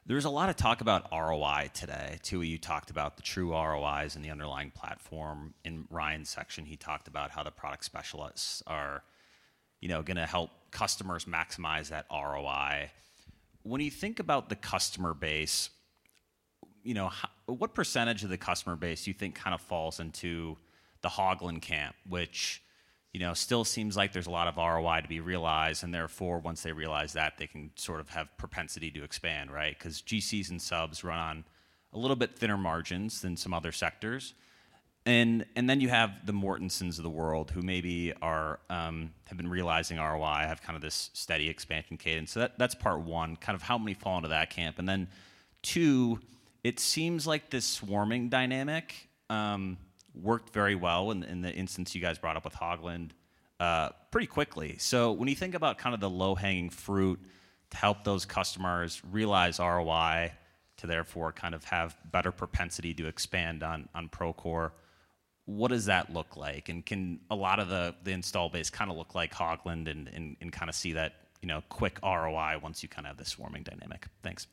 There's a lot of talk about ROI today. Tooey talked about the true ROIs and the underlying platform. In Ryan's section, he talked about how the product specialists are going to help customers maximize that ROI. When you think about the customer base, what percentage of the customer base do you think kind of falls into the Haugland camp, which still seems like there's a lot of ROI to be realized? And therefore, once they realize that, they can sort of have propensity to expand, right? Because GCs and subs run on a little bit thinner margins than some other sectors. And then you have the Mortensons of the world who maybe have been realizing ROI, have kind of this steady expansion cadence. So that's part one, kind of how many fall into that camp. And then two, it seems like this swarming dynamic worked very well in the instance you guys brought up with Haugland pretty quickly. So when you think about kind of the low-hanging fruit to help those customers realize ROI, to therefore kind of have better propensity to expand on Procore, what does that look like? And can a lot of the install base kind of look like Haugland and kind of see that quick ROI once you kind of have this swarming dynamic? Thanks.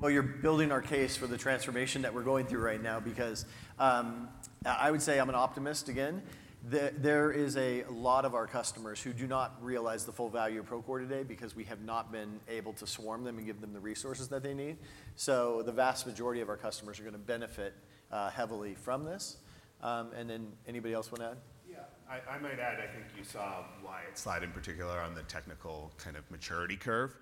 Well, you're building our case for the transformation that we're going through right now because I would say I'm an optimist again. There is a lot of our customers who do not realize the full value of Procore today because we have not been able to swarm them and give them the resources that they need. So the vast majority of our customers are going to benefit heavily from this. And then anybody else want to add? Yeah, I might add. I think you saw Wyatt's slide in particular on the technical kind of maturity curve,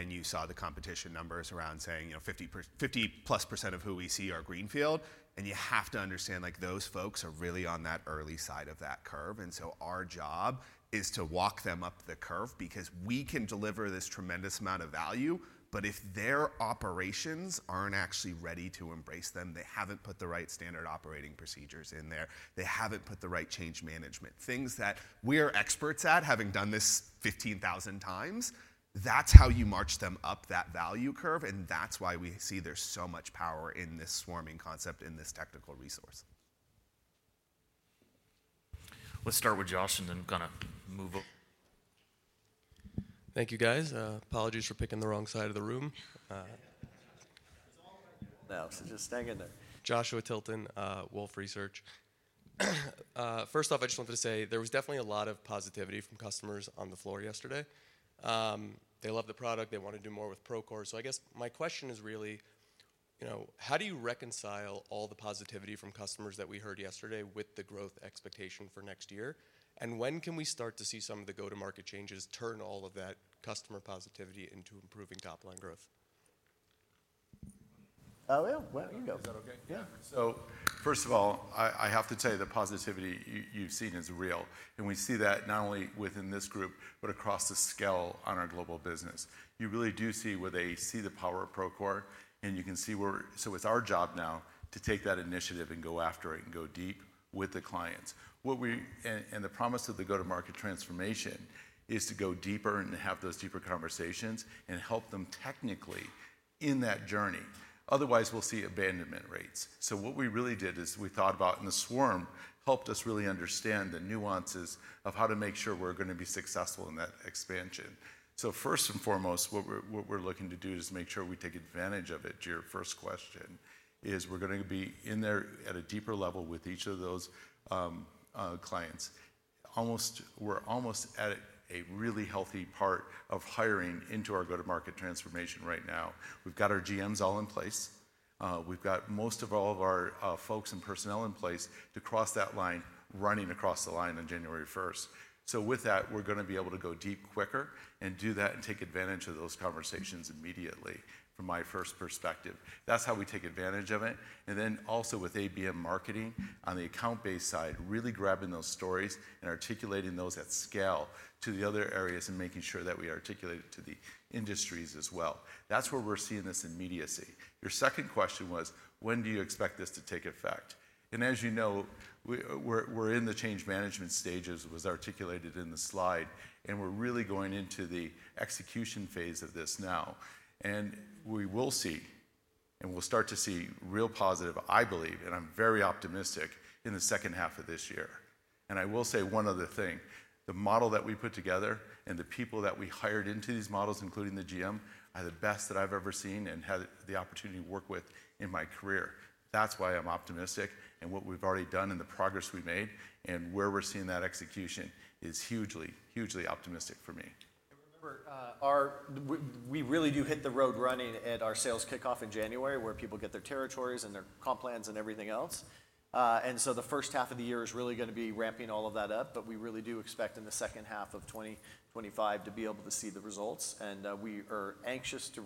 and you saw the competition numbers around saying 50+% of who we see are greenfield. And you have to understand those folks are really on that early side of that curve, and so our job is to walk them up the curve because we can deliver this tremendous amount of value. But if their operations aren't actually ready to embrace them, they haven't put the right standard operating procedures in there. They haven't put the right change management, things that we are experts at, having done this 15,000 times. That's how you march them up that value curve, and that's why we see there's so much power in this swarming concept in this technical resource. Let's start with Josh and then kind of move up. Thank you, guys. Apologies for picking the wrong side of the room. No, so just staying in there. Joshua Tilton, Wolfe Research. First off, I just wanted to say there was definitely a lot of positivity from customers on the floor yesterday. They love the product. They want to do more with Procore. So I guess my question is really, how do you reconcile all the positivity from customers that we heard yesterday with the growth expectation for next year? And when can we start to see some of the go-to-market changes turn all of that customer positivity into improving top-line growth? Oh, yeah. Well, here you go. Is that okay? Yeah. So first of all, I just have to tell you the positivity you've seen is real. And we see that not only within this group, but across the scale on our global business. You really do see where they see the power of Procore, and you can see where so it's our job now to take that initiative and go after it and go deep with the clients, and the promise of the go-to-market transformation is to go deeper and have those deeper conversations and help them technically in that journey. Otherwise, we'll see abandonment rates, so what we really did is we thought about in the swarm helped us really understand the nuances of how to make sure we're going to be successful in that expansion, so first and foremost, what we're looking to do is make sure we take advantage of it, to your first question is we're going to be in there at a deeper level with each of those clients. We're almost at a really healthy part of hiring into our go-to-market transformation right now. We've got our GMs all in place. We've got most of all of our folks and personnel in place to cross that line running across the line on January 1st. So with that, we're going to be able to go deep quicker and do that and take advantage of those conversations immediately from my first perspective. That's how we take advantage of it. And then also with ABM marketing on the account-based side, really grabbing those stories and articulating those at scale to the other areas and making sure that we articulate it to the industries as well. That's where we're seeing this immediacy. Your second question was, when do you expect this to take effect? And as you know, we're in the change management stages was articulated in the slide. And we're really going into the execution phase of this now. We will see and we'll start to see real positive, I believe, and I'm very optimistic in the second half of this year. I will say one other thing. The model that we put together and the people that we hired into these models, including the GM, are the best that I've ever seen and had the opportunity to work with in my career. That's why I'm optimistic. What we've already done and the progress we made and where we're seeing that execution is hugely, hugely optimistic for me. We really do hit the road running at our sales kickoff in January where people get their territories and their comp plans and everything else, so the first half of the year is really going to be ramping all of that up. But we really do expect in the second half of 2025 to be able to see the results. And we are anxious to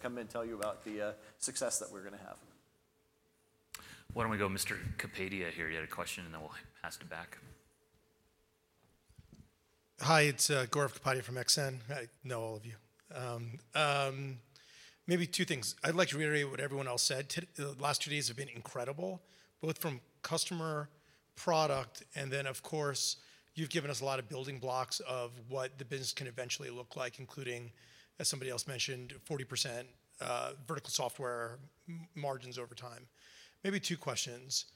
come and tell you about the success that we're going to have. Why don't we go to Mr. Kapadia here? He had a question, and then we'll pass it back. Hi, it's Gaurav Kapadia from XN. I know all of you. Maybe two things. I'd like to reiterate what everyone else said. The last two days have been incredible, both from customer product and then, of course, you've given us a lot of building blocks of what the business can eventually look like, including, as somebody else mentioned, 40% vertical software margins over time. Maybe two questions.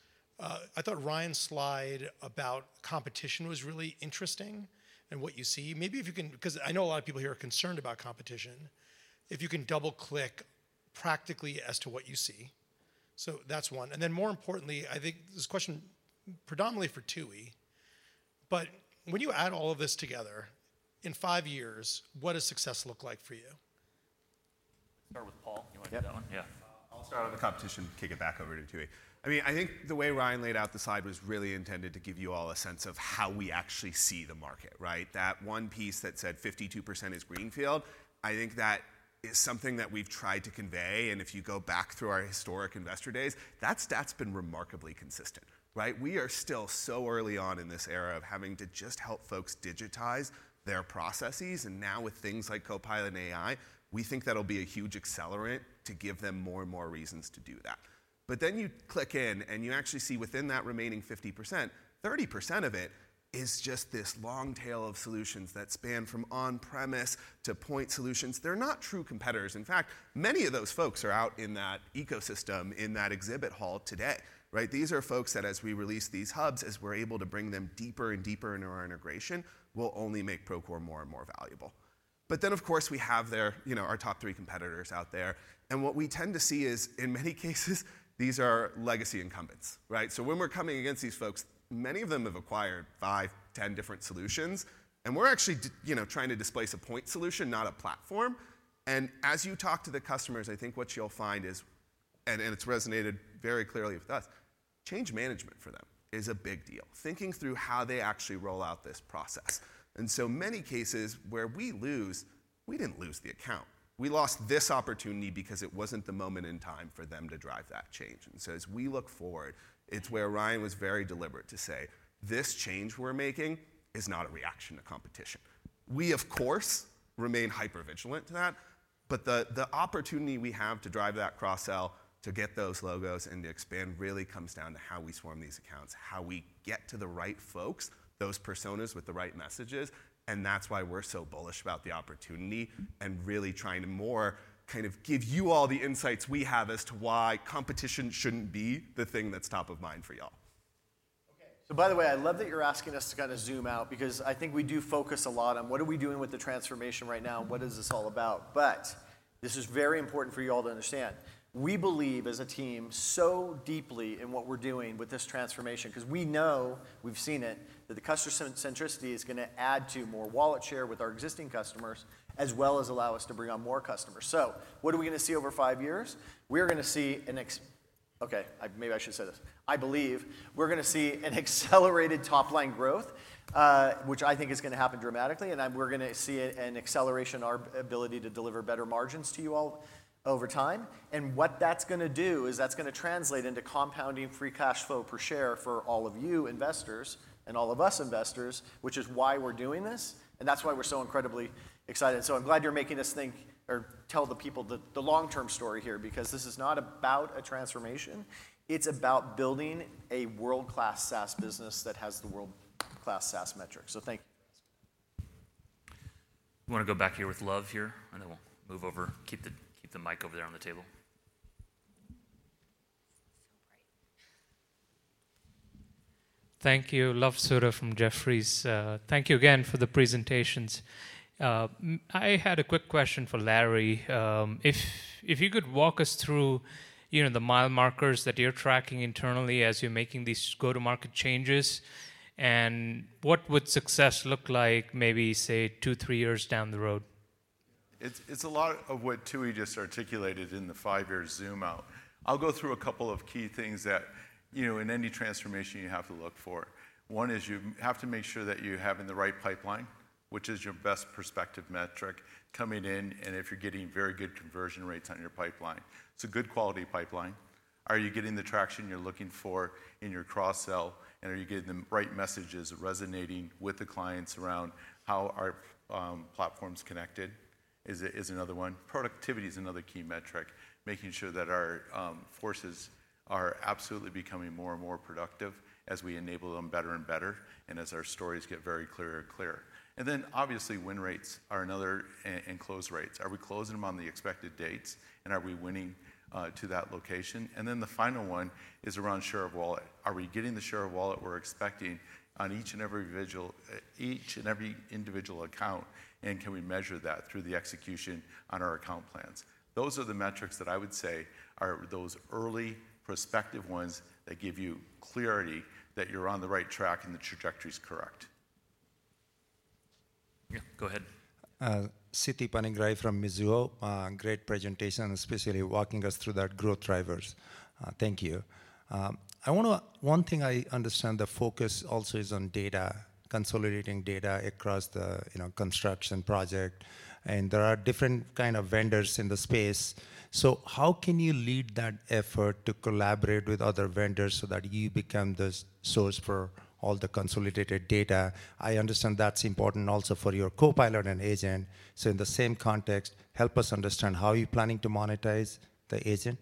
I thought Ryan's slide about competition was really interesting and what you see. Maybe if you can because I know a lot of people here are concerned about competition. If you can double-click practically as to what you see. So that's one. And then, more importantly, I think this question is predominantly for Tooey. But when you add all of this together, in five years, what does success look like for you? Start with Paul. You want to get that one? Yeah. I'll start on the competition, kick it back over to Tooey. I mean, I think the way Ryan laid out the slide was really intended to give you all a sense of how we actually see the market, right? That one piece that said 52% is greenfield, I think that is something that we've tried to convey. And if you go back through our historic investor days, that's been remarkably consistent, right? We are still so early on in this era of having to just help folks digitize their processes. And now with things like Copilot and AI, we think that'll be a huge accelerant to give them more and more reasons to do that. But then you click in and you actually see within that remaining 50%, 30% of it is just this long tail of solutions that span from on-premise to point solutions. They're not true competitors. In fact, many of those folks are out in that ecosystem in that exhibit hall today, right? These are folks that as we release these hubs, as we're able to bring them deeper and deeper into our integration, will only make Procore more and more valuable. But then, of course, we have our top three competitors out there. And what we tend to see is in many cases, these are legacy incumbents, right? So when we're coming against these folks, many of them have acquired five, ten different solutions. We're actually trying to displace a point solution, not a platform. As you talk to the customers, I think what you'll find is, and it's resonated very clearly with us, change management for them is a big deal, thinking through how they actually roll out this process. In so many cases where we lose, we didn't lose the account. We lost this opportunity because it wasn't the moment in time for them to drive that change. As we look forward, it's where Ryan was very deliberate to say, "This change we're making is not a reaction to competition." We, of course, remain hyper-vigilant to that. But the opportunity we have to drive that cross-sell to get those logos and to expand really comes down to how we swarm these accounts, how we get to the right folks, those personas with the right messages. And that's why we're so bullish about the opportunity and really trying to more kind of give you all the insights we have as to why competition shouldn't be the thing that's top of mind for y'all. Okay. So by the way, I love that you're asking us to kind of zoom out because I think we do focus a lot on what are we doing with the transformation right now and what is this all about. But this is very important for you all to understand. We believe as a team so deeply in what we're doing with this transformation because we know, we've seen it, that the customer centricity is going to add to more wallet share with our existing customers as well as allow us to bring on more customers. So what are we going to see over five years? I believe we're going to see an accelerated top-line growth, which I think is going to happen dramatically, and we're going to see an acceleration in our ability to deliver better margins to you all over time. And what that's going to do is that's going to translate into compounding free cash flow per share for all of you investors and all of us investors, which is why we're doing this. And that's why we're so incredibly excited, so I'm glad you're making us think or tell the people the long-term story here because this is not about a transformation. It's about building a world-class SaaS business that has the world-class SaaS metrics. So thank you. You want to go back here with Luv here?, and then we'll move over. Keep the mic over there on the table. Thank you. Luv Sodha from Jefferies. Thank you again for the presentations. I had a quick question for Larry. If you could walk us through the mile markers that you're tracking internally as you're making these go-to-market changes, and what would success look like maybe, say, two, three years down the road? It's a lot of what Tooey just articulated in the five-year zoom out. I'll go through a couple of key things that in any transformation you have to look for. One is you have to make sure that you're having the right pipeline, which is your best perspective metric coming in. And if you're getting very good conversion rates on your pipeline, it's a good quality pipeline. Are you getting the traction you're looking for in your cross-sell? And are you getting the right messages resonating with the clients around how our platform's connected? Is another one. Productivity is another key metric, making sure that our forces are absolutely becoming more and more productive as we enable them better and better and as our stories get very clearer and clearer. And then obviously win rates are another and close rates. Are we closing them on the expected dates? And are we winning to that location? And then the final one is around share of wallet. Are we getting the share of wallet we're expecting on each and every individual account? And can we measure that through the execution on our account plans? Those are the metrics that I would say are those early prospective ones that give you clarity that you're on the right track and the trajectory's correct. Yeah, go ahead. Siti Panigrahi from Mizuho. Great presentation, especially walking us through that growth drivers. Thank you. One thing I understand the focus also is on data, consolidating data across the construction project, and there are different kind of vendors in the space. So how can you lead that effort to collaborate with other vendors so that you become the source for all the consolidated data? I understand that's important also for your Copilot and agent, so in the same context, help us understand how you're planning to monetize the agent.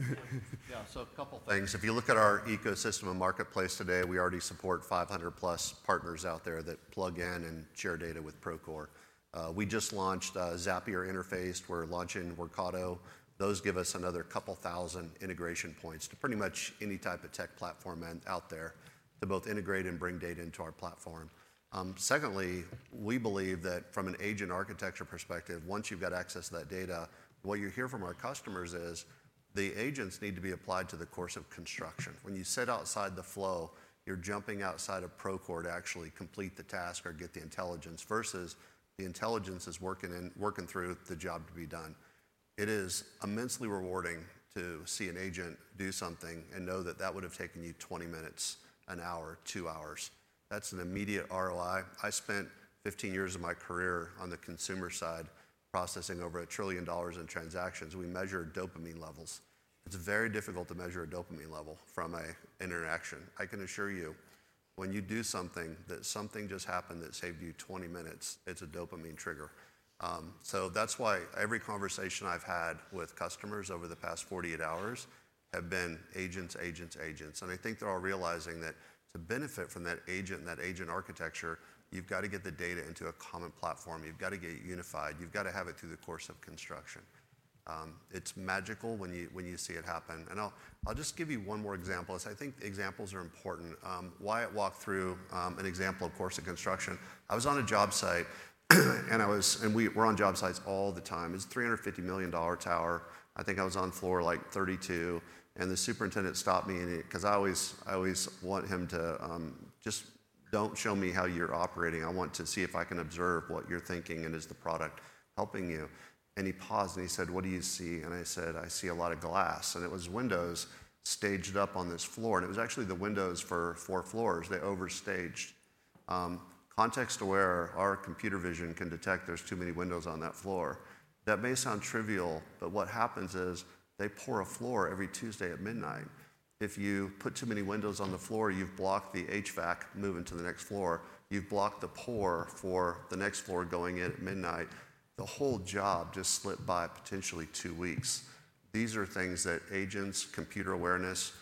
Yeah, so a couple of things. If you look at our ecosystem and marketplace today, we already support 500-plus partners out there that plug in and share data with Procore. We just launched Zapier Interface. We're launching Workato. Those give us another couple thousand integration points to pretty much any type of tech platform out there to both integrate and bring data into our platform. Secondly, we believe that from an agent architecture perspective, once you've got access to that data, what you hear from our customers is the agents need to be applied to the course of construction. When you sit outside the flow, you're jumping outside of Procore to actually complete the task or get the intelligence versus the intelligence is working through the job to be done. It is immensely rewarding to see an agent do something and know that that would have taken you 20 minutes, an hour, two hours. That's an immediate ROI. I spent 15 years of my career on the consumer side processing over $1 trillion in transactions. We measure dopamine levels. It's very difficult to measure a dopamine level from an interaction. I can assure you when you do something that something just happened that saved you 20 minutes, it's a dopamine trigger. That's why every conversation I've had with customers over the past 48 hours have been agents, agents, agents. I think they're all realizing that to benefit from that agent and that agent architecture, you've got to get the data into a common platform. You've got to get it unified. You've got to have it through the course of construction. It's magical when you see it happen. I'll just give you one more example. I think examples are important. While I walk through an example of course of construction, I was on a job site and we're on job sites all the time. It's a $350 million tower. I think I was on floor like 32. The superintendent stopped me because I always want him to just show me how you're operating. I want to see if I can observe what you're thinking and is the product helping you. And he paused and he said, "What do you see?" And I said, "I see a lot of glass." And it was windows staged up on this floor. And it was actually the windows for four floors. They overstaged. Context-aware, our computer vision can detect there's too many windows on that floor. That may sound trivial, but what happens is they pour a floor every Tuesday at midnight. If you put too many windows on the floor, you've blocked the HVAC moving to the next floor. You've blocked the pour for the next floor going in at midnight. The whole job just slipped by potentially two weeks. These are things that agents, computer awareness,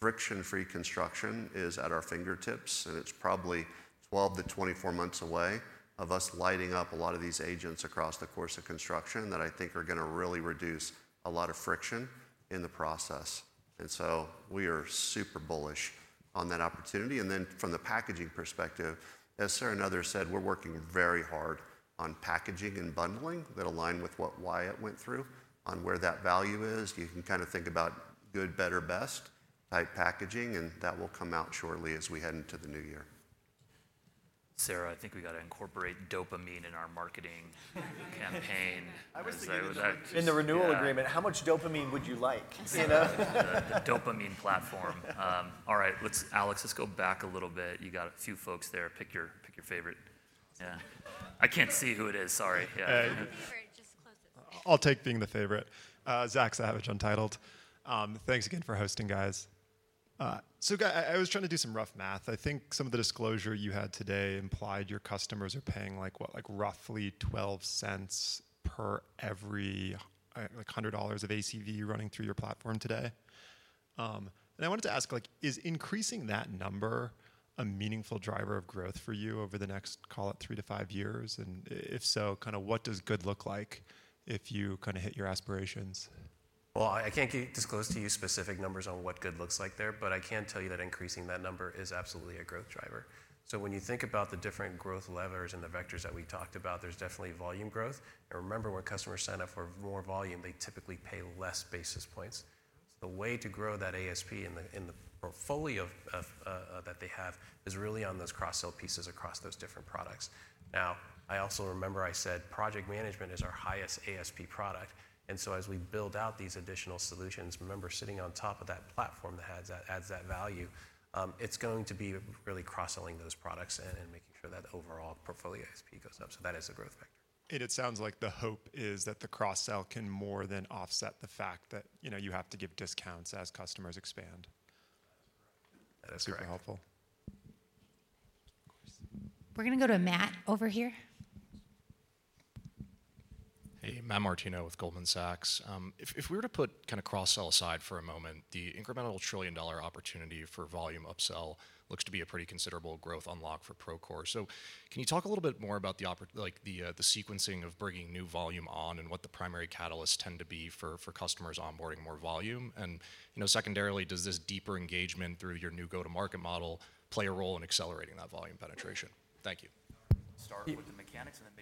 friction-free construction is at our fingertips. And it's probably 12 to 24 months away of us lighting up a lot of these agents across the course of construction that I think are going to really reduce a lot of friction in the process. And so we are super bullish on that opportunity. And then from the packaging perspective, as Sarah and others said, we're working very hard on packaging and bundling that align with what Wyatt went through on where that value is. You can kind of think about good, better, best type packaging. And that will come out shortly as we head into the new year. Sarah, I think we got to incorporate dopamine in our marketing campaign. I was thinking that In the renewal agreement, how much dopamine would you like? The dopamine platform. All right, Alex, let's go back a little bit. You got a few folks there. Pick your favorite. Yeah. I can't see who it is. Sorry. I'll take being the favorite. Zach Savage, untitled. Thanks again for hosting, guys. So I was trying to do some rough math. I think some of the disclosure you had today implied your customers are paying like roughly $0.12 per every $100 of ACV running through your platform today. And I wanted to ask, is increasing that number a meaningful driver of growth for you over the next, call it, three-to-five years? And if so, kind of what does good look like if you kind of hit your aspirations? Well, I can't disclose to you specific numbers on what good looks like there, but I can tell you that increasing that number is absolutely a growth driver. So when you think about the different growth levers and the vectors that we talked about, there's definitely volume growth. And remember, when customers sign up for more volume, they typically pay less basis points. The way to grow that ASP in the portfolio that they have is really on those cross-sell pieces across those different products. Now, I also remember I said Project Management is our highest ASP product. And so as we build out these additional solutions, remember sitting on top of that platform that adds that value, it's going to be really cross-selling those products and making sure that overall portfolio ASP goes up. So that is a growth factor. And it sounds like the hope is that the cross-sell can more than offset the fact that you have to give discounts as customers expand. That's very helpful. Of course. We're going to go to Matt over here. Hey, Matt Martino with Goldman Sachs. If we were to put kind of cross-sell aside for a moment, the incremental trillion-dollar opportunity for volume upsell looks to be a pretty considerable growth unlock for Procore. So can you talk a little bit more about the sequencing of bringing new volume on and what the primary catalysts tend to be for customers onboarding more volume? And secondarily, does this deeper engagement through your new go-to-market model play a role in accelerating that volume penetration? Thank you. Start with the mechanics and then maybe.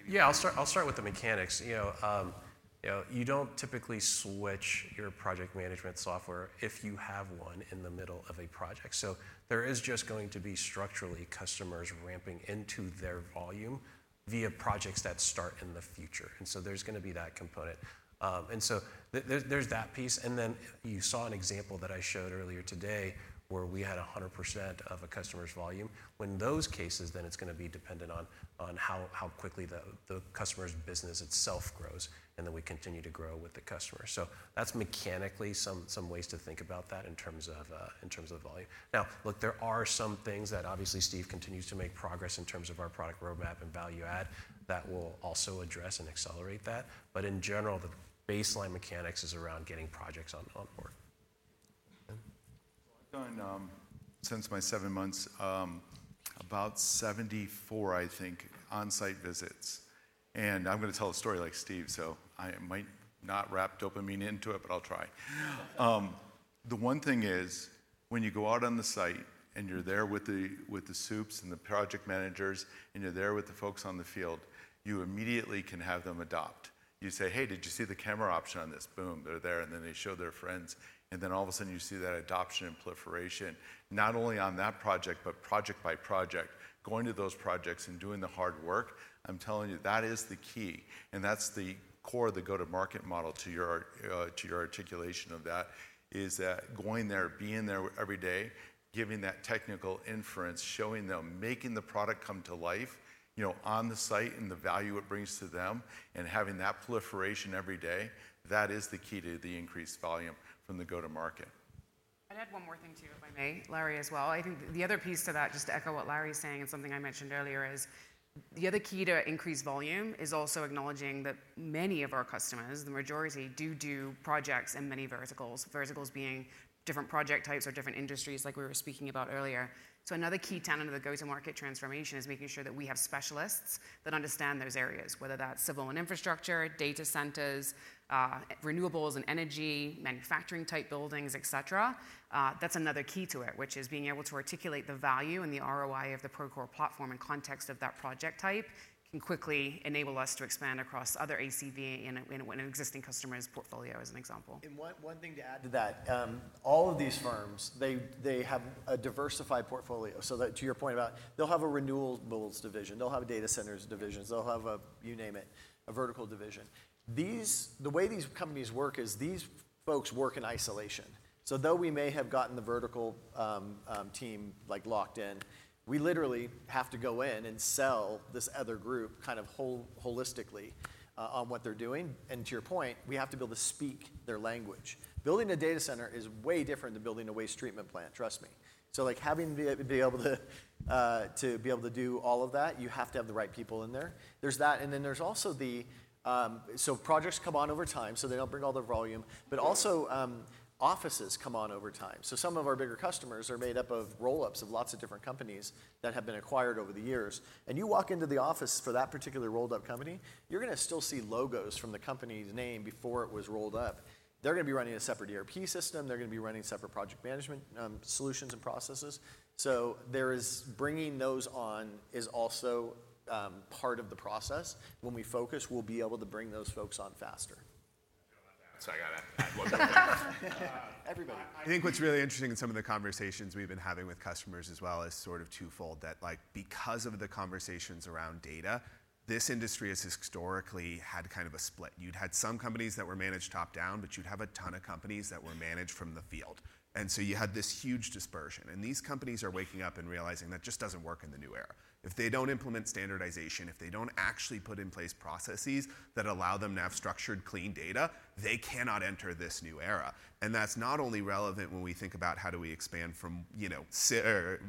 Yeah, I'll start with the mechanics. You don't typically switch your Project Management software if you have one in the middle of a project. So there is just going to be structurally customers ramping into their volume via projects that start in the future. And so there's going to be that component. And so there's that piece. And then you saw an example that I showed earlier today where we had 100% of a customer's volume. When those cases, then it's going to be dependent on how quickly the customer's business itself grows and then we continue to grow with the customer. So that's mechanically some ways to think about that in terms of volume. Now, look, there are some things that obviously Steve continues to make progress in terms of our product roadmap and value add that will also address and accelerate that. But in general, the baseline mechanics is around getting projects on board. Since my seven months, about 74, I think, on-site visits. And I'm going to tell a story like Steve, so I might not wrap dopamine into it, but I'll try. The one thing is when you go out on the site and you're there with the subs and the project managers and you're there with the folks in the field, you immediately can have them adopt. You say, "Hey, did you see the camera option on this?" Boom, they're there. And then they show their friends. And then all of a sudden you see that adoption and proliferation, not only on that project, but project by project, going to those projects and doing the hard work. I'm telling you that is the key. And that's the core of the go-to-market model. To your articulation of that is that going there, being there every day, giving that technical inference, showing them, making the product come to life on the site and the value it brings to them and having that proliferation every day, that is the key to the increased volume from the go-to-market. I'd add one more thing too, if I may, Larry, as well. I think the other piece to that, just to echo what Larry is saying and something I mentioned earlier, is the other key to increased volume is also acknowledging that many of our customers, the majority, do do projects in many verticals, verticals being different project types or different industries like we were speaking about earlier. So another key tenet of the go-to-market transformation is making sure that we have specialists that understand those areas, whether that's civil and infrastructure, data centers, renewables and energy, manufacturing-type buildings, etc. That's another key to it, which is being able to articulate the value and the ROI of the Procore platform in context of that project type can quickly enable us to expand across other ACV and an existing customer's portfolio, as an example. And one thing to add to that, all of these firms, they have a diversified portfolio. So to your point about they'll have a renewables division, they'll have data centers divisions, they'll have, you name it, a vertical division. The way these companies work is these folks work in isolation. So though we may have gotten the vertical team locked in, we literally have to go in and sell this other group kind of holistically on what they're doing. And to your point, we have to be able to speak their language. Building a data center is way different than building a waste treatment plant, trust me. So having to be able to do all of that, you have to have the right people in there. There's that. And then there's also, so projects come on over time, so they don't bring all their volume, but also offices come on over time. So some of our bigger customers are made up of roll-ups of lots of different companies that have been acquired over the years. And you walk into the office for that particular rolled-up company. You're going to still see logos from the company's name before it was rolled up. They're going to be running a separate ERP system. They're going to be running separate Project Management solutions and processes. So bringing those on is also part of the process. When we focus, we'll be able to bring those folks on faster. So I got to add. Everybody. I think what's really interesting in some of the conversations we've been having with customers as well is sort of twofold, that because of the conversations around data, this industry has historically had kind of a split. You'd had some companies that were managed top-down, but you'd have a ton of companies that were managed from the field. And so you had this huge dispersion. These companies are waking up and realizing that just doesn't work in the new era. If they don't implement standardization, if they don't actually put in place processes that allow them to have structured, clean data, they cannot enter this new era. That's not only relevant when we think about how do we expand from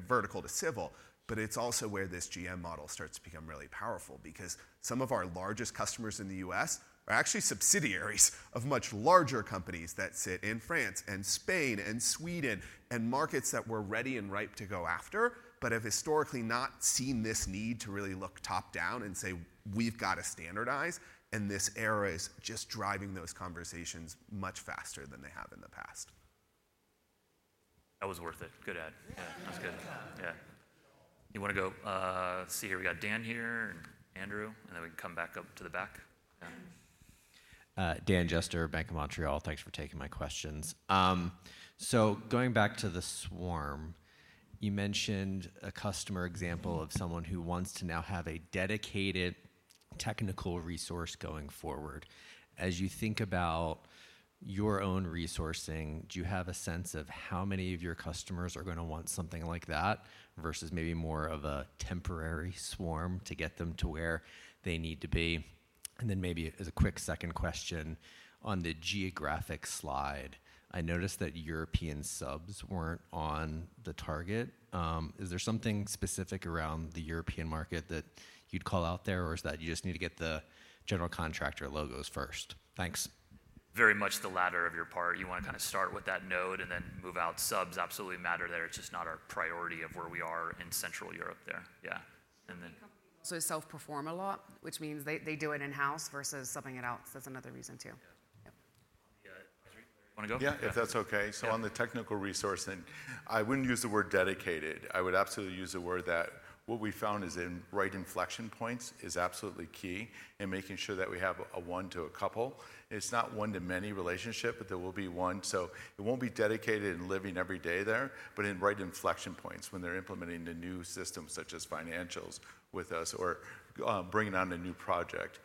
vertical to civil, but it's also where this GM model starts to become really powerful because some of our largest customers in the U.S. are actually subsidiaries of much larger companies that sit in France and Spain and Sweden and markets that were ready and ripe to go after, but have historically not seen this need to really look top-down and say, "We've got to standardize." This era is just driving those conversations much faster than they have in the past. That was worth it. Good add. That was good. Yeah. You want to go see here. We got Dan here and Andrew, and then we can come back up to the back. Dan Jester, Bank of Montreal, thanks for taking my questions. So going back to the swarm, you mentioned a customer example of someone who wants to now have a dedicated technical resource going forward. As you think about your own resourcing, do you have a sense of how many of your customers are going to want something like that versus maybe more of a temporary swarm to get them to where they need to be? And then maybe as a quick second question on the geographic slide, I noticed that European subs weren't on the target. Is there something specific around the European market that you'd call out there, or is that you just need to get the general contractor logos first? Thanks. Very much the latter part of your question. You want to kind of start with that node and then move out. Subs absolutely matter there. It's just not our priority where we are in Central Europe there. Yeah. And then. So they self-perform a lot, which means they do it in-house versus subbing it out. That's another reason too. Yeah. Want to go? Yeah, if that's okay. So on the technical resource, I wouldn't use the word dedicated. I would absolutely use the word that what we found is in right inflection points is absolutely key in making sure that we have a one to a couple. It's not one to many relationship, but there will be one. It won't be dedicated and living every day there, but in right inflection points when they're implementing a new system such as Financials with us or bringing on a new project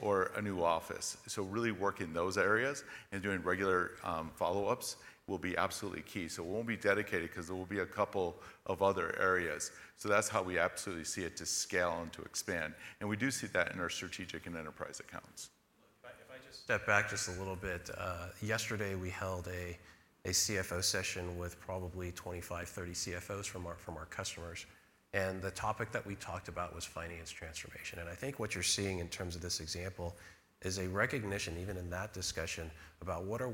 or a new office. So really working those areas and doing regular follow-ups will be absolutely key. So it won't be dedicated because there will be a couple of other areas. So that's how we absolutely see it to scale and to expand. And we do see that in our strategic and enterprise accounts. If I just step back just a little bit. Yesterday, we held a CFO session with probably 25-30 CFOs from our customers. And the topic that we talked about was finance transformation. I think what you're seeing in terms of this example is a recognition even in that discussion about what is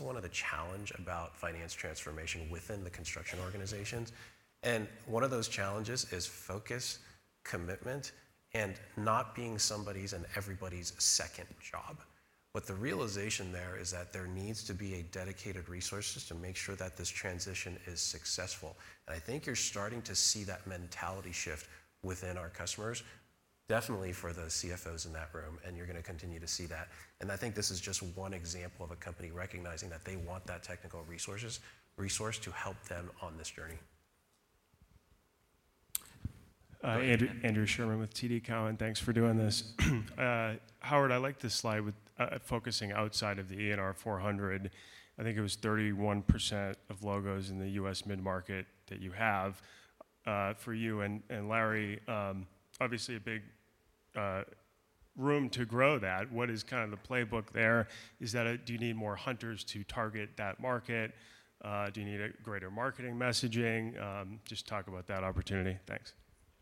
one of the challenges about finance transformation within the construction organizations. And one of those challenges is focus, commitment, and not being somebody's and everybody's second job. But the realization there is that there needs to be a dedicated resource just to make sure that this transition is successful. And I think you're starting to see that mentality shift within our customers, definitely for the CFOs in that room, and you're going to continue to see that. And I think this is just one example of a company recognizing that they want that technical resource to help them on this journey. Andrew Sherman with TD Cowen, thanks for doing this. Howard, I like this slide with focusing outside of the ENR 400. I think it was 31% of logos in the U.S. mid-market that you have for you. And Larry, obviously a big room to grow that. What is kind of the playbook there? Do you need more hunters to target that market? Do you need a greater marketing messaging? Just talk about that opportunity.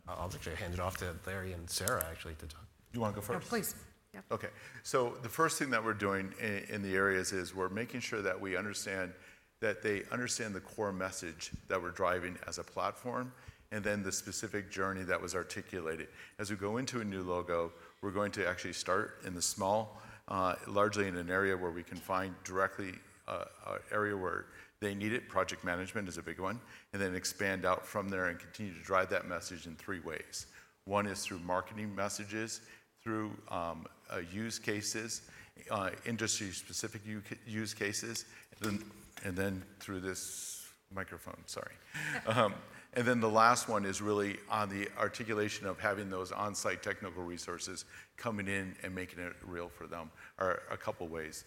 Thanks. I'll actually hand it off to Larry and Sarah, actually, to talk. You want to go first? Please. Yeah. Okay. So the first thing that we're doing in the areas is we're making sure that we understand that they understand the core message that we're driving as a platform and then the specific journey that was articulated. As we go into a new logo, we're going to actually start in the small, largely in an area where we can find directly an area where they need it. Project Management is a big one. And then expand out from there and continue to drive that message in three ways. One is through marketing messages, through use cases, industry-specific use cases, and then through this microphone, sorry. And then the last one is really on the articulation of having those on-site technical resources coming in and making it real for them a couple of ways.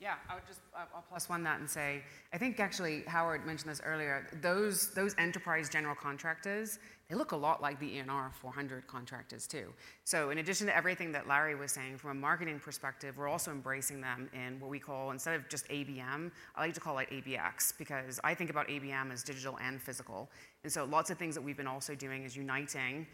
Yeah, I'll just plus one that and say, I think actually Howard mentioned this earlier. Those enterprise general contractors, they look a lot like the ENR 400 contractors too. So in addition to everything that Larry was saying, from a marketing perspective, we're also embracing them in what we call, instead of just ABM, I like to call it ABX because I think about ABM as digital and physical. And so lots of things that we've been also doing is uniting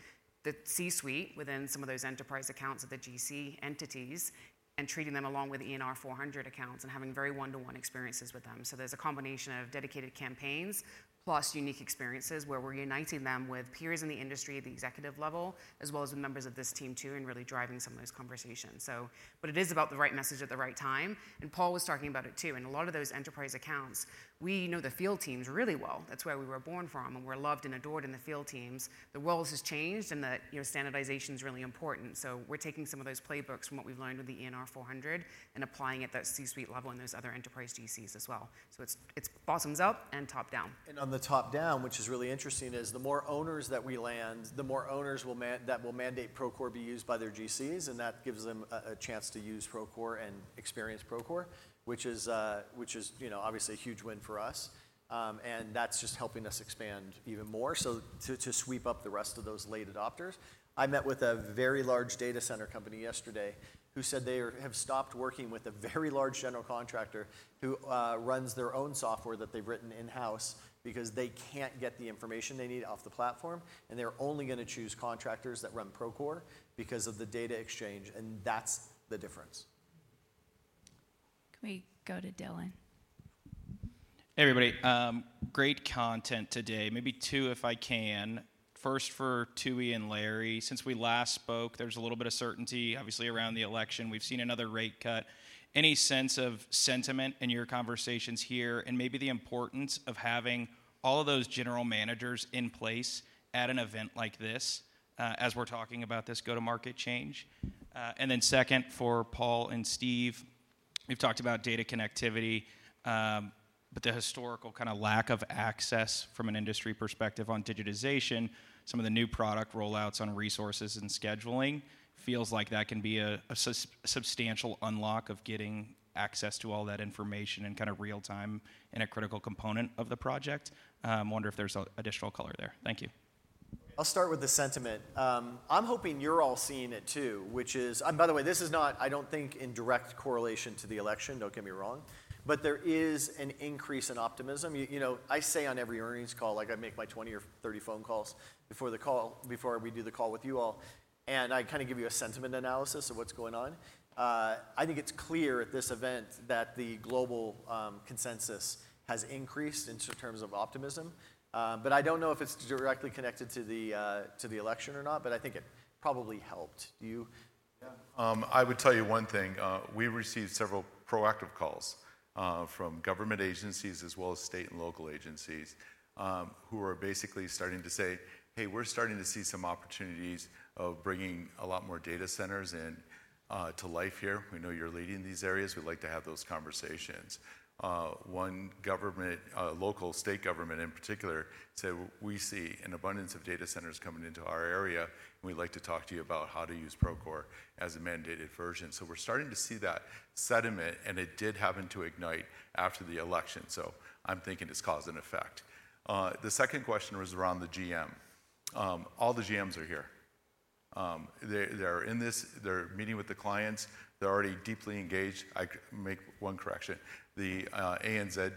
the C-suite within some of those enterprise accounts of the GC entities and treating them along with ENR 400 accounts and having very one-to-one experiences with them. So there's a combination of dedicated campaigns plus unique experiences where we're uniting them with peers in the industry, the executive level, as well as the members of this team too, and really driving some of those conversations. But it is about the right message at the right time. And Paul was talking about it too. And a lot of those enterprise accounts, we know the field teams really well. That's where we were born from and we're loved and adored in the field teams. The world has changed and standardization is really important. So we're taking some of those playbooks from what we've learned with the ENR 400 and applying it at that C-suite level and those other enterprise GCs as well. So it bottoms up and top down. And on the top down, which is really interesting, is the more owners that we land, the more owners that will mandate Procore be used by their GCs, and that gives them a chance to use Procore and experience Procore, which is obviously a huge win for us. And that's just helping us expand even more to sweep up the rest of those late adopters. I met with a very large data center company yesterday who said they have stopped working with a very large general contractor who runs their own software that they've written in-house because they can't get the information they need off the platform, and they're only going to choose contractors that run Procore because of the data exchange. And that's the difference. Can we go to Dylan? Hey, everybody. Great content today. Maybe two, if I can. First for Tooey and Larry. Since we last spoke, there's a little bit of certainty, obviously, around the election. We've seen another rate cut. Any sense of sentiment in your conversations here and maybe the importance of having all of those general managers in place at an event like this as we're talking about this go-to-market change? And then second for Paul and Steve, we've talked about data connectivity, but the historical kind of lack of access from an industry perspective on digitization, some of the new product rollouts on resources and scheduling, feels like that can be a substantial unlock of getting access to all that information and kind of real-time in a critical component of the project. I wonder if there's additional color there. Thank you. I'll start with the sentiment. I'm hoping you're all seeing it too, which is, by the way, this is not, I don't think, in direct correlation to the election, don't get me wrong, but there is an increase in optimism. I say on every earnings call, I make my 20 or 30 phone calls before we do the call with you all, and I kind of give you a sentiment analysis of what's going on. I think it's clear at this event that the global consensus has increased in terms of optimism, but I don't know if it's directly connected to the election or not, but I think it probably helped. Yeah. I would tell you one thing. We received several proactive calls from government agencies as well as state and local agencies who are basically starting to say, "Hey, we're starting to see some opportunities of bringing a lot more data centers into life here. We know you're leading these areas. We'd like to have those conversations." One local state government in particular said, "We see an abundance of data centers coming into our area, and we'd like to talk to you about how to use Procore as a mandated version." So we're starting to see that sentiment, and it did happen to ignite after the election. So I'm thinking it's cause and effect. The second question was around the GM. All the GMs are here. They're in this. They're meeting with the clients. They're already deeply engaged. I make one correction. The ANZ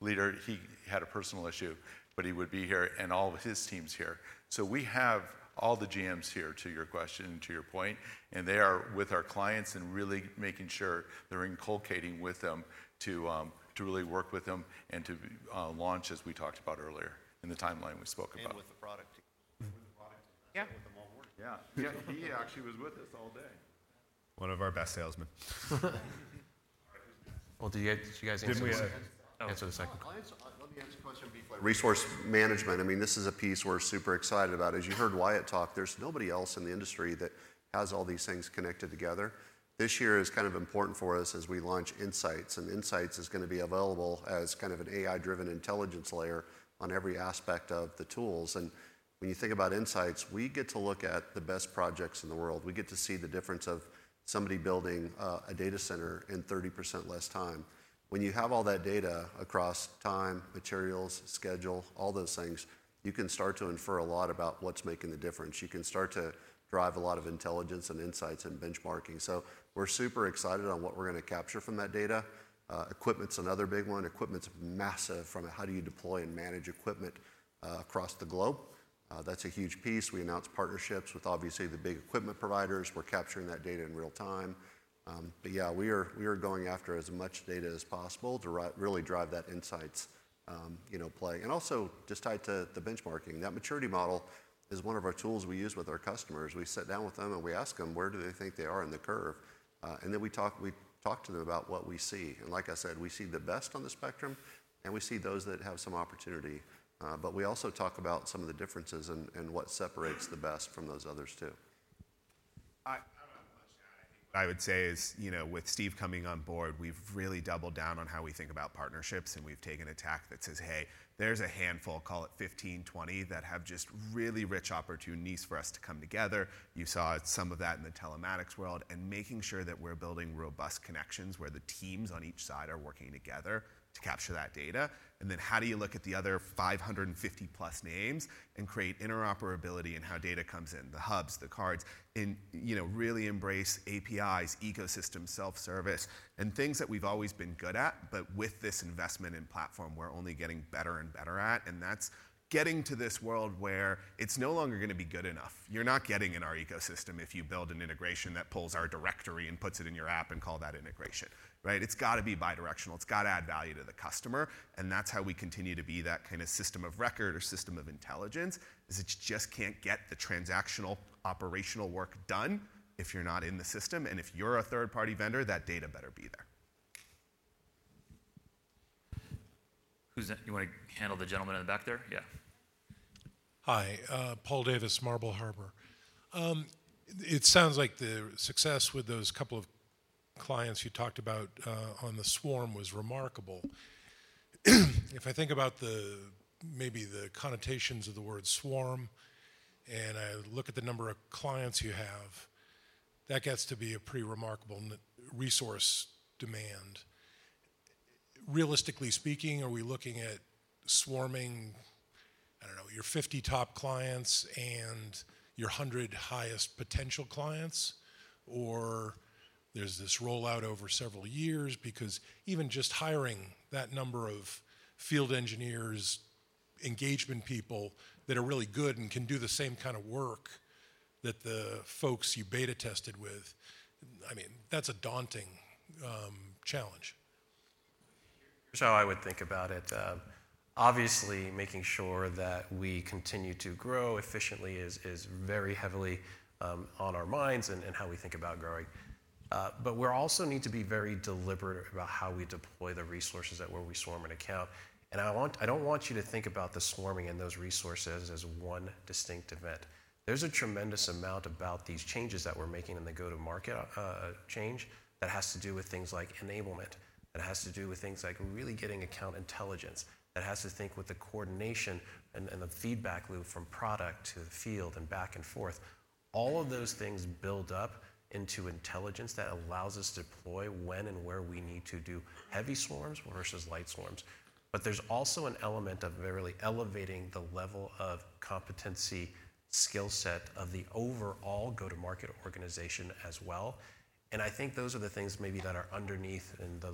leader, he had a personal issue, but he would be here and all of his team's here. So we have all the GMs here, to your question, to your point, and they are with our clients and really making sure they're inculcating with them to really work with them and to launch, as we talked about earlier in the timeline we spoke about. And with the product. Yeah. He actually was with us all day. One of our best salesmen. Well, did you guys answer the second question? Let me answer the question before. Resource Management, I mean, this is a piece we're super excited about. As you heard Wyatt talk, there's nobody else in the industry that has all these things connected together. This year is kind of important for us as we launch Insights, and Insights is going to be available as kind of an AI-driven intelligence layer on every aspect of the tools. And when you think about Insights, we get to look at the best projects in the world. We get to see the difference of somebody building a data center in 30% less time. When you have all that data across time, materials, schedule, all those things, you can start to infer a lot about what's making the difference. You can start to drive a lot of intelligence and insights and benchmarking. So we're super excited on what we're going to capture from that data. Equipment's another big one. Equipment's massive, from how do you deploy and manage equipment across the globe. That's a huge piece. We announced partnerships with, obviously, the big equipment providers. We're capturing that data in real time, but yeah, we are going after as much data as possible to really drive that insights play, and also just tied to the benchmarking, that maturity model is one of our tools we use with our customers. We sit down with them and we ask them, "Where do they think they are in the curve?" Then we talk to them about what we see, and like I said, we see the best on the spectrum, and we see those that have some opportunity, but we also talk about some of the differences and what separates the best from those others too. I would say is with Steve coming on board, we've really doubled down on how we think about partnerships, and we've taken a tack that says, "Hey, there's a handful, call it 15, 20, that have just really rich opportunities for us to come together." You saw some of that in the telematics world and making sure that we're building robust connections where the teams on each side are working together to capture that data. And then how do you look at the other 550-plus names and create interoperability in how data comes in, the hubs, the cards, and really embrace APIs, ecosystem, self-service, and things that we've always been good at, but with this investment in platform, we're only getting better and better at. And that's getting to this world where it's no longer going to be good enough. You're not getting in our ecosystem if you build an integration that pulls our directory and puts it in your app and calls that integration. Right? It's got to be bidirectional. It's got to add value to the customer. And that's how we continue to be that kind of system of record or system of intelligence. It just can't get the transactional operational work done if you're not in the system. And if you're a third-party vendor, that data better be there. You want to handle the gentleman in the back there? Yeah. Hi. Paul Davis, Marble Harbor. It sounds like the success with those couple of clients you talked about on the swarm was remarkable. If I think about maybe the connotations of the word swarm and I look at the number of clients you have, that gets to be a pretty remarkable resource demand. Realistically speaking, are we looking at swarming, I don't know, your 50 top clients and your 100 highest potential clients, or there's this rollout over several years because even just hiring that number of field engineers, engagement people that are really good and can do the same kind of work that the folks you beta tested with? I mean, that's a daunting challenge. Here's how I would think about it. Obviously, making sure that we continue to grow efficiently is very heavily on our minds and how we think about growing. But we also need to be very deliberate about how we deploy the resources that we swarm and account. And I don't want you to think about the swarming and those resources as one distinct event. There's a tremendous amount about these changes that we're making in the go-to-market change that has to do with things like enablement, that has to do with things like really getting account intelligence, that has to do with the coordination and the feedback loop from product to the field and back and forth. All of those things build up into intelligence that allows us to deploy when and where we need to do heavy swarms versus light swarms. But there's also an element of really elevating the level of competency skill set of the overall go-to-market organization as well. And I think those are the things maybe that are underneath and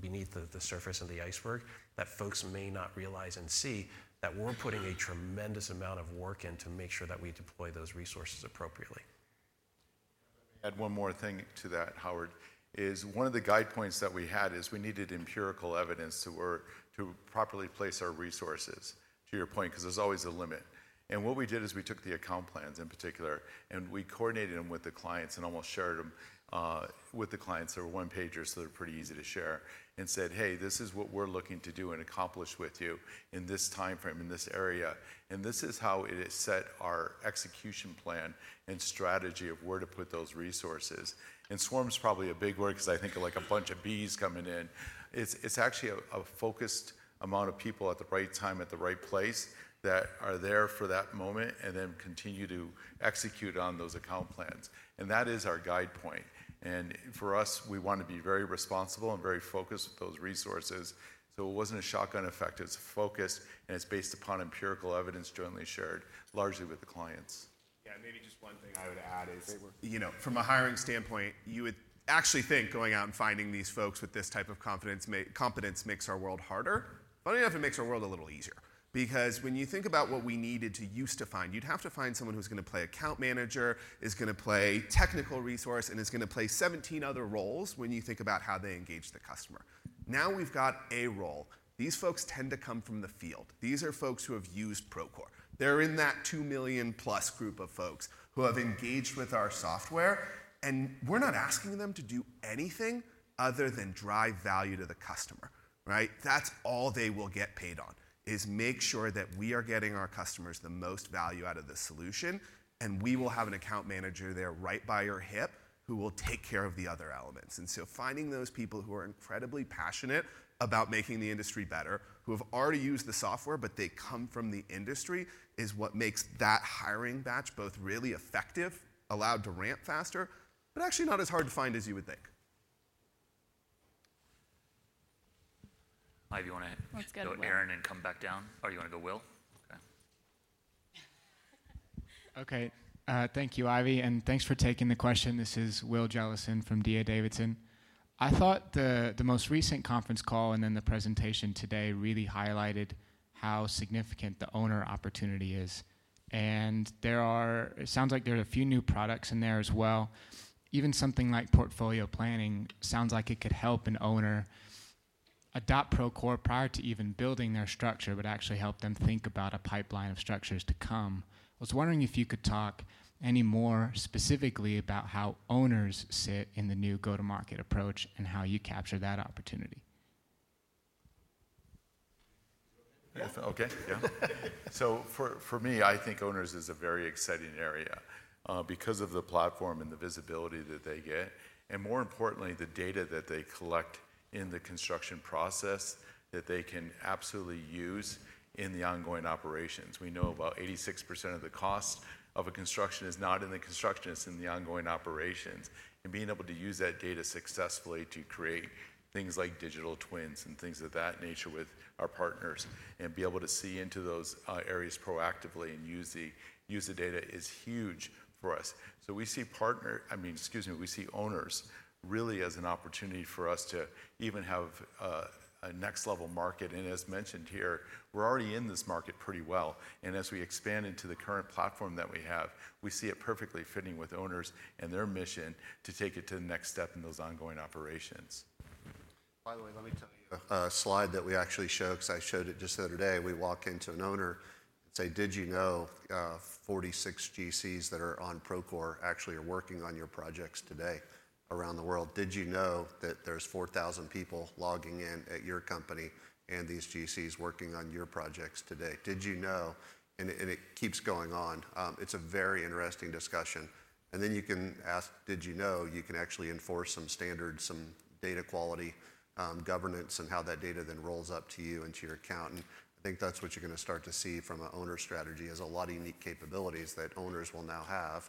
beneath the surface and the iceberg that folks may not realize and see that we're putting a tremendous amount of work in to make sure that we deploy those resources appropriately. Add one more thing to that, Howard. One of the guide points that we had is we needed empirical evidence to properly place our resources, to your point, because there's always a limit. And what we did is we took the account plans in particular, and we coordinated them with the clients and almost shared them with the clients. They were one-pagers, so they're pretty easy to share, and said, "Hey, this is what we're looking to do and accomplish with you in this timeframe, in this area." And this is how it has set our execution plan and strategy of where to put those resources. And swarm's probably a big word because I think of like a bunch of bees coming in. It's actually a focused amount of people at the right time at the right place that are there for that moment and then continue to execute on those account plans. And that is our guide point. And for us, we want to be very responsible and very focused with those resources. So it wasn't a shotgun effect. It's focused, and it's based upon empirical evidence jointly shared, largely with the clients. Yeah. And maybe just one thing I would add is from a hiring standpoint, you would actually think going out and finding these folks with this type of competence makes our world harder. Funny enough, it makes our world a little easier because when you think about what we used to need to find, you'd have to find someone who's going to play account manager, is going to play technical resource, and is going to play 17 other roles when you think about how they engage the customer. Now we've got a role. These folks tend to come from the field. These are folks who have used Procore. They're in that 2 million-plus group of folks who have engaged with our software, and we're not asking them to do anything other than drive value to the customer. Right? That's all they will get paid on, is make sure that we are getting our customers the most value out of the solution, and we will have an account manager there right by your hip who will take care of the other elements. And so finding those people who are incredibly passionate about making the industry better, who have already used the software, but they come from the industry, is what makes that hiring batch both really effective, allowed to ramp faster, but actually not as hard to find as you would think. Ivy, you want to go to Aaron and come back down? Or you want to go Will? Okay. Okay. Thank you, Ivy. And thanks for taking the question. This is Will Jellison from D.A. Davidson. I thought the most recent conference call and then the presentation today really highlighted how significant the owner opportunity is. And it sounds like there are a few new products in there as well. Even something like Portfolio Planning sounds like it could help an owner adopt Procore prior to even building their structure, but actually help them think about a pipeline of structures to come. I was wondering if you could talk any more specifically about how owners sit in the new go-to-market approach and how you capture that opportunity. Okay. Yeah. So for me, I think owners is a very exciting area because of the platform and the visibility that they get, and more importantly, the data that they collect in the construction process that they can absolutely use in the ongoing operations. We know about 86% of the cost of a construction is not in the construction. It's in the ongoing operations. Being able to use that data successfully to create things like digital twins and things of that nature with our partners and be able to see into those areas proactively and use the data is huge for us. So we see partners, I mean, excuse me, we see owners really as an opportunity for us to even have a next-level market. And as mentioned here, we're already in this market pretty well. And as we expand into the current platform that we have, we see it perfectly fitting with owners and their mission to take it to the next step in those ongoing operations. By the way, let me tell you a slide that we actually showed because I showed it just the other day. We walk into an owner, say, "Did you know 46 GCs that are on Procore actually are working on your projects today around the world? Did you know that there's 4,000 people logging in at your company and these GCs working on your projects today? Did you know?" And it keeps going on. It's a very interesting discussion. And then you can ask, "Did you know?" You can actually enforce some standards, some data quality governance, and how that data then rolls up to you and to your account. And I think that's what you're going to start to see from an owner strategy is a lot of unique capabilities that owners will now have.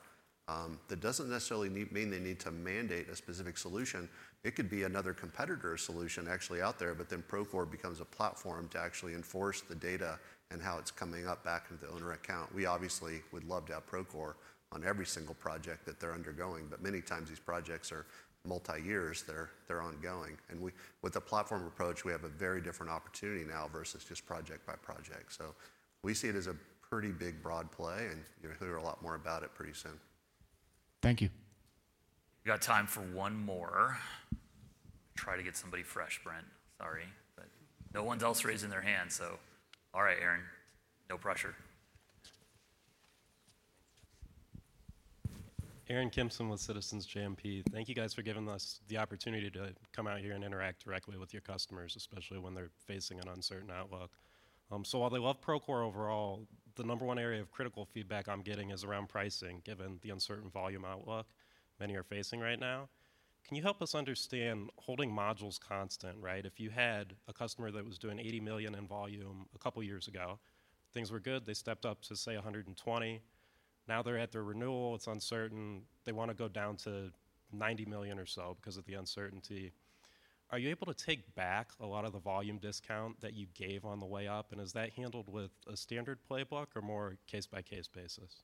That doesn't necessarily mean they need to mandate a specific solution. It could be another competitor's solution actually out there, but then Procore becomes a platform to actually enforce the data and how it's coming up back into the owner account. We obviously would love to have Procore on every single project that they're undergoing, but many times these projects are multi-years. They're ongoing. And with a platform approach, we have a very different opportunity now versus just project by project. So we see it as a pretty big broad play, and hear a lot more about it pretty soon. Thank you. We got time for one more. Try to get somebody fresh, Brent. Sorry, but no one else is raising their hand, so. All right, Aaron. No pressure. Aaron Kimson with Citizens JMP. Thank you guys for giving us the opportunity to come out here and interact directly with your customers, especially when they're facing an uncertain outlook. So while they love Procore overall, the number one area of critical feedback I'm getting is around pricing, given the uncertain volume outlook many are facing right now. Can you help us understand holding modules constant, right? If you had a customer that was doing $80 million in volume a couple of years ago, things were good. They stepped up to, say, $120 million. Now they're at their renewal. It's uncertain. They want to go down to $90 million or so because of the uncertainty. Are you able to take back a lot of the volume discount that you gave on the way up? And is that handled with a standard playbook or more case-by-case basis?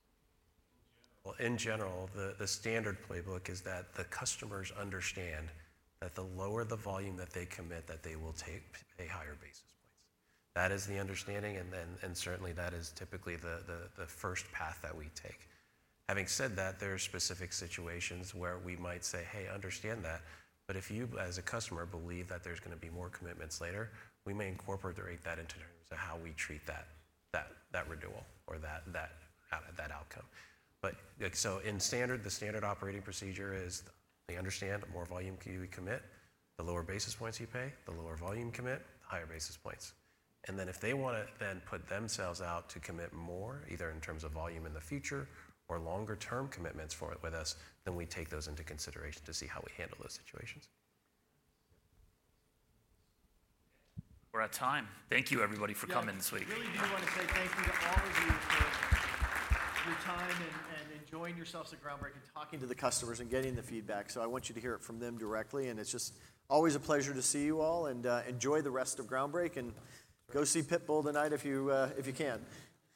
In general, the standard playbook is that the customers understand that the lower the volume that they commit, that they will take a higher basis points. That is the understanding, and certainly that is typically the first path that we take. Having said that, there are specific situations where we might say, "Hey, understand that." But if you, as a customer, believe that there's going to be more commitments later, we may incorporate that into terms of how we treat that renewal or that outcome. But so in standard, the standard operating procedure is they understand more volume can you commit, the lower basis points you pay, the lower volume commit, the higher basis points. And then if they want to then put themselves out to commit more, either in terms of volume in the future or longer-term commitments with us, then we take those into consideration to see how we handle those situations. We're out of time. Thank you, everybody, for coming this week. Really, we want to say thank you to all of you for your time and enjoying yourselves at Groundbreak and talking to the customers and getting the feedback. So I want you to hear it from them directly. And it's just always a pleasure to see you all and enjoy the rest of Groundbreak and go see Pitbull tonight if you can.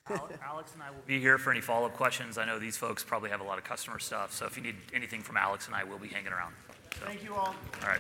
Alex and I will be here for any follow-up questions. I know these folks probably have a lot of customer stuff. So if you need anything from Alex and I, we'll be hanging around. Thank you all. All right.